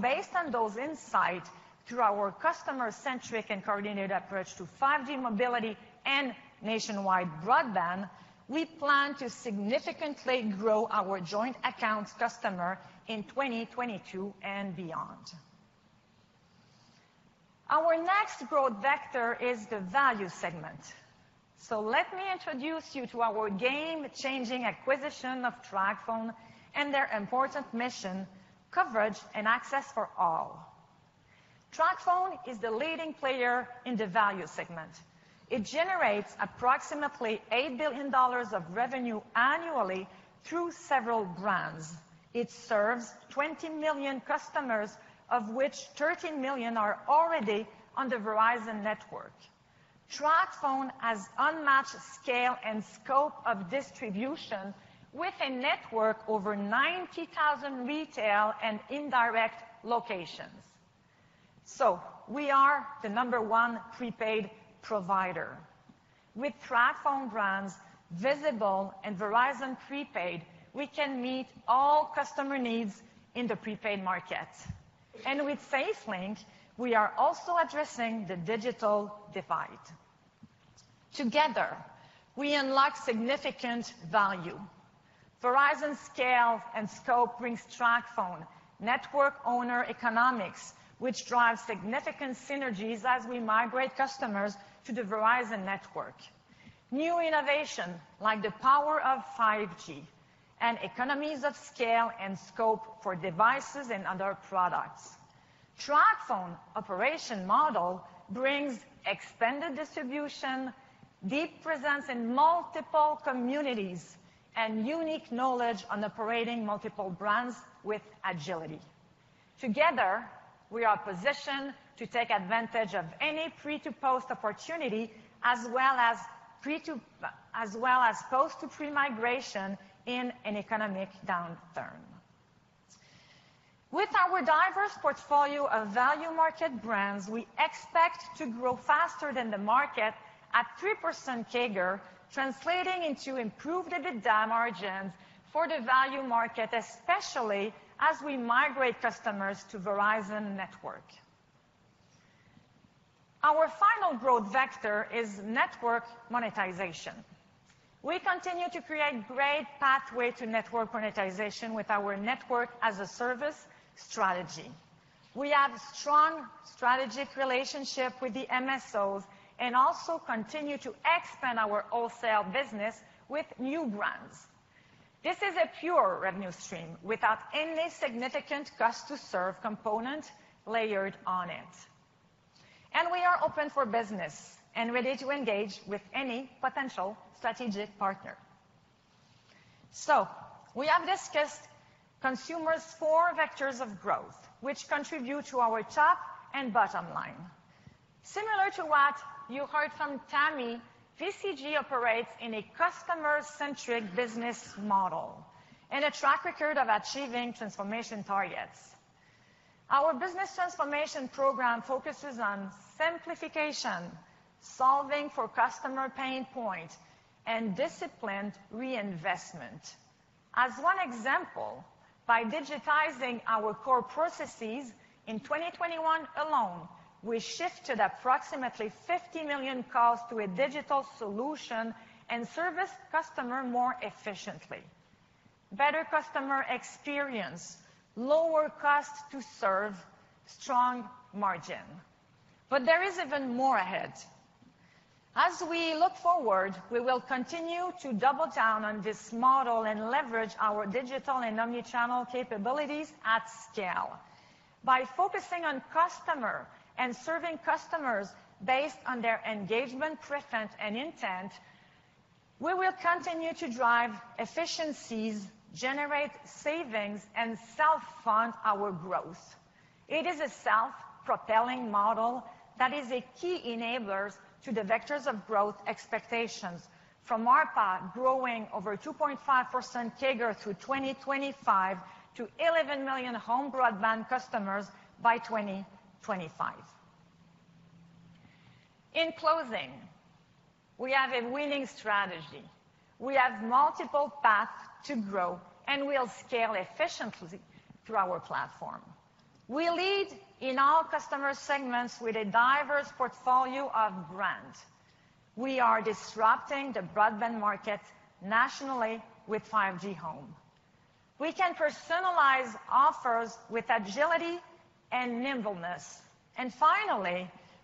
Based on those insight, through our customer-centric and coordinated approach to 5G mobility and nationwide broadband, we plan to significantly grow our joint accounts customer in 2022 and beyond. Our next growth vector is the value segment. Let me introduce you to our game-changing acquisition of TracFone and their important mission, coverage and access for all. TracFone is the leading player in the value segment. It generates approximately $8 billion of revenue annually through several brands. It serves 20 million customers, of which 13 million are already on the Verizon network. TracFone has unmatched scale and scope of distribution with a network over 90,000 retail and indirect locations. We are the number 1 prepaid provider. With TracFone brands, Visible and Verizon Prepaid, we can meet all customer needs in the prepaid market. With SafeLink, we are also addressing the digital divide. Together, we unlock significant value. Verizon scale and scope brings TracFone network owner economics, which drives significant synergies as we migrate customers to the Verizon network. New innovation like the power of 5G and economies of scale and scope for devices and other products. TracFone operation model brings extended distribution, deep presence in multiple communities, and unique knowledge on operating multiple brands with agility. Together, we are positioned to take advantage of any pre-to-post opportunity as well as post-to-pre migration in an economic downturn. With our diverse portfolio of value market brands, we expect to grow faster than the market at 3% CAGR, translating into improved EBITDA margins for the value market, especially as we migrate customers to Verizon network. Our final growth vector is network monetization. We continue to create great pathway to network monetization with our Network as a Service strategy. We have strong strategic relationship with the MSOs and also continue to expand our wholesale business with new brands. This is a pure revenue stream without any significant cost to serve component layered on it. We are open for business and ready to engage with any potential strategic partner. We have discussed consumers' core vectors of growth, which contribute to our top and bottom line. Similar to what you heard from Tami, VCG operates in a customer-centric business model and a track record of achieving transformation targets. Our business transformation program focuses on simplification, solving for customer pain point, and disciplined reinvestment. As one example, by digitizing our core processes in 2021 alone, we shifted approximately 50 million calls to a digital solution and serviced customer more efficiently. Better customer experience, lower cost to serve, strong margin. There is even more ahead. As we look forward, we will continue to double down on this model and leverage our digital and omni-channel capabilities at scale. By focusing on customer and serving customers based on their engagement preference and intent, we will continue to drive efficiencies, generate savings, and self-fund our growth. It is a self-propelling model that is a key enablers to the vectors of growth expectations. From our part, growing over 2.5% CAGR through 2025 to 11 million home broadband customers by 2025. In closing, we have a winning strategy. We have multiple paths to grow, and we'll scale efficiently through our platform. We lead in all customer segments with a diverse portfolio of brands. We are disrupting the broadband market nationally with 5G Home. We can personalize offers with agility and nimbleness.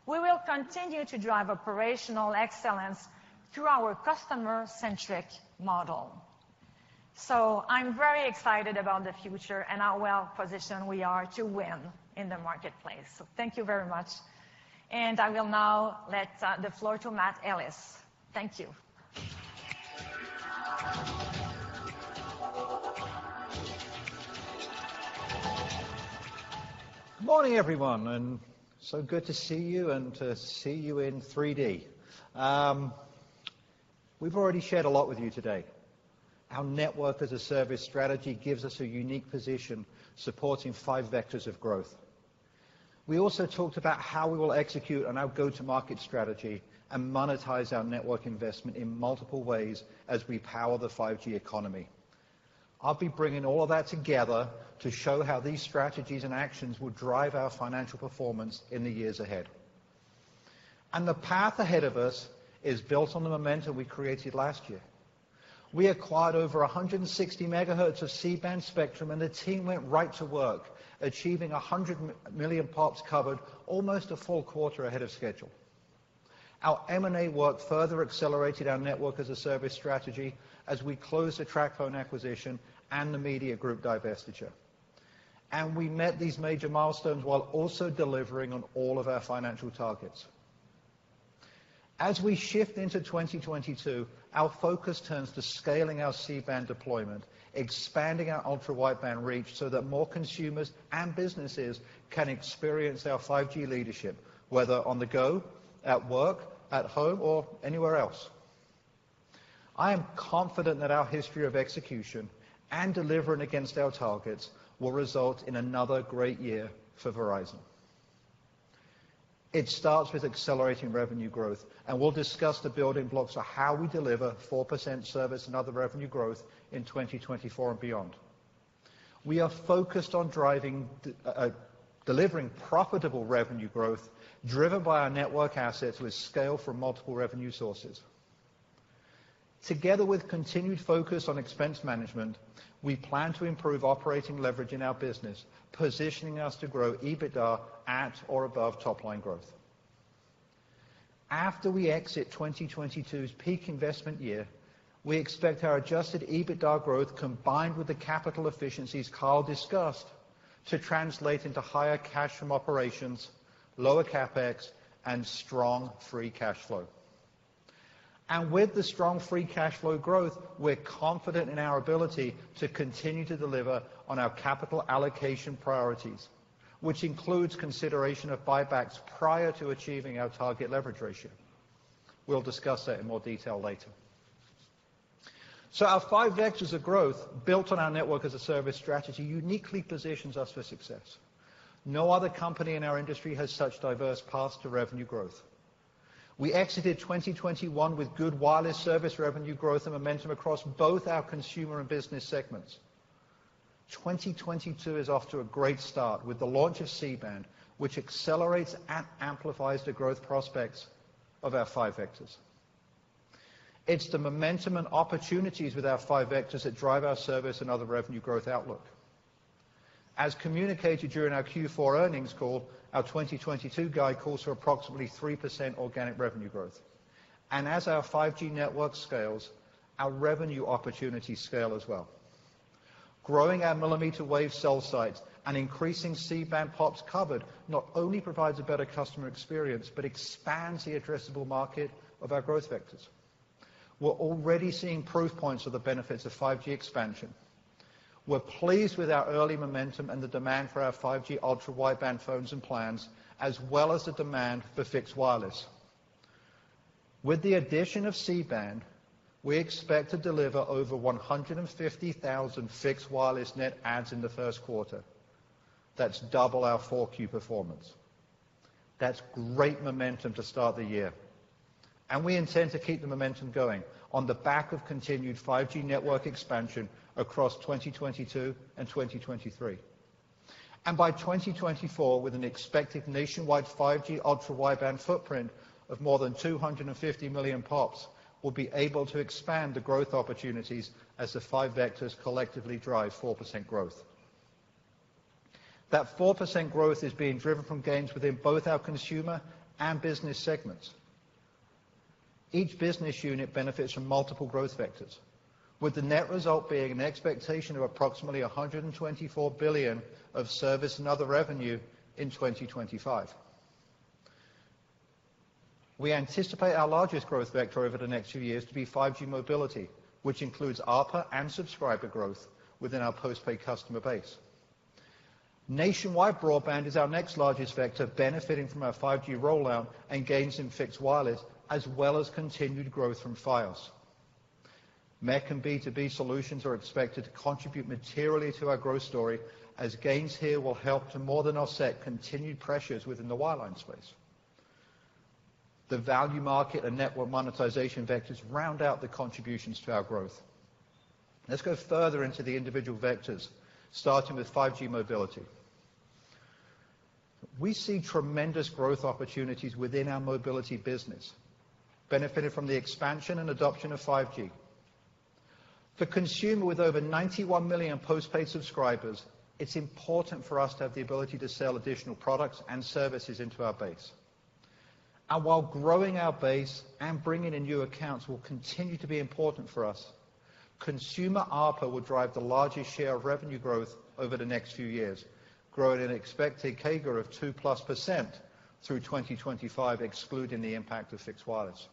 We will continue to drive operational excellence through our customer-centric model. I'm very excited about the future and how well-positioned we are to win in the marketplace. Thank you very much, and I will now let the floor to Matt Ellis. Thank you. Morning, everyone, and so good to see you and to see you in 3D. We've already shared a lot with you today. Our Network as a Service strategy gives us a unique position supporting five vectors of growth. We also talked about how we will execute on our go-to-market strategy and monetize our network investment in multiple ways as we power the 5G economy. I'll be bringing all of that together to show how these strategies and actions will drive our financial performance in the years ahead. The path ahead of us is built on the momentum we created last year. We acquired over 160 MHz of C-Band spectrum, and the team went right to work, achieving 100 million pops covered almost a full quarter ahead of schedule. Our M&A work further accelerated our Network as a Service strategy as we closed the TracFone acquisition and the Media Group divestiture. We met these major milestones while also delivering on all of our financial targets. As we shift into 2022, our focus turns to scaling our C-Band deployment, expanding our Ultra Wideband reach so that more consumers and businesses can experience our 5G leadership, whether on the go, at work, at home, or anywhere else. I am confident that our history of execution and delivering against our targets will result in another great year for Verizon. It starts with accelerating revenue growth, and we'll discuss the building blocks of how we deliver 4% service and other revenue growth in 2024 and beyond. We are focused on driving delivering profitable revenue growth driven by our network assets with scale from multiple revenue sources. Together with continued focus on expense management, we plan to improve operating leverage in our business, positioning us to grow EBITDA at or above top line growth. After we exit 2022's peak investment year, we expect our adjusted EBITDA growth, combined with the capital efficiencies Kyle discussed, to translate into higher cash from operations, lower CapEx, and strong free cash flow. With the strong free cash flow growth, we're confident in our ability to continue to deliver on our capital allocation priorities, which includes consideration of buybacks prior to achieving our target leverage ratio. We'll discuss that in more detail later. Our five vectors of growth built on our Network as a Service strategy uniquely positions us for success. No other company in our industry has such diverse paths to revenue growth. We exited 2021 with good wireless service revenue growth and momentum across both our consumer and business segments. 2022 is off to a great start with the launch of C-Band, which accelerates and amplifies the growth prospects of our five vectors. It's the momentum and opportunities with our five vectors that drive our service and other revenue growth outlook. As communicated during our Q4 earnings call, our 2022 guide calls for approximately 3% organic revenue growth. As our 5G network scales, our revenue opportunities scale as well. Growing our millimeter wave cell sites and increasing C-Band pops covered not only provides a better customer experience but expands the addressable market of our growth vectors. We're already seeing proof points of the benefits of 5G expansion. We're pleased with our early momentum and the demand for our 5G Ultra Wideband phones and plans, as well as the demand for fixed wireless. With the addition of C-Band, we expect to deliver over 150,000 fixed wireless net adds in the first quarter. That's double our 4Q performance. That's great momentum to start the year, and we intend to keep the momentum going on the back of continued 5G network expansion across 2022 and 2023. By 2024, with an expected nationwide 5G Ultra Wideband footprint of more than 250 million pops, we'll be able to expand the growth opportunities as the five vectors collectively drive 4% growth. That 4% growth is being driven from gains within both our consumer and business segments. Each business unit benefits from multiple growth vectors, with the net result being an expectation of approximately $124 billion of service and other revenue in 2025. We anticipate our largest growth vector over the next few years to be 5G mobility, which includes ARPA and subscriber growth within our postpaid customer base. Nationwide broadband is our next largest vector, benefiting from our 5G rollout and gains in fixed wireless, as well as continued growth from Fios. MEC and B2B solutions are expected to contribute materially to our growth story, as gains here will help to more than offset continued pressures within the wireline space. The value market and network monetization vectors round out the contributions to our growth. Let's go further into the individual vectors, starting with 5G mobility. We see tremendous growth opportunities within our mobility business, benefiting from the expansion and adoption of 5G. For consumer, with over 91 million postpaid subscribers, it's important for us to have the ability to sell additional products and services into our base. While growing our base and bringing in new accounts will continue to be important for us, consumer ARPA will drive the largest share of revenue growth over the next few years, growing an expected CAGR of 2%+ through 2025, excluding the impact of fixed wireless.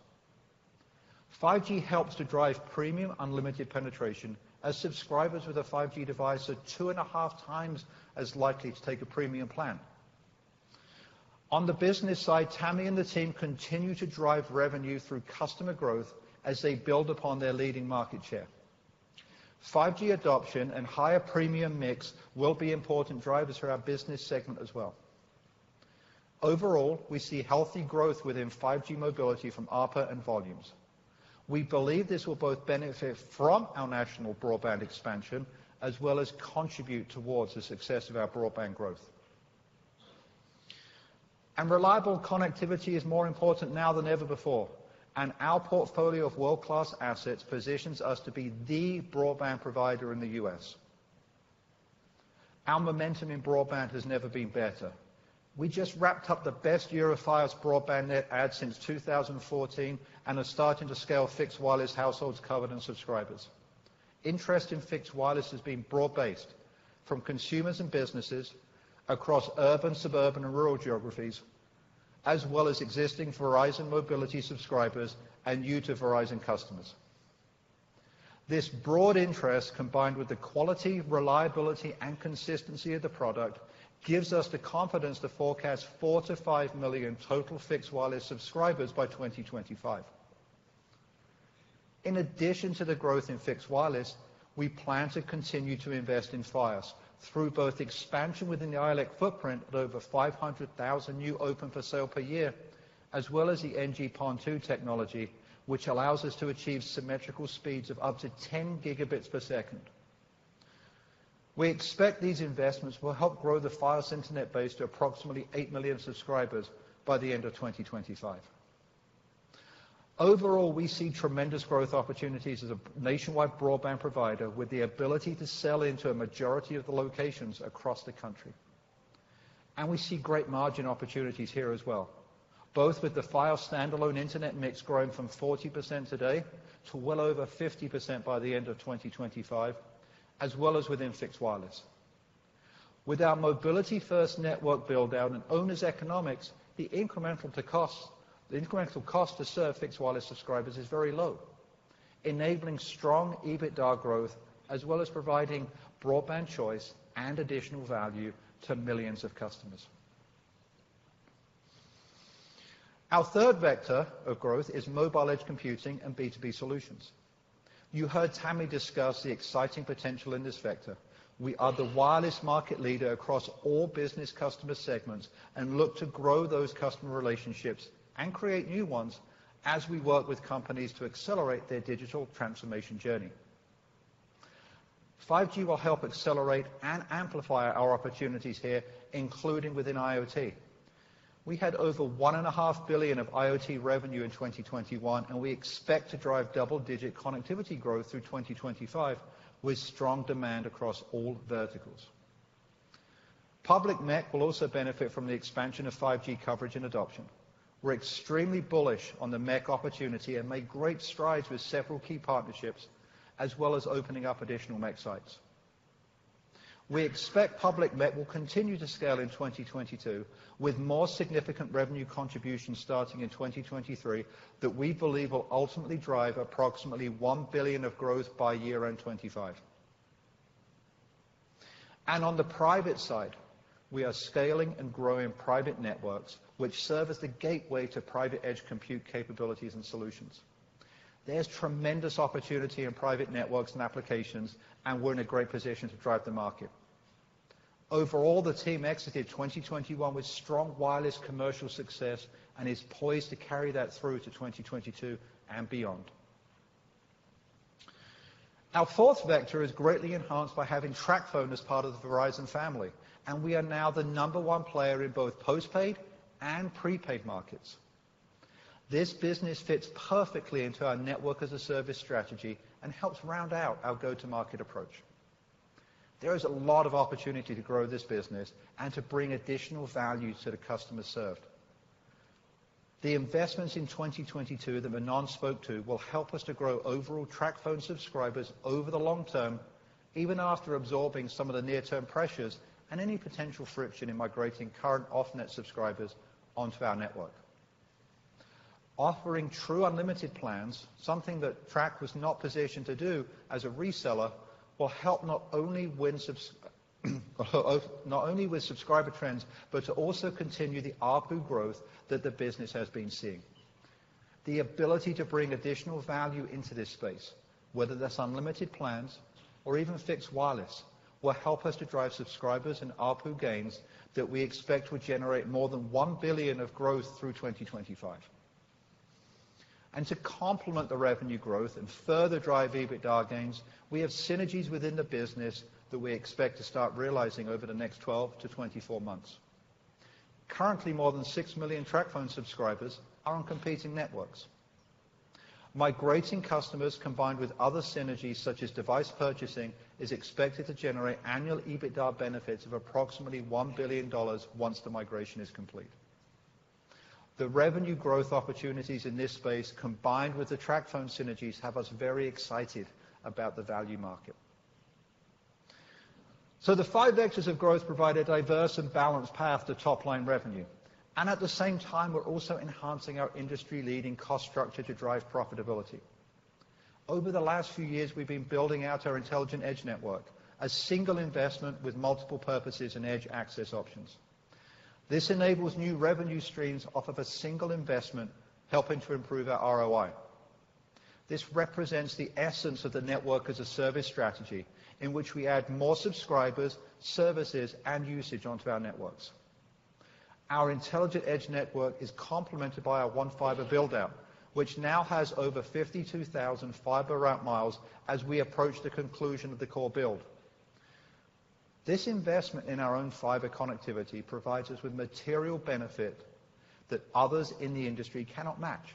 5G helps to drive Premium Unlimited penetration as subscribers with a 5G device are 2.5 times as likely to take a premium plan. On the business side, Tami and the team continue to drive revenue through customer growth as they build upon their leading market share. 5G adoption and higher premium mix will be important drivers for our business segment as well. Overall, we see healthy growth within 5G mobility from ARPA and volumes. We believe this will both benefit from our national broadband expansion as well as contribute towards the success of our broadband growth. Reliable connectivity is more important now than ever before, and our portfolio of world-class assets positions us to be the broadband provider in the U.S. Our momentum in broadband has never been better. We just wrapped up the best year of Fios broadband net adds since 2014 and are starting to scale fixed wireless households covered and subscribers. Interest in fixed wireless has been broad-based from consumers and businesses across urban, suburban, and rural geographies, as well as existing Verizon mobility subscribers and new to Verizon customers. This broad interest, combined with the quality, reliability, and consistency of the product, gives us the confidence to forecast 4-5 million total fixed wireless subscribers by 2025. In addition to the growth in fixed wireless, we plan to continue to invest in Fios through both expansion within the ILEC footprint at over 500,000 new open for sale per year, as well as the NG-PON2 technology, which allows us to achieve symmetrical speeds of up to 10 Gb per second. We expect these investments will help grow the Fios Internet base to approximately 8 million subscribers by the end of 2025. Overall, we see tremendous growth opportunities as a nationwide broadband provider with the ability to sell into a majority of the locations across the country. We see great margin opportunities here as well, both with the Fios standalone internet mix growing from 40% today to well over 50% by the end of 2025, as well as within fixed wireless. With our mobility-first network build-out and own economics, the incremental cost to serve fixed wireless subscribers is very low, enabling strong EBITDA growth as well as providing broadband choice and additional value to millions of customers. Our third vector of growth is mobile edge computing and B2B solutions. You heard Tami discuss the exciting potential in this vector. We are the wireless market leader across all business customer segments and look to grow those customer relationships and create new ones as we work with companies to accelerate their digital transformation journey. 5G will help accelerate and amplify our opportunities here, including within IoT. We had over $1.5 billion of IoT revenue in 2021, and we expect to drive double-digit connectivity growth through 2025 with strong demand across all verticals. Public MEC will also benefit from the expansion of 5G coverage and adoption. We're extremely bullish on the MEC opportunity and made great strides with several key partnerships, as well as opening up additional MEC sites. We expect public MEC will continue to scale in 2022 with more significant revenue contributions starting in 2023 that we believe will ultimately drive approximately $1 billion of growth by year-end 2025. On the private side, we are scaling and growing private networks which serve as the gateway to private edge compute capabilities and solutions. There's tremendous opportunity in private networks and applications, and we're in a great position to drive the market. Overall, the team exited 2021 with strong wireless commercial success and is poised to carry that through to 2022 and beyond. Our fourth vector is greatly enhanced by having TracFone as part of the Verizon family, and we are now the number one player in both postpaid and prepaid markets. This business fits perfectly into our Network as a Service strategy and helps round out our go-to-market approach. There is a lot of opportunity to grow this business and to bring additional value to the customers served. The investments in 2022 that Manon spoke to will help us to grow overall TracFone subscribers over the long term, even after absorbing some of the near-term pressures and any potential friction in migrating current off-net subscribers onto our network. Offering true unlimited plans, something that TracFone was not positioned to do as a reseller, will help not only with subscriber trends, but to also continue the ARPU growth that the business has been seeing. The ability to bring additional value into this space, whether that's unlimited plans or even fixed wireless, will help us to drive subscribers and ARPU gains that we expect will generate more than $1 billion of growth through 2025. To complement the revenue growth and further drive EBITDA gains, we have synergies within the business that we expect to start realizing over the next 12-24 months. Currently, more than 6 million TracFone subscribers are on competing networks. Migrating customers combined with other synergies such as device purchasing is expected to generate annual EBITDA benefits of approximately $1 billion once the migration is complete. The revenue growth opportunities in this space, combined with the TracFone synergies, have us very excited about the value market. The five vectors of growth provide a diverse and balanced path to top-line revenue. At the same time, we're also enhancing our industry-leading cost structure to drive profitability. Over the last few years, we've been building out our Intelligent Edge Network, a single investment with multiple purposes and edge access options. This enables new revenue streams off of a single investment, helping to improve our ROI. This represents the essence of the Network as a Service strategy in which we add more subscribers, services, and usage onto our networks. Our Intelligent Edge Network is complemented by our One Fiber build-out, which now has over 52,000 fiber route miles as we approach the conclusion of the core build. This investment in our own fiber connectivity provides us with material benefit that others in the industry cannot match,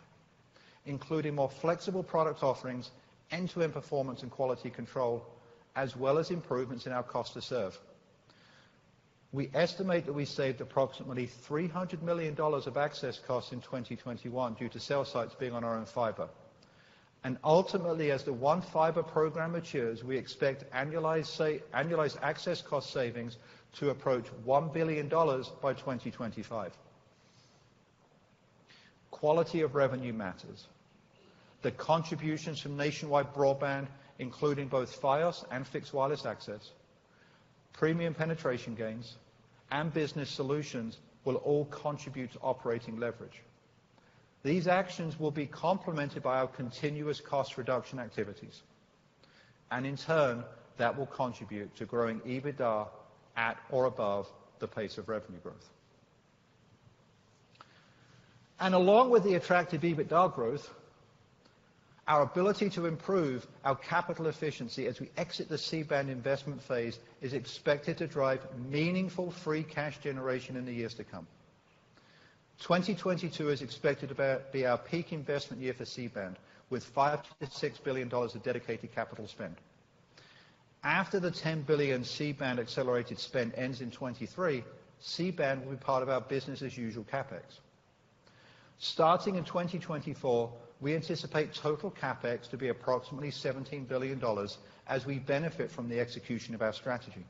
including more flexible product offerings, end-to-end performance and quality control, as well as improvements in our cost to serve. We estimate that we saved approximately $300 million of access costs in 2021 due to cell sites being on our own fiber. Ultimately, as the One Fiber program matures, we expect annualized access cost savings to approach $1 billion by 2025. Quality of revenue matters. The contributions from nationwide broadband, including both Fios and fixed wireless access, premium penetration gains, and business solutions will all contribute to operating leverage. These actions will be complemented by our continuous cost reduction activities. In turn, that will contribute to growing EBITDA at or above the pace of revenue growth. Along with the attractive EBITDA growth, our ability to improve our capital efficiency as we exit the C-Band investment phase is expected to drive meaningful free cash generation in the years to come. 2022 is expected to be our peak investment year for C-Band, with $5 billion-$6 billion of dedicated capital spend. After the $10 billion C-Band accelerated spend ends in 2023, C-Band will be part of our business as usual CapEx. Starting in 2024, we anticipate total CapEx to be approximately $17 billion as we benefit from the execution of our strategy.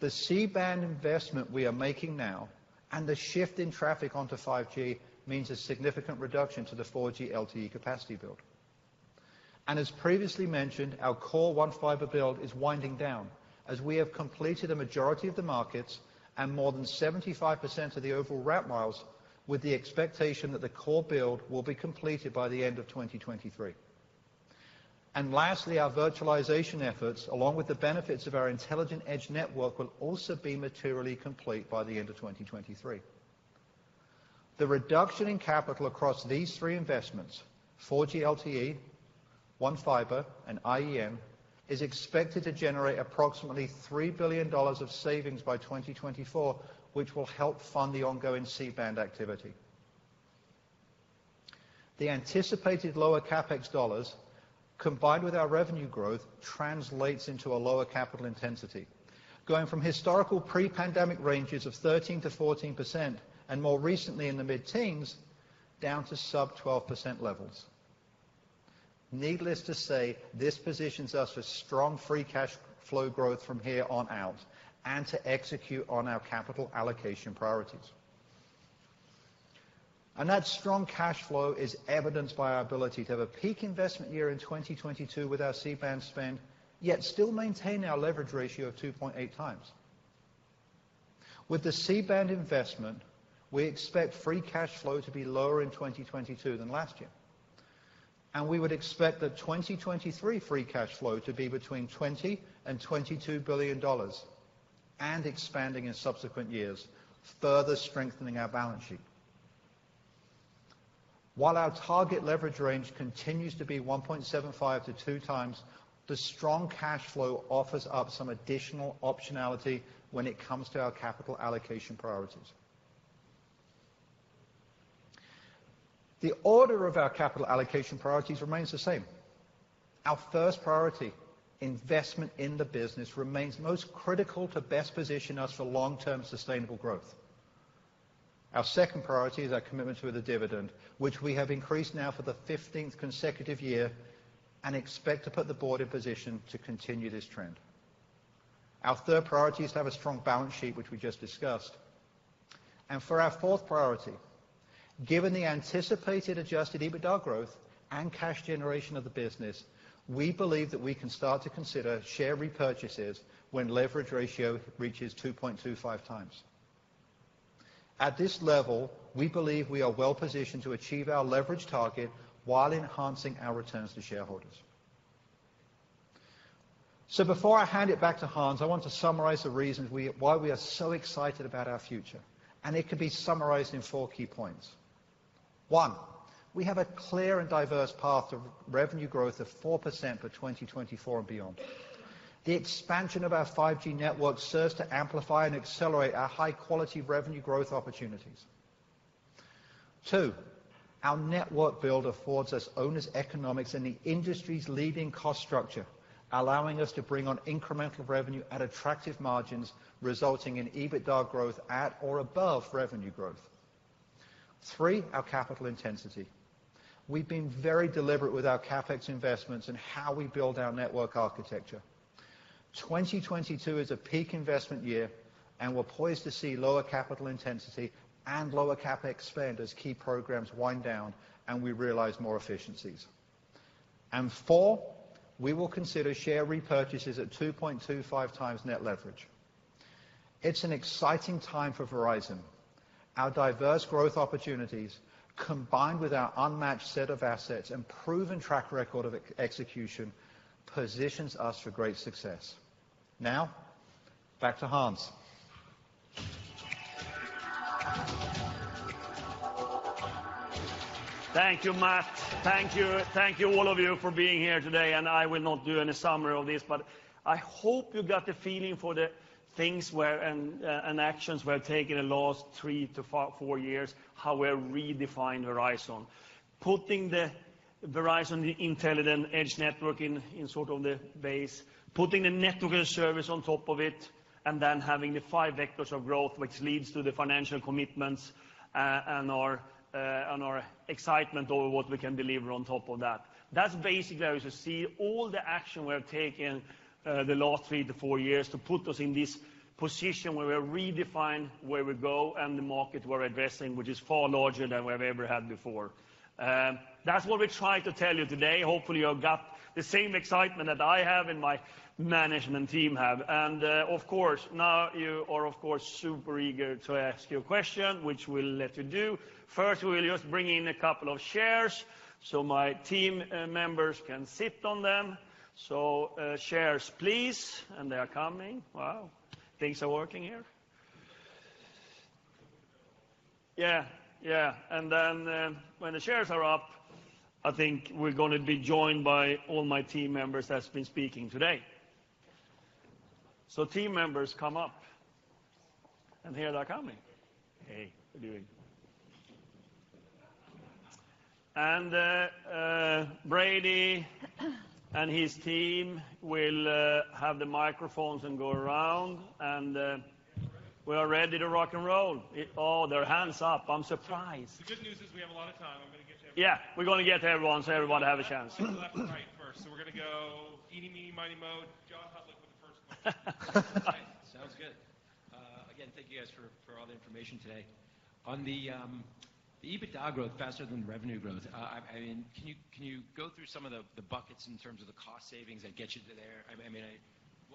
The C-Band investment we are making now and the shift in traffic onto 5G means a significant reduction to the 4G LTE capacity build. As previously mentioned, our core One Fiber build is winding down as we have completed a majority of the markets and more than 75% of the overall route miles with the expectation that the core build will be completed by the end of 2023. Lastly, our virtualization efforts, along with the benefits of our Intelligent Edge Network, will also be materially complete by the end of 2023. The reduction in capital across these three investments, 4G LTE, One Fiber, and IEN, is expected to generate approximately $3 billion of savings by 2024, which will help fund the ongoing C-Band activity. The anticipated lower CapEx dollars, combined with our revenue growth, translates into a lower capital intensity, going from historical pre-pandemic ranges of 13%-14%, and more recently in the mid-teens, down to sub-12% levels. Needless to say, this positions us for strong free cash flow growth from here on out and to execute on our capital allocation priorities. That strong cash flow is evidenced by our ability to have a peak investment year in 2022 with our C-Band spend, yet still maintain our leverage ratio of 2.8x. With the C-Band investment, we expect free cash flow to be lower in 2022 than last year. We would expect the 2023 free cash flow to be between $20 billion and $22 billion and expanding in subsequent years, further strengthening our balance sheet. While our target leverage range continues to be 1.75x-2x, the strong cash flow offers up some additional optionality when it comes to our capital allocation priorities. The order of our capital allocation priorities remains the same. Our first priority, investment in the business, remains most critical to best position us for long-term sustainable growth. Our second priority is our commitment to the dividend, which we have increased now for the fifteenth consecutive year and expect to put the board in position to continue this trend. Our third priority is to have a strong balance sheet, which we just discussed. For our fourth priority, given the anticipated adjusted EBITDA growth and cash generation of the business, we believe that we can start to consider share repurchases when leverage ratio reaches 2.25x. At this level, we believe we are well positioned to achieve our leverage target while enhancing our returns to shareholders. Before I hand it back to Hans, I want to summarize the reasons why we are so excited about our future, and it could be summarized in four key points. One, we have a clear and diverse path to revenue growth of 4% for 2024 and beyond. The expansion of our 5G network serves to amplify and accelerate our high-quality revenue growth opportunities. Two, our network build affords us owner economics and the industry's leading cost structure, allowing us to bring on incremental revenue at attractive margins, resulting in EBITDA growth at or above revenue growth. Three, our capital intensity. We have been very deliberate with our CapEx investments and how we build our network architecture. 2022 is a peak investment year, and we are poised to see lower capital intensity and lower CapEx spend as key programs wind down and we realize more efficiencies. Four, we will consider share repurchases at 2.25x net leverage. It's an exciting time for Verizon. Our diverse growth opportunities, combined with our unmatched set of assets and proven track record of execution, positions us for great success. Now, back to Hans. Thank you, Matt. Thank you all for being here today. I will not do any summary of this, but I hope you got the feeling for the things where actions were taken the last 3-4 years, how we're redefining Verizon. Putting the Verizon Intelligent Edge Network in sort of the base, putting the Network as a Service on top of it, and then having the five vectors of growth, which leads to the financial commitments and our excitement over what we can deliver on top of that. That's basically as you see all the action we have taken the last 3-4 years to put us in this position where we're redefining where we go and the market we're addressing, which is far larger than we've ever had before. That's what we tried to tell you today. Hopefully you have got the same excitement that I have and my management team have. Of course, now you are of course super eager to ask your question, which we'll let you do. First, we'll just bring in a couple of chairs so my team members can sit on them. Chairs, please. They are coming. Wow. Things are working here. Yeah. Yeah. When the chairs are up, I think we're gonna be joined by all my team members that's been speaking today. Team members come up. Here they are coming. Hey. How you doing? Brady and his team will have the microphones and go around, and we are ready to rock and roll. Oh, there are hands up. I'm surprised. The good news is we have a lot of time. I'm gonna get to everyone. Yeah. We're gonna get to everyone, so everyone has a chance. We're gonna go left to right first. We're gonna go eeny, meeny, miny, moe. John Hodulik with the first question. Sounds good. Again, thank you guys for all the information today. On the EBITDA growth faster than revenue growth, I mean, can you go through some of the buckets in terms of the cost savings that get you to there?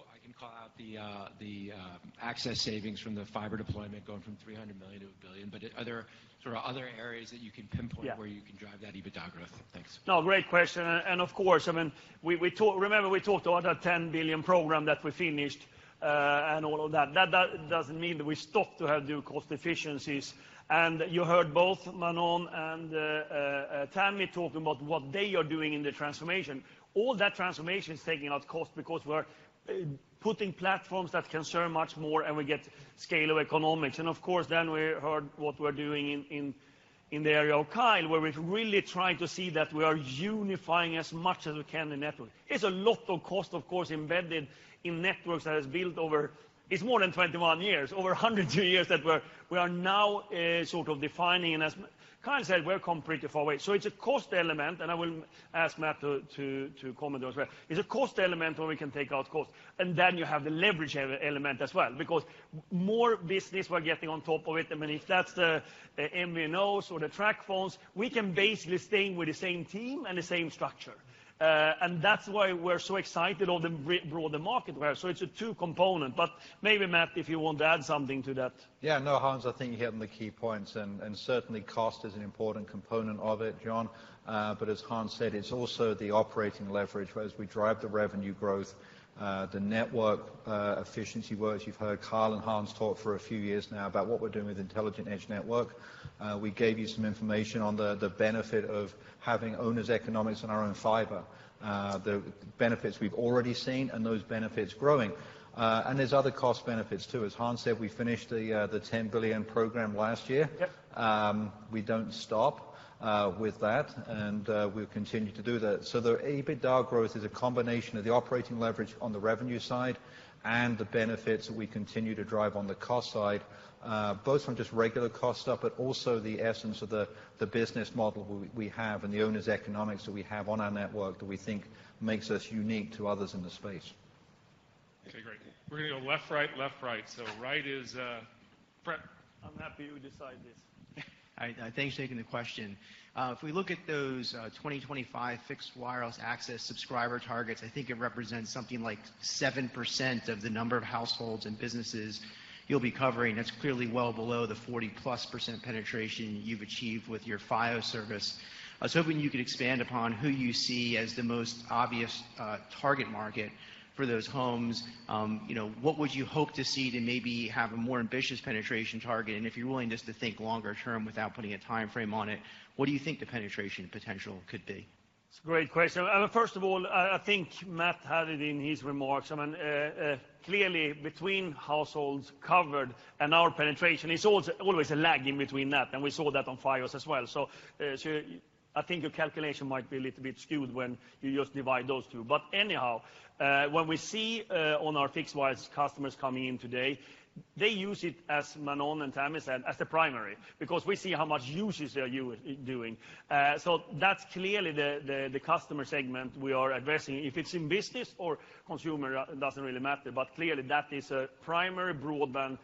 I mean, well, I can call out the access savings from the fiber deployment going from $300 million to $1 billion, but are there sort of other areas that you can pinpoint? Yeah ...where you can drive that EBITDA growth? Thanks. No, great question. Of course, I mean, we talked. Remember we talked about that $10 billion program that we finished, and all of that. That doesn't mean that we stop to have new cost efficiencies. You heard both Manon and Tami talking about what they are doing in the transformation. All that transformation is taking out cost because we're putting platforms that can serve much more, and we get scale of economics. Of course, then we heard what we're doing in the area of Kyle, where we're really trying to see that we are unifying as much as we can the network. It's a lot of cost, of course, embedded in networks that has built over. It's more than 21 years, over 100 years that we are now sort of defining. As Kyle said, we've come pretty far away. It's a cost element, and I will ask Matt to comment on as well. It's a cost element where we can take out costs. Then you have the leverage element as well, because more business we're getting on top of it. I mean, if that's the MVNOs or the TracFones, we can basically stay with the same team and the same structure. That's why we're so excited of the broader market we have. It's a two component, but maybe Matt, if you want to add something to that. Yeah. No, Hans, I think you're hitting the key points and certainly cost is an important component of it, John. But as Hans said, it's also the operating leverage, whereas we drive the revenue growth, the network efficiency works. You've heard Kyle and Hans talk for a few years now about what we're doing with Intelligent Edge Network. We gave you some information on the benefit of having owner's economics and our own fiber. The benefits we've already seen and those benefits growing. And there's other cost benefits too. As Hans said, we finished the $10 billion program last year. Yep. We don't stop with that, and we'll continue to do that. The EBITDA growth is a combination of the operating leverage on the revenue side and the benefits we continue to drive on the cost side, both from just regular cost stuff, but also the essence of the business model we have and the OpEx economics that we have on our network that we think makes us unique to others in the space. Okay, great. We're gonna go left, right, left, right. Right is Fred. I'm happy you decide this. All right. Thanks for taking the question. If we look at those 2025 fixed wireless access subscriber targets, I think it represents something like 7% of the number of households and businesses you'll be covering. That's clearly well below the 40%+ penetration you've achieved with your Fios service. I was hoping you could expand upon who you see as the most obvious target market for those homes. What would you hope to see to maybe have a more ambitious penetration target? If you're willing just to think longer term without putting a time frame on it, what do you think the penetration potential could be? It's a great question. First of all, I think Matt had it in his remarks. I mean, clearly between households covered and our penetration, it's always a lag in between that, and we saw that on Fios as well. I think your calculation might be a little bit skewed when you just divide those two. Anyhow, what we see on our fixed wireless customers coming in today. They use it as Manon and Tami said, as the primary, because we see how much usage they are doing. That's clearly the customer segment we are addressing. If it's in business or consumer, it doesn't really matter, but clearly that is a primary broadband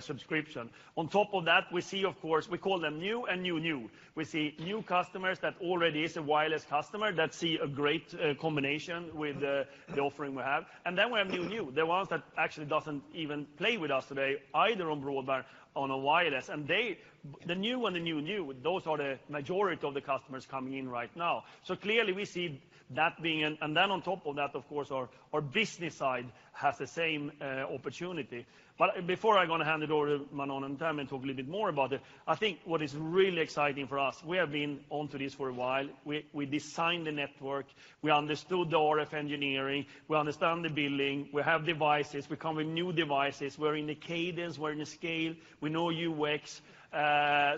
subscription. On top of that, we see, of course, we call them new and new-new. We see new customers that already is a wireless customer that see a great combination with the offering we have. Then we have new-new, the ones that actually doesn't even play with us today, either on broadband or on a wireless, and the new and the new-new, those are the majority of the customers coming in right now. Clearly, we see that being in. Then on top of that, of course, our business side has the same opportunity. Before I'm gonna hand it over to Manon and Tami to talk a little bit more about it, I think what is really exciting for us, we have been onto this for a while. We designed the network, we understood the RF engineering, we understand the billing, we have devices, we come with new devices, we're in the cadence, we're in the scale, we know UX.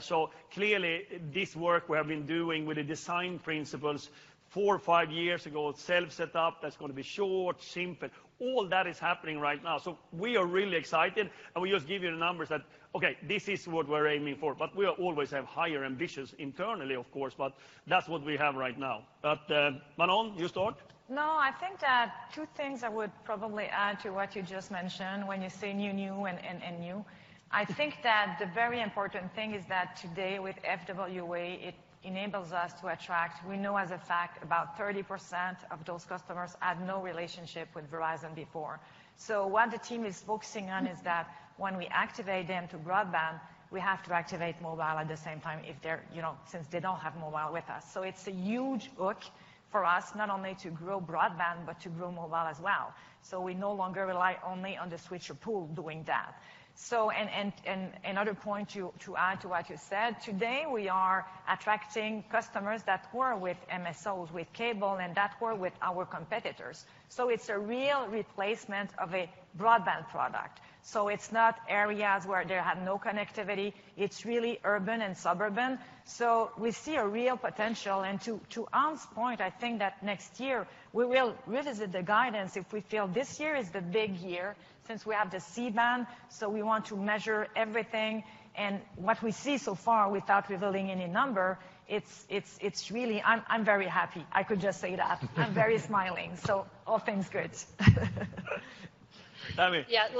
So clearly this work we have been doing with the design principles four, five years ago, self-setup, that's gonna be short, simple. All that is happening right now. We are really excited, and we just give you the numbers that, okay, this is what we're aiming for. We always have higher ambitions internally, of course, but that's what we have right now. Manon, you start? No, I think that two things I would probably add to what you just mentioned when you say new-new and new. I think that the very important thing is that today with FWA, it enables us to attract. We know as a fact about 30% of those customers had no relationship with Verizon before. What the team is focusing on is that when we activate them to broadband, we have to activate mobile at the same time if they're, you know, since they don't have mobile with us. It's a huge hook for us not only to grow broadband, but to grow mobile as well. We no longer rely only on the switcher pool doing that. Another point to add to what you said, today we are attracting customers that were with MSOs, with cable, and that were with our competitors. It's a real replacement of a broadband product. It's not areas where they have no connectivity. It's really urban and suburban. We see a real potential. To Hans point, I think that next year we will revisit the guidance if we feel this year is the big year since we have the C-Band, we want to measure everything. What we see so far, without revealing any number, it's really. I'm very happy. I could just say that. I'm very smiling, all things good. Tami. Yeah, let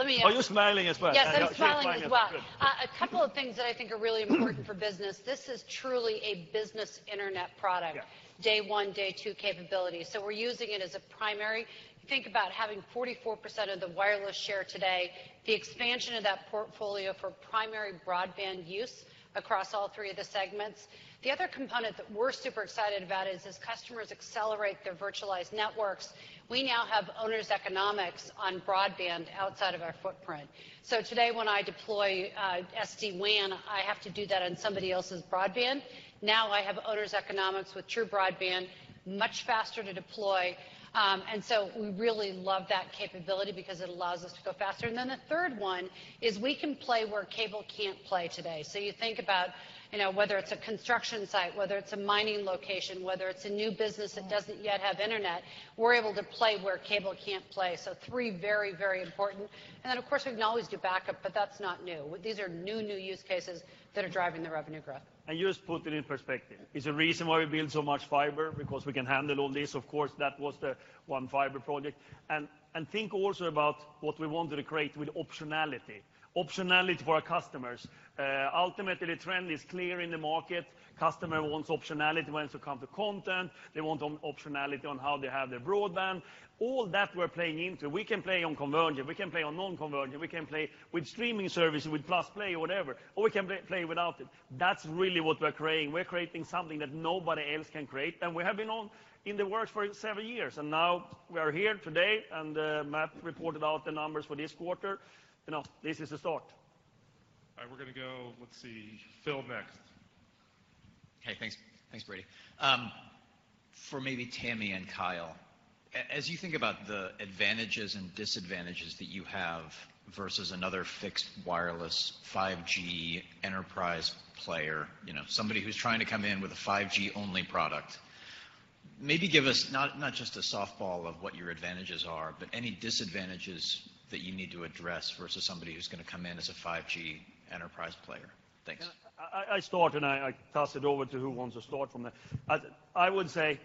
me- Are you smiling as well? Yes, I'm smiling as well. She's smiling as well. A couple of things that I think are really important for business. This is truly a business internet product. Yeah. Day one, day two capability. We're using it as a primary. Think about having 44% of the wireless share today, the expansion of that portfolio for primary broadband use across all three of the segments. The other component that we're super excited about is, as customers accelerate their virtualized networks, we now have owners' economics on broadband outside of our footprint. Today when I deploy SD-WAN, I have to do that on somebody else's broadband. Now I have owners' economics with true broadband, much faster to deploy. We really love that capability because it allows us to go faster. Then the third one is we can play where cable can't play today. You think about, you know, whether it's a construction site, whether it's a mining location, whether it's a new business that doesn't yet have internet, we're able to play where cable can't play. Three very, very important. Of course, we can always do backup, but that's not new. These are new use cases that are driving the revenue growth. Just put it in perspective. It's a reason why we build so much fiber, because we can handle all this, of course. That was the One Fiber project. Think also about what we wanted to create with optionality. Optionality for our customers. Ultimately, the trend is clear in the market. Customer wants optionality when it comes to content. They want optionality on how they have their broadband. All that we're playing into, we can play on convergent, we can play on non-convergent, we can play with streaming services, with +play or whatever, or we can play without it. That's really what we're creating. We're creating something that nobody else can create. We have been working on it for seven years, and now we are here today. Matt reported out the numbers for this quarter. You know, this is the start. All right, we're gonna go, let's see, Phil next. Okay, thanks. Thanks, Brady. For maybe Tami and Kyle, as you think about the advantages and disadvantages that you have versus another fixed wireless 5G enterprise player, you know, somebody who's trying to come in with a 5G-only product, maybe give us not just a softball of what your advantages are, but any disadvantages that you need to address versus somebody who's gonna come in as a 5G enterprise player. Thanks. I start and I toss it over to who wants to start from there. I would say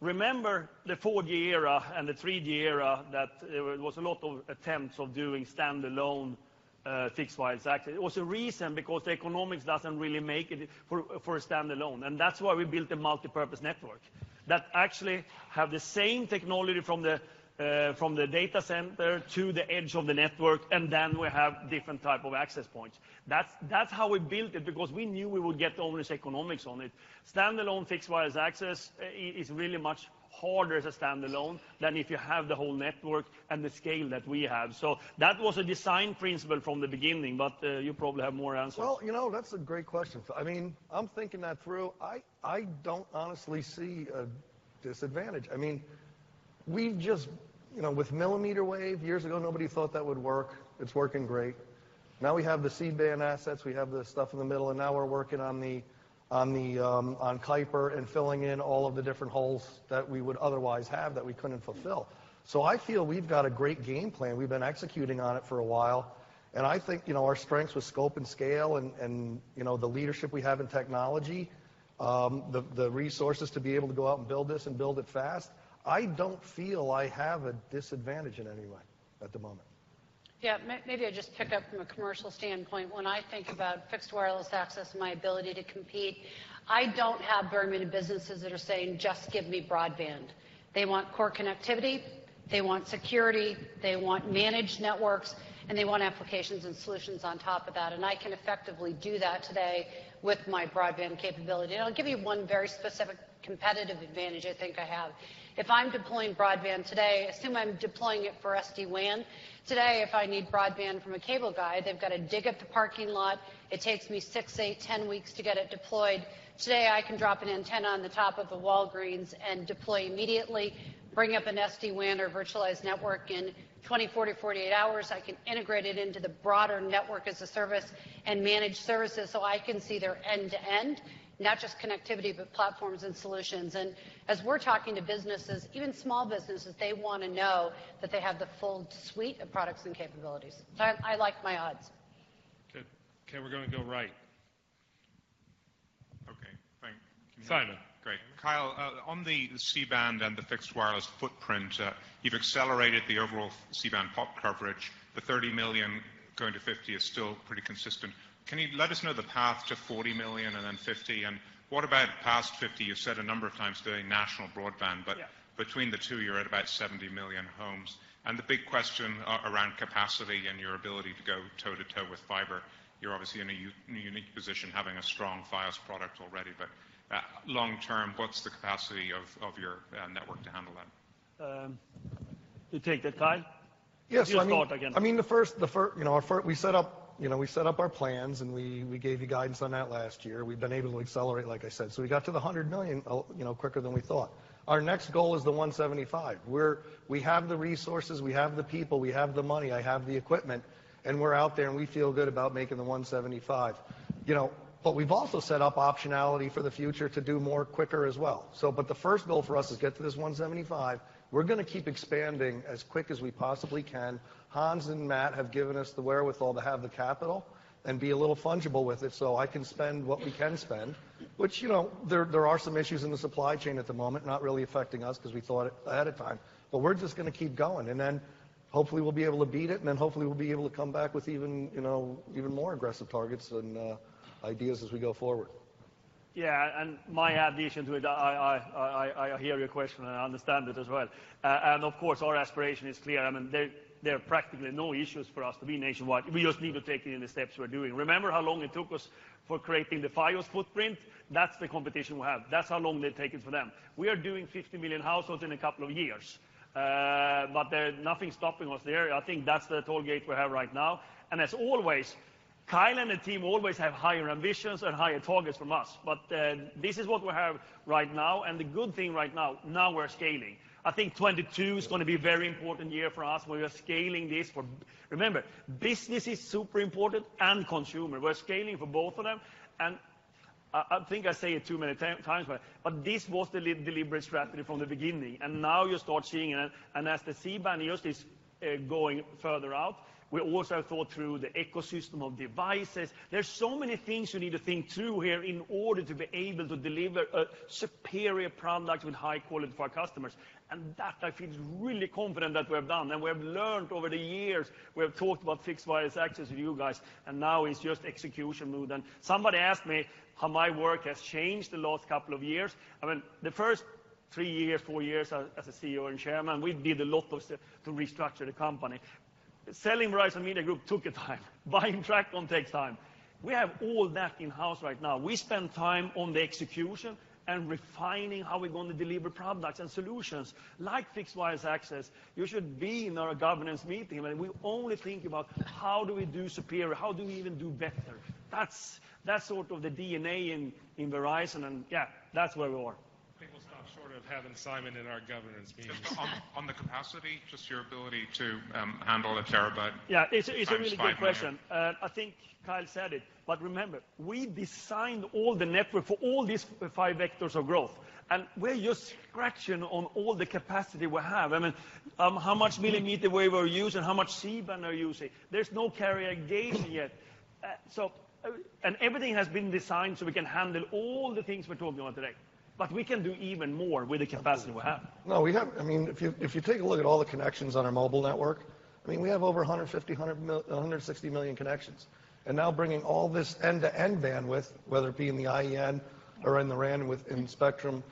remember the 4G era and the 3G era that there was a lot of attempts of doing standalone fixed wireless. Actually, it was a reason because the economics doesn't really make it for a standalone, and that's why we built a multipurpose network that actually have the same technology from the data center to the edge of the network, and then we have different type of access points. That's how we built it, because we knew we would get the owners' economics on it. Standalone fixed wireless access is really much harder to standalone than if you have the whole network and the scale that we have. That was a design principle from the beginning, but you probably have more answers. Well, you know, that's a great question, Phil. I mean, I'm thinking that through. I don't honestly see a disadvantage. I mean. We've just, you know, with millimeter wave, years ago, nobody thought that would work. It's working great. Now we have the C-Band assets, we have the stuff in the middle, and now we're working on Kuiper and filling in all of the different holes that we would otherwise have that we couldn't fulfill. I feel we've got a great game plan. We've been executing on it for a while, and I think, you know, our strengths with scope and scale and, you know, the leadership we have in technology, the resources to be able to go out and build this and build it fast. I don't feel I have a disadvantage in any way at the moment. Yeah. Maybe I just pick up from a commercial standpoint. When I think about fixed wireless access and my ability to compete, I don't have very many businesses that are saying, "Just give me broadband." They want core connectivity, they want security, they want managed networks, and they want applications and solutions on top of that, and I can effectively do that today with my broadband capability. I'll give you one very specific competitive advantage I think I have. If I'm deploying broadband today, assume I'm deploying it for SD-WAN. Today if I need broadband from a cable guy, they've got to dig up the parking lot. It takes me 6, 8, 10 weeks to get it deployed. Today, I can drop an antenna on the top of the Walgreens and deploy immediately, bring up an SD-WAN or virtualized network in 20, 40, 48 hours. I can integrate it into the broader Network as a Service and manage services so I can see their end-to-end, not just connectivity, but platforms and solutions. As we're talking to businesses, even small businesses, they wanna know that they have the full suite of products and capabilities. I like my odds. Okay, we're gonna go right. Okay, thanks. Simon. Great. Kyle, on the C-Band and the fixed wireless footprint, you've accelerated the overall C-Band pop coverage. The 30 million going to 50 million is still pretty consistent. Can you let us know the path to 40 million and then 50 million? What about past 50? You've said a number of times doing national broadband. Yeah. Between the two, you're at about 70 million homes. The big question around capacity and your ability to go toe-to-toe with fiber, you're obviously in a unique position having a strong Fios product already. Long term, what's the capacity of your network to handle that? Um- You take that, Kyle? Yes. I mean. Your thought again. I mean, you know, we set up our plans, and we gave you guidance on that last year. We've been able to accelerate, like I said. We got to the 100 million, you know, quicker than we thought. Our next goal is the 175 million. We have the resources, we have the people, we have the money, I have the equipment, and we're out there, and we feel good about making the 175 million. You know, we've also set up optionality for the future to do more quicker as well. The first goal for us is get to this 175 million. We're gonna keep expanding as quick as we possibly can. Hans and Matt have given us the wherewithal to have the capital and be a little fungible with it, so I can spend what we can spend, which, you know, there are some issues in the supply chain at the moment, not really affecting us 'cause we thought ahead of time. But we're just gonna keep going, and then hopefully we'll be able to beat it, and then hopefully we'll be able to come back with even, you know, even more aggressive targets and ideas as we go forward. Yeah. My addition to it, I hear your question and I understand it as well. Of course, our aspiration is clear. I mean, there are practically no issues for us to be nationwide. We just need to take it in the steps we're doing. Remember how long it took us for creating the Fios footprint? That's the competition we have. That's how long they're taking for them. We are doing 50 million households in a couple of years. There's nothing stopping us there. I think that's the toll gate we have right now. As always, Kyle and the team always have higher ambitions and higher targets from us. This is what we have right now, and the good thing right now we're scaling. I think 2022 is gonna be a very important year for us, where we are scaling this. Remember, business is super important and consumer. We're scaling for both of them. I think I say it too many times, but this was the deliberate strategy from the beginning, and now you start seeing it. As the C-Band just is going further out, we also thought through the ecosystem of devices. There's so many things you need to think through here in order to be able to deliver a superior product with high quality for our customers, and that I feel really confident that we have done. We have learned over the years, we have talked about fixed wireless access with you guys, and now it's just execution mode. Somebody asked me how my work has changed the last couple of years. I mean, the first three years, four years as a CEO and chairman, we did a lot of stuff to restructure the company. Selling Verizon Media Group took a time. Buying TracFone takes time. We have all that in-house right now. We spend time on the execution and refining how we're gonna deliver products and solutions like fixed wireless access. You should be in our governance meeting, and we only think about how do we do superior, how do we even do better? That's sort of the DNA in Verizon, and yeah, that's where we are. I think we'll stop short of having Simon in our governance meetings. On the capacity, just your ability to handle a terabyte. Yeah. It's a really good question. That is fine by you. I think Kyle said it, but remember, we designed all the network for all these five vectors of growth, and we're just scratching the surface on all the capacity we have. I mean, how much millimeter wave we're using, how much C-Band we're using. There's no carrier aggregation yet. Everything has been designed so we can handle all the things we're talking about today. We can do even more with the capacity we have. No, we have. I mean, if you take a look at all the connections on our mobile network, I mean, we have over 160 million connections. Now bringing all this end-to-end bandwidth, whether it be in the IEN or in the RAN within spectrum,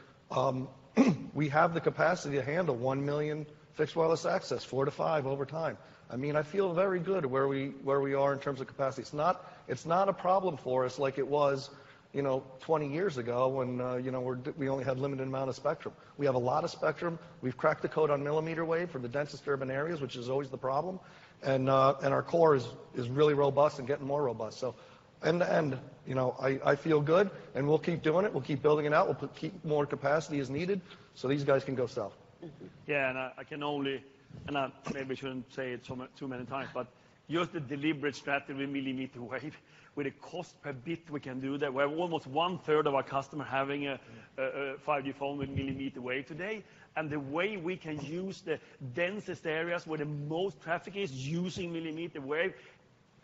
we have the capacity to handle 1 million fixed wireless access, 4-5 over time. I mean, I feel very good where we are in terms of capacity. It's not a problem for us like it was, you know, 20 years ago when, you know, we only had limited amount of spectrum. We have a lot of spectrum. We've cracked the code on millimeter wave for the densest urban areas, which is always the problem, and our core is really robust and getting more robust. End-to-end, you know, I feel good, and we'll keep doing it. We'll keep building it out. We'll keep more capacity as needed, so these guys can go sell. Yeah. I can only, and I maybe shouldn't say it so many times, but just the deliberate strategy with millimeter wave, with the cost per bit we can do that. We have almost 1/3 of our customer having a 5G phone with millimeter wave today. The way we can use the densest areas where the most traffic is using millimeter wave.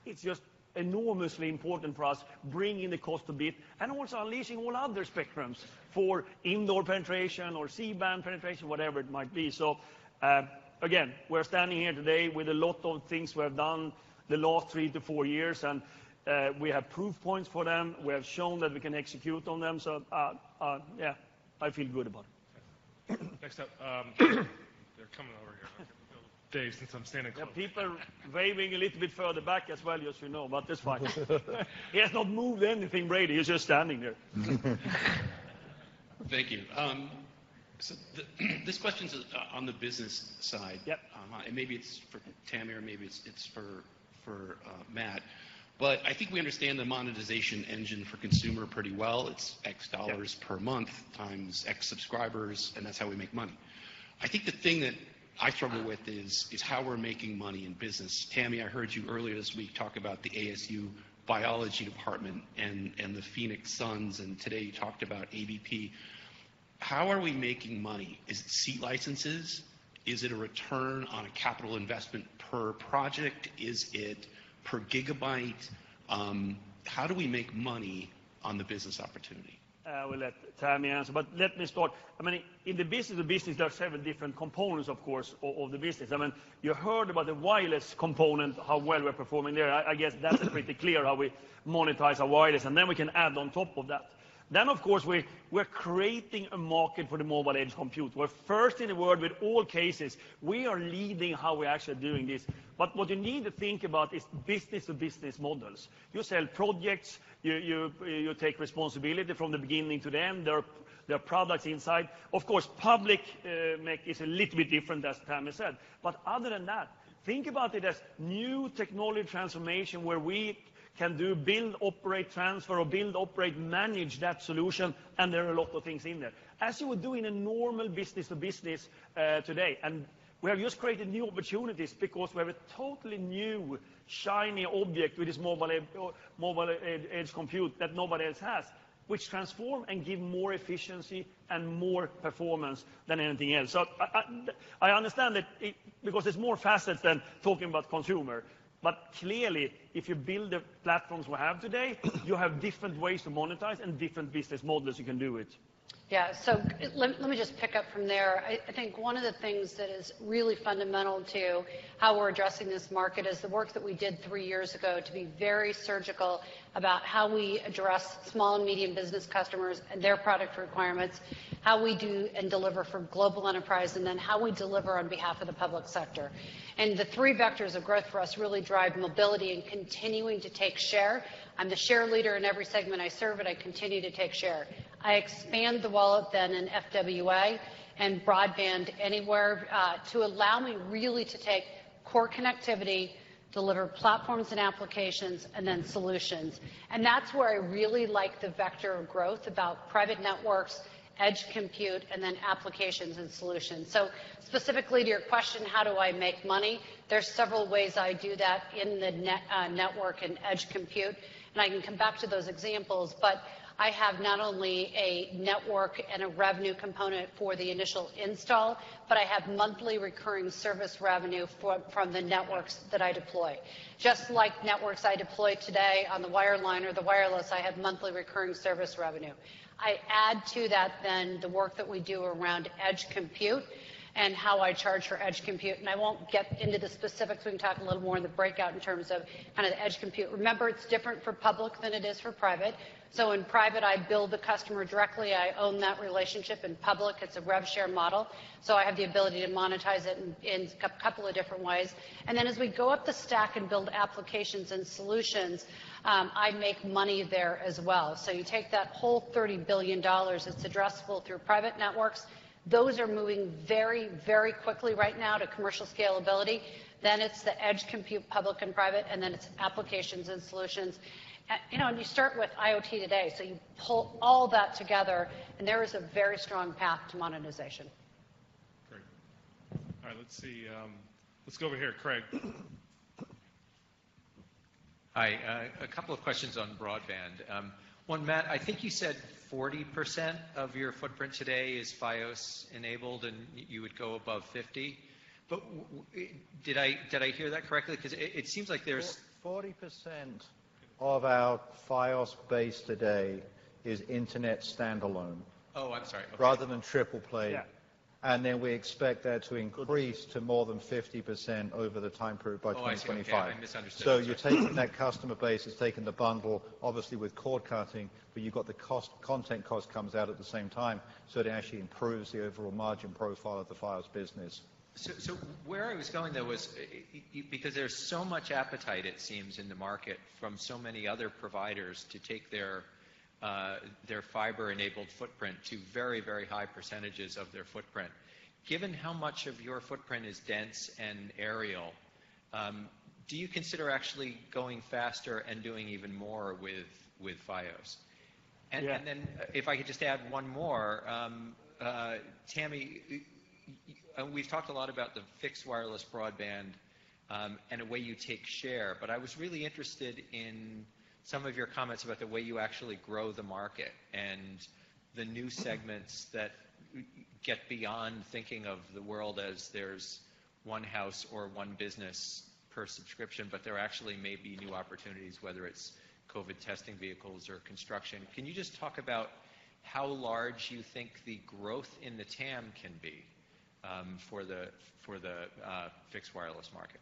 It's just enormously important for us bringing the cost per bit and also unleashing all other spectrums for indoor penetration or C-Band penetration, whatever it might be. We're standing here today with a lot of things we have done the last 3-4 years, and we have proof points for them. We have shown that we can execute on them. Yeah, I feel good about it. Next up, they're coming over here. I can feel Dave since I'm standing close. Yeah, people waving a little bit further back as well, just so you know, but that's fine. He has not moved anything, Brady. He's just standing there. Thank you. This question's on the business side. Yep. Maybe it's for Tami, or maybe it's for Matt. I think we understand the monetization engine for consumer pretty well. It's X dollars- Yeah. -per month times X subscribers, and that's how we make money. I think the thing that I struggle with is how we're making money in business. Tami, I heard you earlier this week talk about the ASU biology department and the Phoenix Suns, and today you talked about ABP. How are we making money? Is it seat licenses? Is it a return on a capital investment per project? Is it per gigabyte? How do we make money on the business opportunity? I will let Tami answer, but let me start. I mean, in the business to business, there are several different components, of course, of the business. I mean, you heard about the wireless component, how well we're performing there. I guess that's pretty clear how we monetize our wireless, and then we can add on top of that. Then, of course, we're creating a market for the mobile edge compute. We're first in the world with all cases. We are leading how we're actually doing this. But what you need to think about is business to business models. You sell projects. You take responsibility from the beginning to the end. There are products inside. Of course, public MEC this a little bit different, as Tami said. Other than that, think about it as new technology transformation where we can do build, operate, transfer, or build, operate, manage that solution, and there are a lot of things in there. As you would do in a normal business to business today, and we have just created new opportunities because we have a totally new, shiny object with this mobile edge compute that nobody else has, which transform and give more efficiency and more performance than anything else. I understand that it because there's more facets than talking about consumer. Clearly, if you build the platforms we have today, you have different ways to monetize and different business models you can do it. Let me just pick up from there. I think one of the things that is really fundamental to how we're addressing this market is the work that we did three years ago to be very surgical about how we address small and medium business customers and their product requirements, how we do and deliver for global enterprise, and then how we deliver on behalf of the public sector. The three vectors of growth for us really drive mobility and continuing to take share. I'm the share leader in every segment I serve, and I continue to take share. I expand the wallet then in FWA and broadband anywhere to allow me really to take core connectivity, deliver platforms and applications, and then solutions. That's where I really like the vector of growth about private networks, edge compute, and then applications and solutions. Specifically to your question, how do I make money? There are several ways I do that in the network and edge compute, and I can come back to those examples. I have not only a network and a revenue component for the initial install, but I have monthly recurring service revenue from the networks that I deploy. Just like networks I deploy today on the wireline or the wireless, I have monthly recurring service revenue. I add to that then the work that we do around edge compute and how I charge for edge compute, and I won't get into the specifics. We can talk a little more in the breakout in terms of kind of the edge compute. Remember, it's different for public than it is for private. In private, I bill the customer directly. I own that relationship. In public, it's a rev share model, so I have the ability to monetize it in a couple of different ways. Then as we go up the stack and build applications and solutions, I make money there as well. You take that whole $30 billion that's addressable through private networks. Those are moving very, very quickly right now to commercial scalability. It's the edge compute, public and private, and then it's applications and solutions. You know, you start with IoT today. You pull all that together, and there is a very strong path to monetization. Great. All right. Let's see. Let's go over here. Craig. Hi. A couple of questions on broadband. One, Matt, I think you said 40% of your footprint today is Fios enabled, and you would go above 50. Did I hear that correctly? 'Cause it seems like there's- 40% of our Fios base today is internet standalone. Oh, I'm sorry. Okay rather than triple play. Yeah. We expect that to increase to more than 50% over the time period by 2025. Oh, I see. Okay. I misunderstood. You're taking that customer base that's taking the bundle, obviously with cord cutting, but you've got the cost, content cost comes out at the same time. It actually improves the overall margin profile of the Fios business. Where I was going, though, was because there's so much appetite, it seems, in the market from so many other providers to take their fiber-enabled footprint to very, very high percentages of their footprint. Given how much of your footprint is dense and aerial, do you consider actually going faster and doing even more with Fios? Yeah. Then if I could just add one more. Tami, we've talked a lot about the fixed wireless broadband and the way you take share. I was really interested in some of your comments about the way you actually grow the market and the new segments that get beyond thinking of the world as there's One house or one business per subscription, but there actually may be new opportunities, whether it's COVID testing vehicles or construction. Can you just talk about how large you think the growth in the TAM can be, for the fixed wireless market?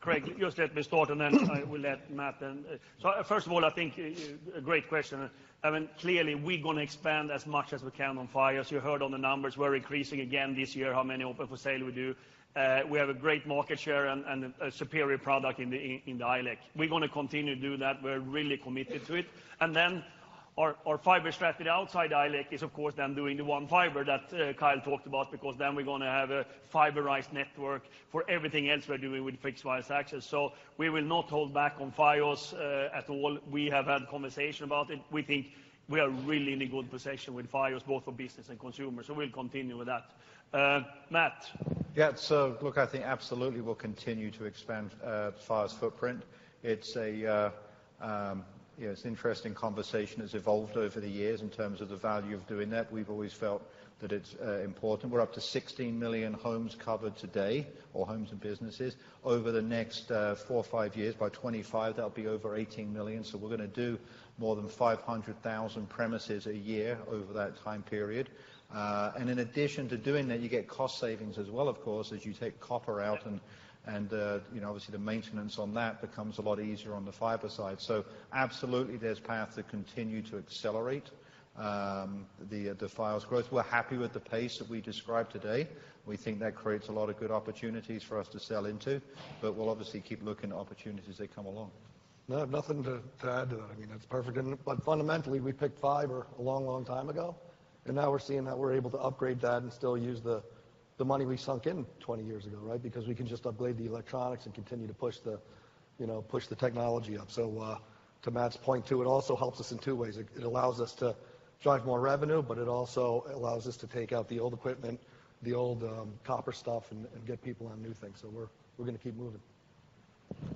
Craig, just let me start, and then I will let Matt in. First of all, I think a great question. I mean, clearly we're going to expand as much as we can on Fios. You heard on the numbers we're increasing again this year, how many open for sale we do. We have a great market share and a superior product in the ILEC. We're going to continue to do that. We're really committed to it. Our fiber strategy outside ILEC is of course then doing the One Fiber that Kyle talked about, because then we're going to have a fiberized network for everything else we're doing with fixed wireless access. We will not hold back on Fios, at all. We have had conversation about it. We think we are really in a good position with Fios, both for business and consumers. We'll continue with that. Matt? Yeah. Look, I think absolutely we'll continue to expand Fios footprint. It's a, you know, it's an interesting conversation, it's evolved over the years in terms of the value of doing that. We've always felt that it's important. We're up to 16 million homes covered today, or homes and businesses. Over the next four or five years, by 2025, that'll be over 18 million. So we're gonna do more than 500,000 premises a year over that time period. And in addition to doing that, you get cost savings as well, of course, as you take copper out and, you know, obviously the maintenance on that becomes a lot easier on the fiber side. Absolutely, there's path to continue to accelerate the Fios growth. We're happy with the pace that we described today. We think that creates a lot of good opportunities for us to sell into, but we'll obviously keep looking at opportunities that come along. No, nothing to add to that. I mean, that's perfect. Fundamentally, we picked fiber a long, long time ago, and now we're seeing that we're able to upgrade that and still use the money we sunk in 20 years ago, right? Because we can just upgrade the electronics and continue to push the, you know, technology up. To Matt's point too, it also helps us in two ways. It allows us to drive more revenue, but it also allows us to take out the old equipment, the old copper stuff and get people on new things. We're gonna keep moving.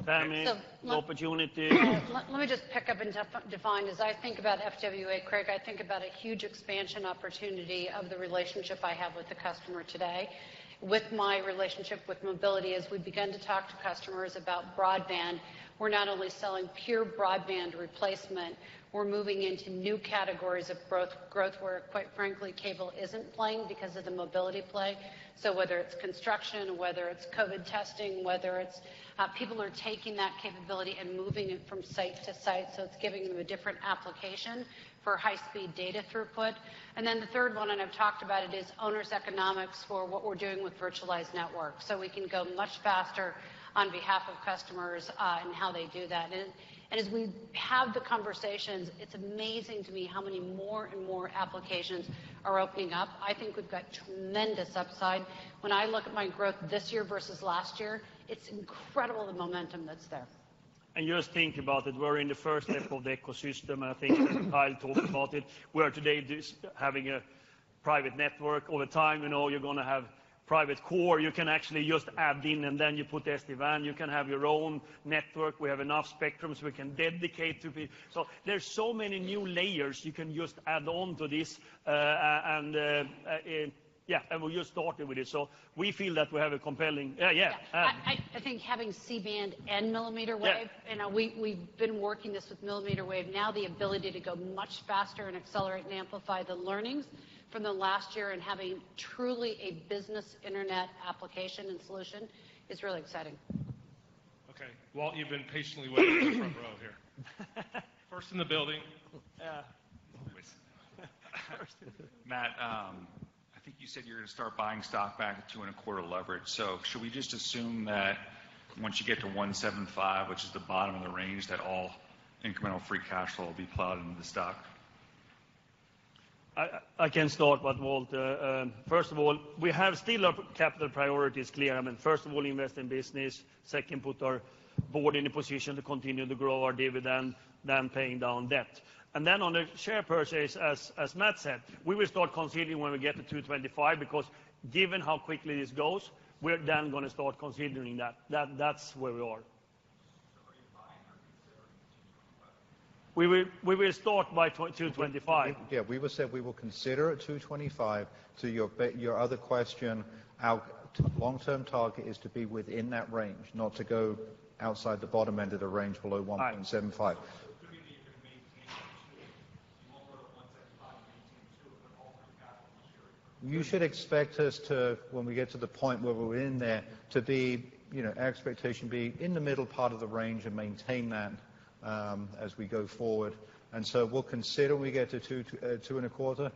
Tami, opportunity Let me just pick up and define. As I think about FWA, Craig, I think about a huge expansion opportunity of the relationship I have with the customer today. With my relationship with mobility, as we begin to talk to customers about broadband, we're not only selling pure broadband replacement, we're moving into new categories of growth where, quite frankly, cable isn't playing because of the mobility play. Whether it's construction, whether it's COVID testing, whether it's people are taking that capability and moving it from site to site, so it's giving them a different application for high-speed data throughput. The third one, and I've talked about it, is OpEx economics for what we're doing with virtualized networks. We can go much faster on behalf of customers, and how they do that. As we have the conversations, it's amazing to me how many more and more applications are opening up. I think we've got tremendous upside. When I look at my growth this year versus last year, it's incredible the momentum that's there. Just think about it, we're in the first step of the ecosystem. I think Kyle talked about it, where today this having a private network all the time, you know, you're gonna have private core, you can actually just add in, and then you put SD-WAN, you can have your own network. We have enough spectrums we can dedicate to be. So there's so many new layers you can just add on to this, and we just started with this. So we feel that we have a compelling. I think having C-Band and millimeter wave. Yeah. You know, we've been working this with millimeter wave. Now the ability to go much faster and accelerate and amplify the learnings from the last year and having truly a business internet application and solution is really exciting. Okay. Walt, you've been patiently waiting in the front row here. First in the building. Yeah. Matt, I think you said you're gonna start buying stock back at 2.25x leverage. Should we just assume that once you get to 1.75x, which is the bottom of the range, that all incremental free cash flow will be plowed into the stock? I can start, but Walt, first of all, we still have our capital priorities clear. I mean, first of all, invest in business. Second, put our board in a position to continue to grow our dividend, then paying down debt. On the share purchase, as Matt said, we will start considering when we get to 2.25x, because given how quickly this goes, we're then gonna start considering that. That's where we are. We will start by 2.25x. We will say we will consider at 2.25x. To your point, your other question, our long-term target is to be within that range, not to go outside the bottom end of the range below 1.75x. You should expect us to, when we get to the point where we're in there, to be, you know, our expectation be in the middle part of the range and maintain that as we go forward. We'll consider when we get to 2.25x.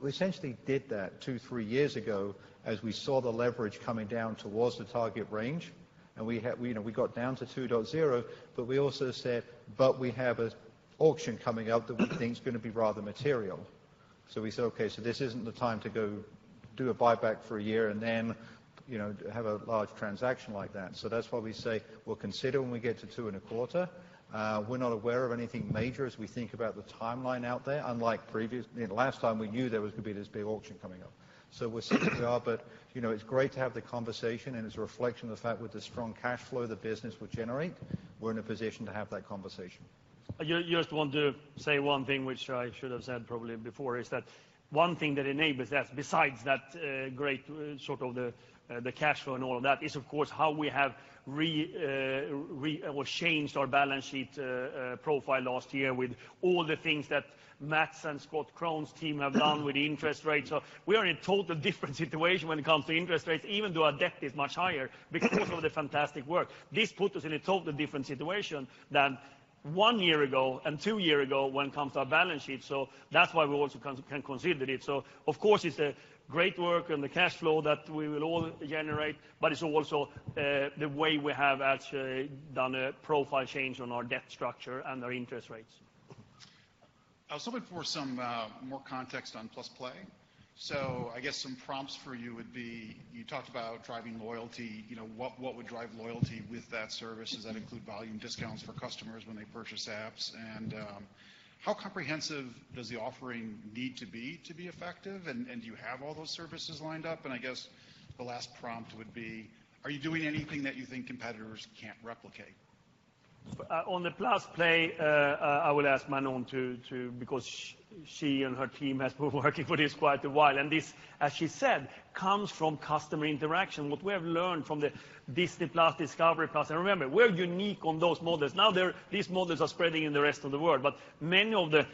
We essentially did that 2-3 years ago as we saw the leverage coming down towards the target range. We, you know, we got down to 2.0x, but we also said, "But we have an auction coming up that we think is gonna be rather material." We said, "Okay, so this isn't the time to go do a buyback for a year and then, you know, have a large transaction like that." That's why we say we'll consider when we get to 2.25x. We're not aware of anything major as we think about the timeline out there, unlike previous you know, the last time we knew there was gonna be this big auction coming up. But, you know, it's great to have the conversation, and it's a reflection of the fact with the strong cash flow the business will generate, we're in a position to have that conversation. I just want to say one thing which I should have said probably before, is that one thing that enables that besides that great sort of the cash flow and all of that is of course how we have changed our balance sheet profile last year with all the things that Matt and Scott Krohn's team have done with the interest rates. We are in total different situation when it comes to interest rates, even though our debt is much higher because of the fantastic work. This put us in a totally different situation than one year ago and 2 year ago when it comes to our balance sheet, that's why we also can consider it. Of course it's a great work and the cash flow that we will all generate, but it's also the way we have actually done a profile change on our debt structure and our interest rates. I was hoping for some more context on +play. I guess some prompts for you would be, you talked about driving loyalty, what would drive loyalty with that service? Does that include volume discounts for customers when they purchase apps? And how comprehensive does the offering need to be to be effective, and do you have all those services lined up? I guess the last prompt would be, are you doing anything that you think competitors can't replicate? On the +play, I will ask Manon because she and her team has been working for this quite a while, and this, as she said, comes from customer interaction. What we have learned from the Disney+, Discovery+, and remember, we're unique on those models. Now they're, these models are spreading in the rest of the world, but many of the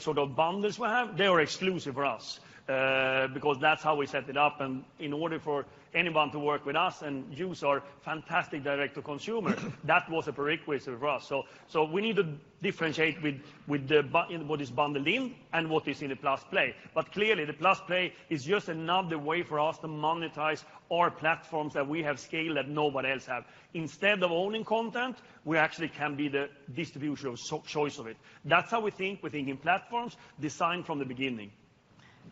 sort of bundles we have, they were exclusive for us because that's how we set it up, and in order for anyone to work with us and use our fantastic direct to consumer, that was a prerequisite for us. We need to differentiate with what is bundled in and what is in the +play. Clearly, the +play is just another way for us to monetize our platforms that we have scaled that nobody else have. Instead of owning content, we actually can be the distribution of choice of it. That's how we think within platforms designed from the beginning.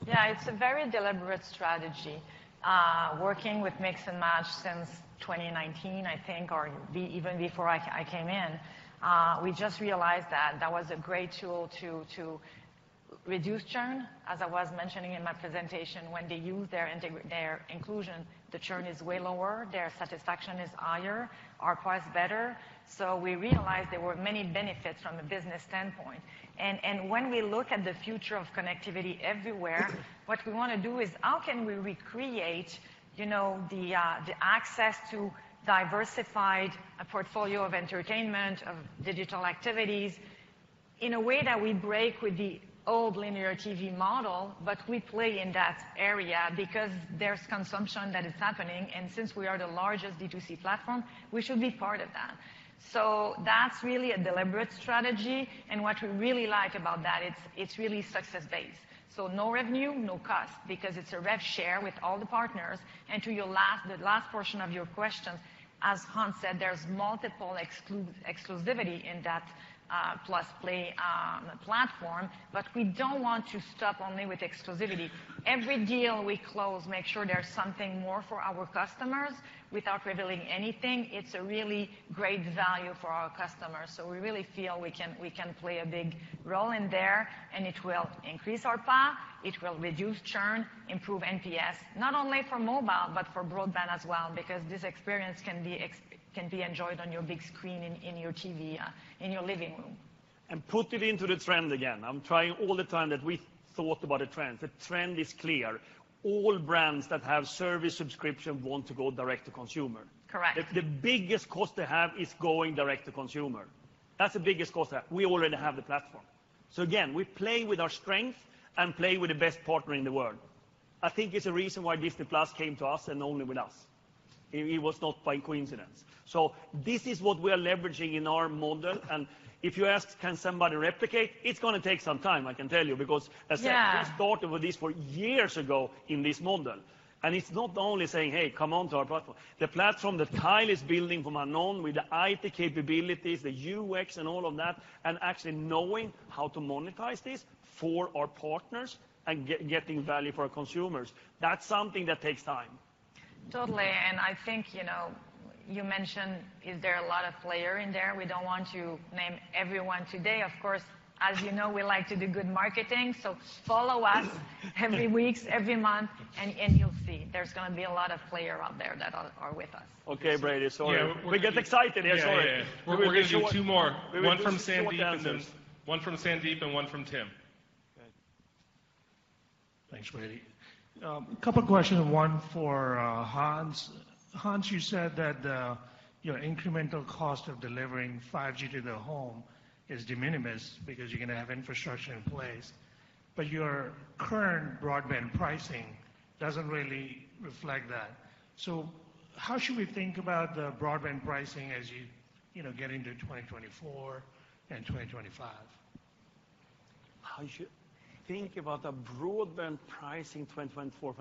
Yeah. It's a very deliberate strategy. Working with Mix and Match since 2019, I think, or even before I came in, we just realized that that was a great tool to reduce churn. As I was mentioning in my presentation, when they use their inclusion, the churn is way lower, their satisfaction is higher, ARPA is better. We realized there were many benefits from a business standpoint. When we look at the future of connectivity everywhere, what we wanna do is how can we recreate, you know, the access to diversified portfolio of entertainment, of digital activities in a way that we break with the old linear TV model, but we play in that area because there's consumption that is happening. Since we are the largest D2C platform, we should be part of that. That's really a deliberate strategy, and what we really like about that, it's really success-based. No revenue, no cost, because it's a rev share with all the partners. To your last, the last portion of your question, as Hans said, there's multiple exclusivity in that +play platform. We don't want to stop only with exclusivity. Every deal we close, make sure there's something more for our customers without revealing anything. It's a really great value for our customers. We really feel we can play a big role in there, and it will increase ARPA, it will reduce churn, improve NPS, not only for mobile, but for broadband as well, because this experience can be enjoyed on your big screen in your living room. Put it into the trend again. I'm trying all the time that we thought about the trend. The trend is clear. All brands that have service subscription want to go direct to consumer. Correct. The biggest cost they have is going direct to consumer. That's the biggest cost there. We already have the platform. Again, we play with our strength and play with the best partner in the world. I think it's a reason why Disney+ came to us and only with us. It was not by coincidence. This is what we are leveraging in our model, and if you ask, can somebody replicate, it's gonna take some time, I can tell you, because as I- Yeah I first thought about this years ago in this model. It's not only saying, "Hey, come on to our platform." The platform that Kyle is building from the ground up with the IT capabilities, the UX and all of that, and actually knowing how to monetize this for our partners and getting value for our consumers, that's something that takes time. Totally. I think, you know, you mentioned, is there a lot of players in there? We don't want to name everyone today. Of course, as you know, we like to do good marketing, so follow us every week, every month, and you'll see. There's gonna be a lot of players out there that are with us. Okay, Brady, sorry. Yeah. We get excited here, sorry. Yeah, yeah. We're gonna do two more. One from Sandeep and then. We want answers. One from Sandeep and one from Tim. Thanks, Brady. Couple questions. One for Hans. Hans, you said that your incremental cost of delivering 5G to the home is de minimis because you're gonna have infrastructure in place, but your current broadband pricing doesn't really reflect that. How should we think about the broadband pricing as you know, get into 2024 and 2025? How you think about the broadband pricing 2024?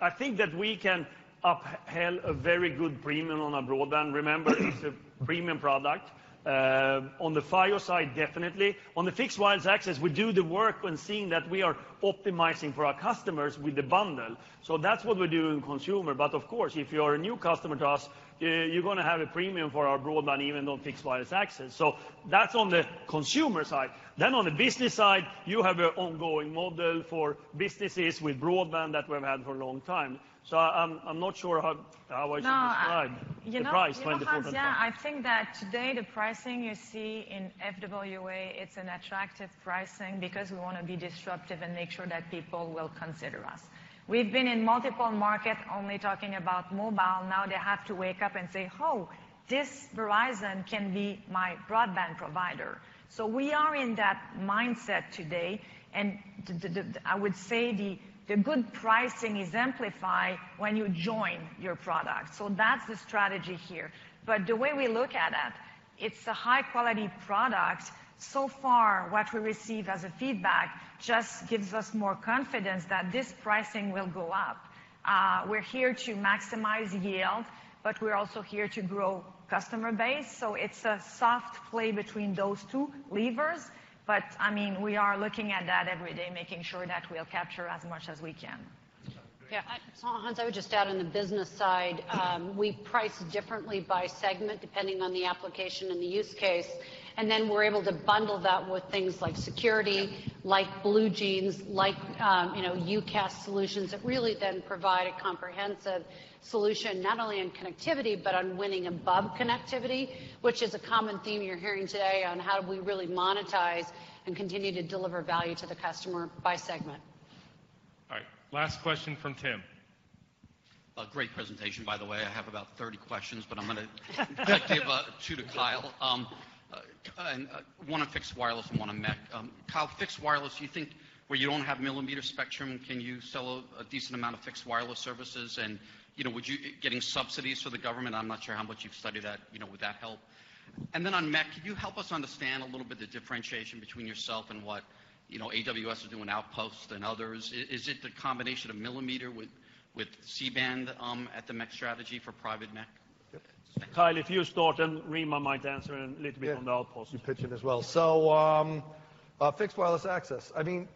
I think that we can uphold a very good premium on our broadband. Remember, it's a premium product. On the fiber side, definitely. On the fixed wireless access, we do the work when seeing that we are optimizing for our customers with the bundle. That's what we do in consumer. But of course, if you're a new customer to us, you're gonna have a premium for our broadband, even on fixed wireless access. That's on the consumer side. On the business side, you have an ongoing model for businesses with broadband that we've had for a long time. I'm not sure how I should describe- No, you know. The price point of You know, Hans, yeah, I think that today the pricing you see in FWA, it's an attractive pricing because we wanna be disruptive and make sure that people will consider us. We've been in multiple market only talking about mobile. Now they have to wake up and say, "Oh, this Verizon can be my broadband provider." We are in that mindset today. I would say the good pricing exemplify when you join your product. That's the strategy here. The way we look at it's a high-quality product. So far what we receive as a feedback just gives us more confidence that this pricing will go up. We're here to maximize yield, but we're also here to grow customer base. It's a soft play between those two levers. I mean, we are looking at that every day, making sure that we'll capture as much as we can. Yeah. Hans, I would just add on the business side, we price differently by segment depending on the application and the use case, and then we're able to bundle that with things like security, like BlueJeans, like, you know, UCaaS solutions that really then provide a comprehensive solution not only on connectivity, but on winning above connectivity, which is a common theme you're hearing today on how do we really monetize and continue to deliver value to the customer by segment. All right. Last question from Tim. A great presentation, by the way. I have about 30 questions, but I'm gonna give two to Kyle, one on fixed wireless and one on MEC. Kyle, fixed wireless, you think where you don't have millimeter spectrum, can you sell a decent amount of fixed wireless services? You know, getting subsidies from the government, I'm not sure how much you've studied that, you know, would that help? On MEC, could you help us understand a little bit the differentiation between yourself and what, you know, AWS are doing Outposts and others. Is it the combination of millimeter with C-Band at the MEC strategy for private MEC? Kyle, if you start, and Rima might answer a little bit on the Outposts. You pitch in as well. Fixed wireless access. I mean,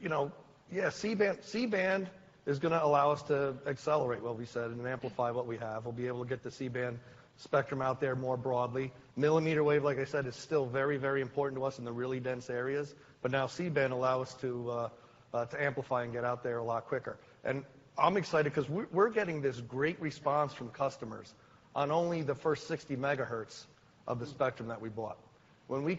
you know, yeah, C-Band is gonna allow us to accelerate what we said and amplify what we have. We'll be able to get the C-Band spectrum out there more broadly. Millimeter wave, like I said, is still very, very important to us in the really dense areas. But now C-Band allow us to amplify and get out there a lot quicker. And I'm excited 'cause we're getting this great response from customers on only the first 60 MHz of the spectrum that we bought. You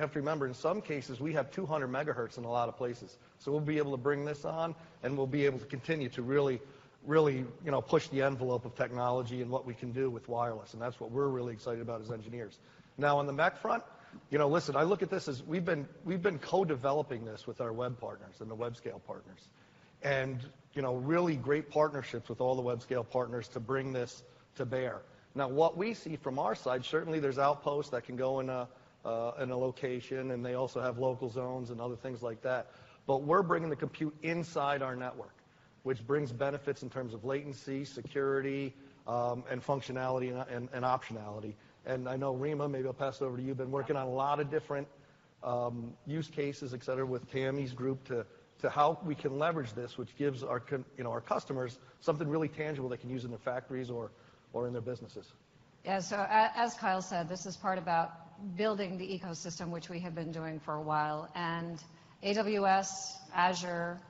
have to remember, in some cases, we have 200 MHz in a lot of places. We'll be able to bring this on, and we'll be able to continue to really, you know, push the envelope of technology and what we can do with wireless, and that's what we're really excited about as engineers. Now, on the MEC front, you know, listen, I look at this as we've been co-developing this with our web partners and the web scale partners and, you know, really great partnerships with all the web scale partners to bring this to bear. Now, what we see from our side, certainly there's Outpost that can go in a location, and they also have local zones and other things like that. But we're bringing the compute inside our network, which brings benefits in terms of latency, security, and functionality and optionality. I know, Rima, maybe I'll pass it over to you. You've been working on a lot of different use cases, et cetera, with Tami's group to see how we can leverage this, which gives our—you know, our customers something really tangible they can use in their factories or in their businesses. Yeah. As Kyle said, this is part about building the ecosystem, which we have been doing for a while. AWS, Azure,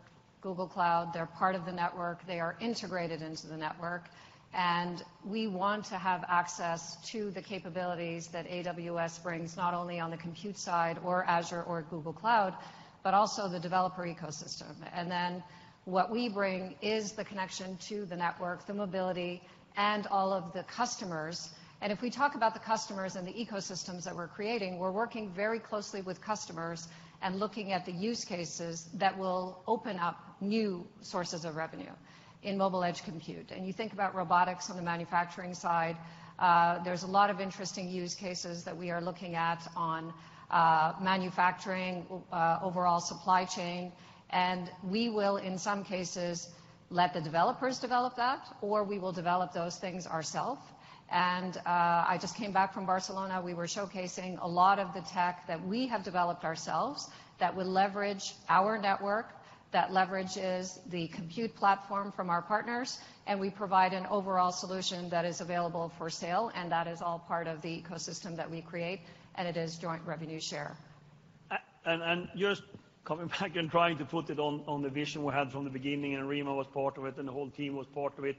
Google Cloud, they're part of the network. They are integrated into the network. We want to have access to the capabilities that AWS brings, not only on the compute side or Azure or Google Cloud, but also the developer ecosystem. What we bring is the connection to the network, the mobility, and all of the customers. If we talk about the customers and the ecosystems that we're creating, we're working very closely with customers and looking at the use cases that will open up new sources of revenue in mobile edge compute. You think about robotics on the manufacturing side, there's a lot of interesting use cases that we are looking at on manufacturing overall supply chain. We will, in some cases, let the developers develop that, or we will develop those things ourself. I just came back from Barcelona. We were showcasing a lot of the tech that we have developed ourselves that will leverage our network, that leverages the compute platform from our partners, and we provide an overall solution that is available for sale, and that is all part of the ecosystem that we create, and it is joint revenue share. Just coming back and trying to put it on the vision we had from the beginning, and Rima was part of it, and the whole team was part of it.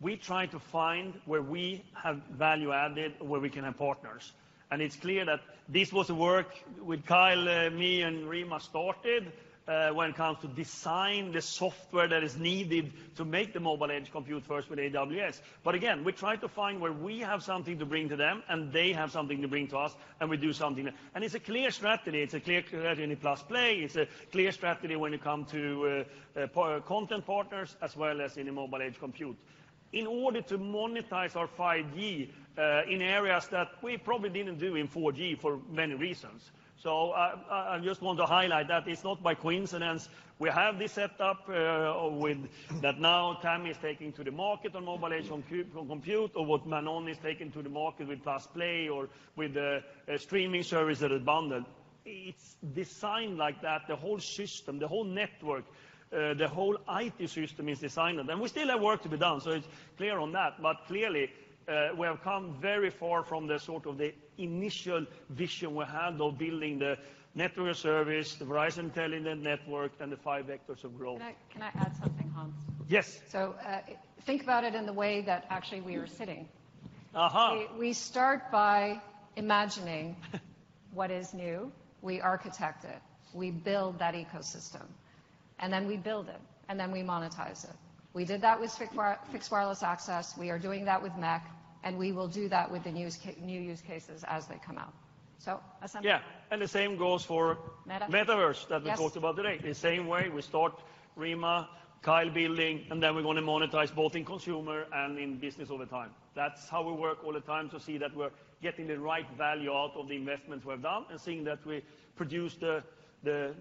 We tried to find where we have value added, where we can have partners. It's clear that this was the work with Kyle, me, and Rima started, when it comes to design the software that is needed to make the mobile edge computing first with AWS. But again, we try to find where we have something to bring to them, and they have something to bring to us, and we do something. It's a clear strategy. It's a clear strategy in +play. It's a clear strategy when it comes to content partners as well as in the mobile edge computing. In order to monetize our 5G in areas that we probably didn't do in 4G for many reasons. I just want to highlight that it's not by coincidence we have this set up with that now Tami is taking to the market on mobile edge compute or what Manon is taking to the market with +play or with the streaming service that is bundled. It's designed like that, the whole system, the whole network, the whole IT system is designed. We still have work to be done, so it's clear on that. Clearly, we have come very far from the sort of initial vision we had of building the network service, the Verizon Intelligent Edge Network, and the five vectors of growth. Can I add something, Hans? Yes. Think about it in the way that actually we are sitting. Aha. We start by imagining what is new. We architect it. We build that ecosystem, and then we build it, and then we monetize it. We did that with fixed wireless access. We are doing that with MEC, and we will do that with the new use cases as they come out. Assembly. Yeah. The same goes for- Meta -metaverse- Yes that we talked about today. The same way we start Rima, Kyle building, and then we're gonna monetize both in consumer and in business all the time. That's how we work all the time to see that we're getting the right value out of the investments we've done and seeing that we produce the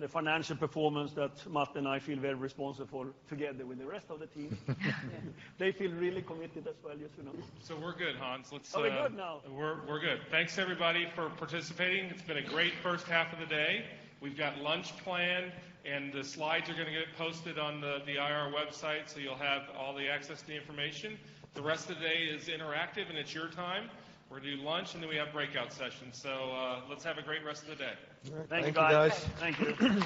financial performance that Matt and I feel very responsible together with the rest of the team. They feel really committed as well, yes, you know. We're good, Hans. Let's Are we good now? We're good. Thanks everybody for participating. It's been a great first half of the day. We've got lunch planned, and the slides are gonna get posted on the IR website, so you'll have all the access to the information. The rest of the day is interactive, and it's your time. We're gonna do lunch, and then we have breakout sessions. Let's have a great rest of the day. All right. Thank you, guys. Thanks. Thank you.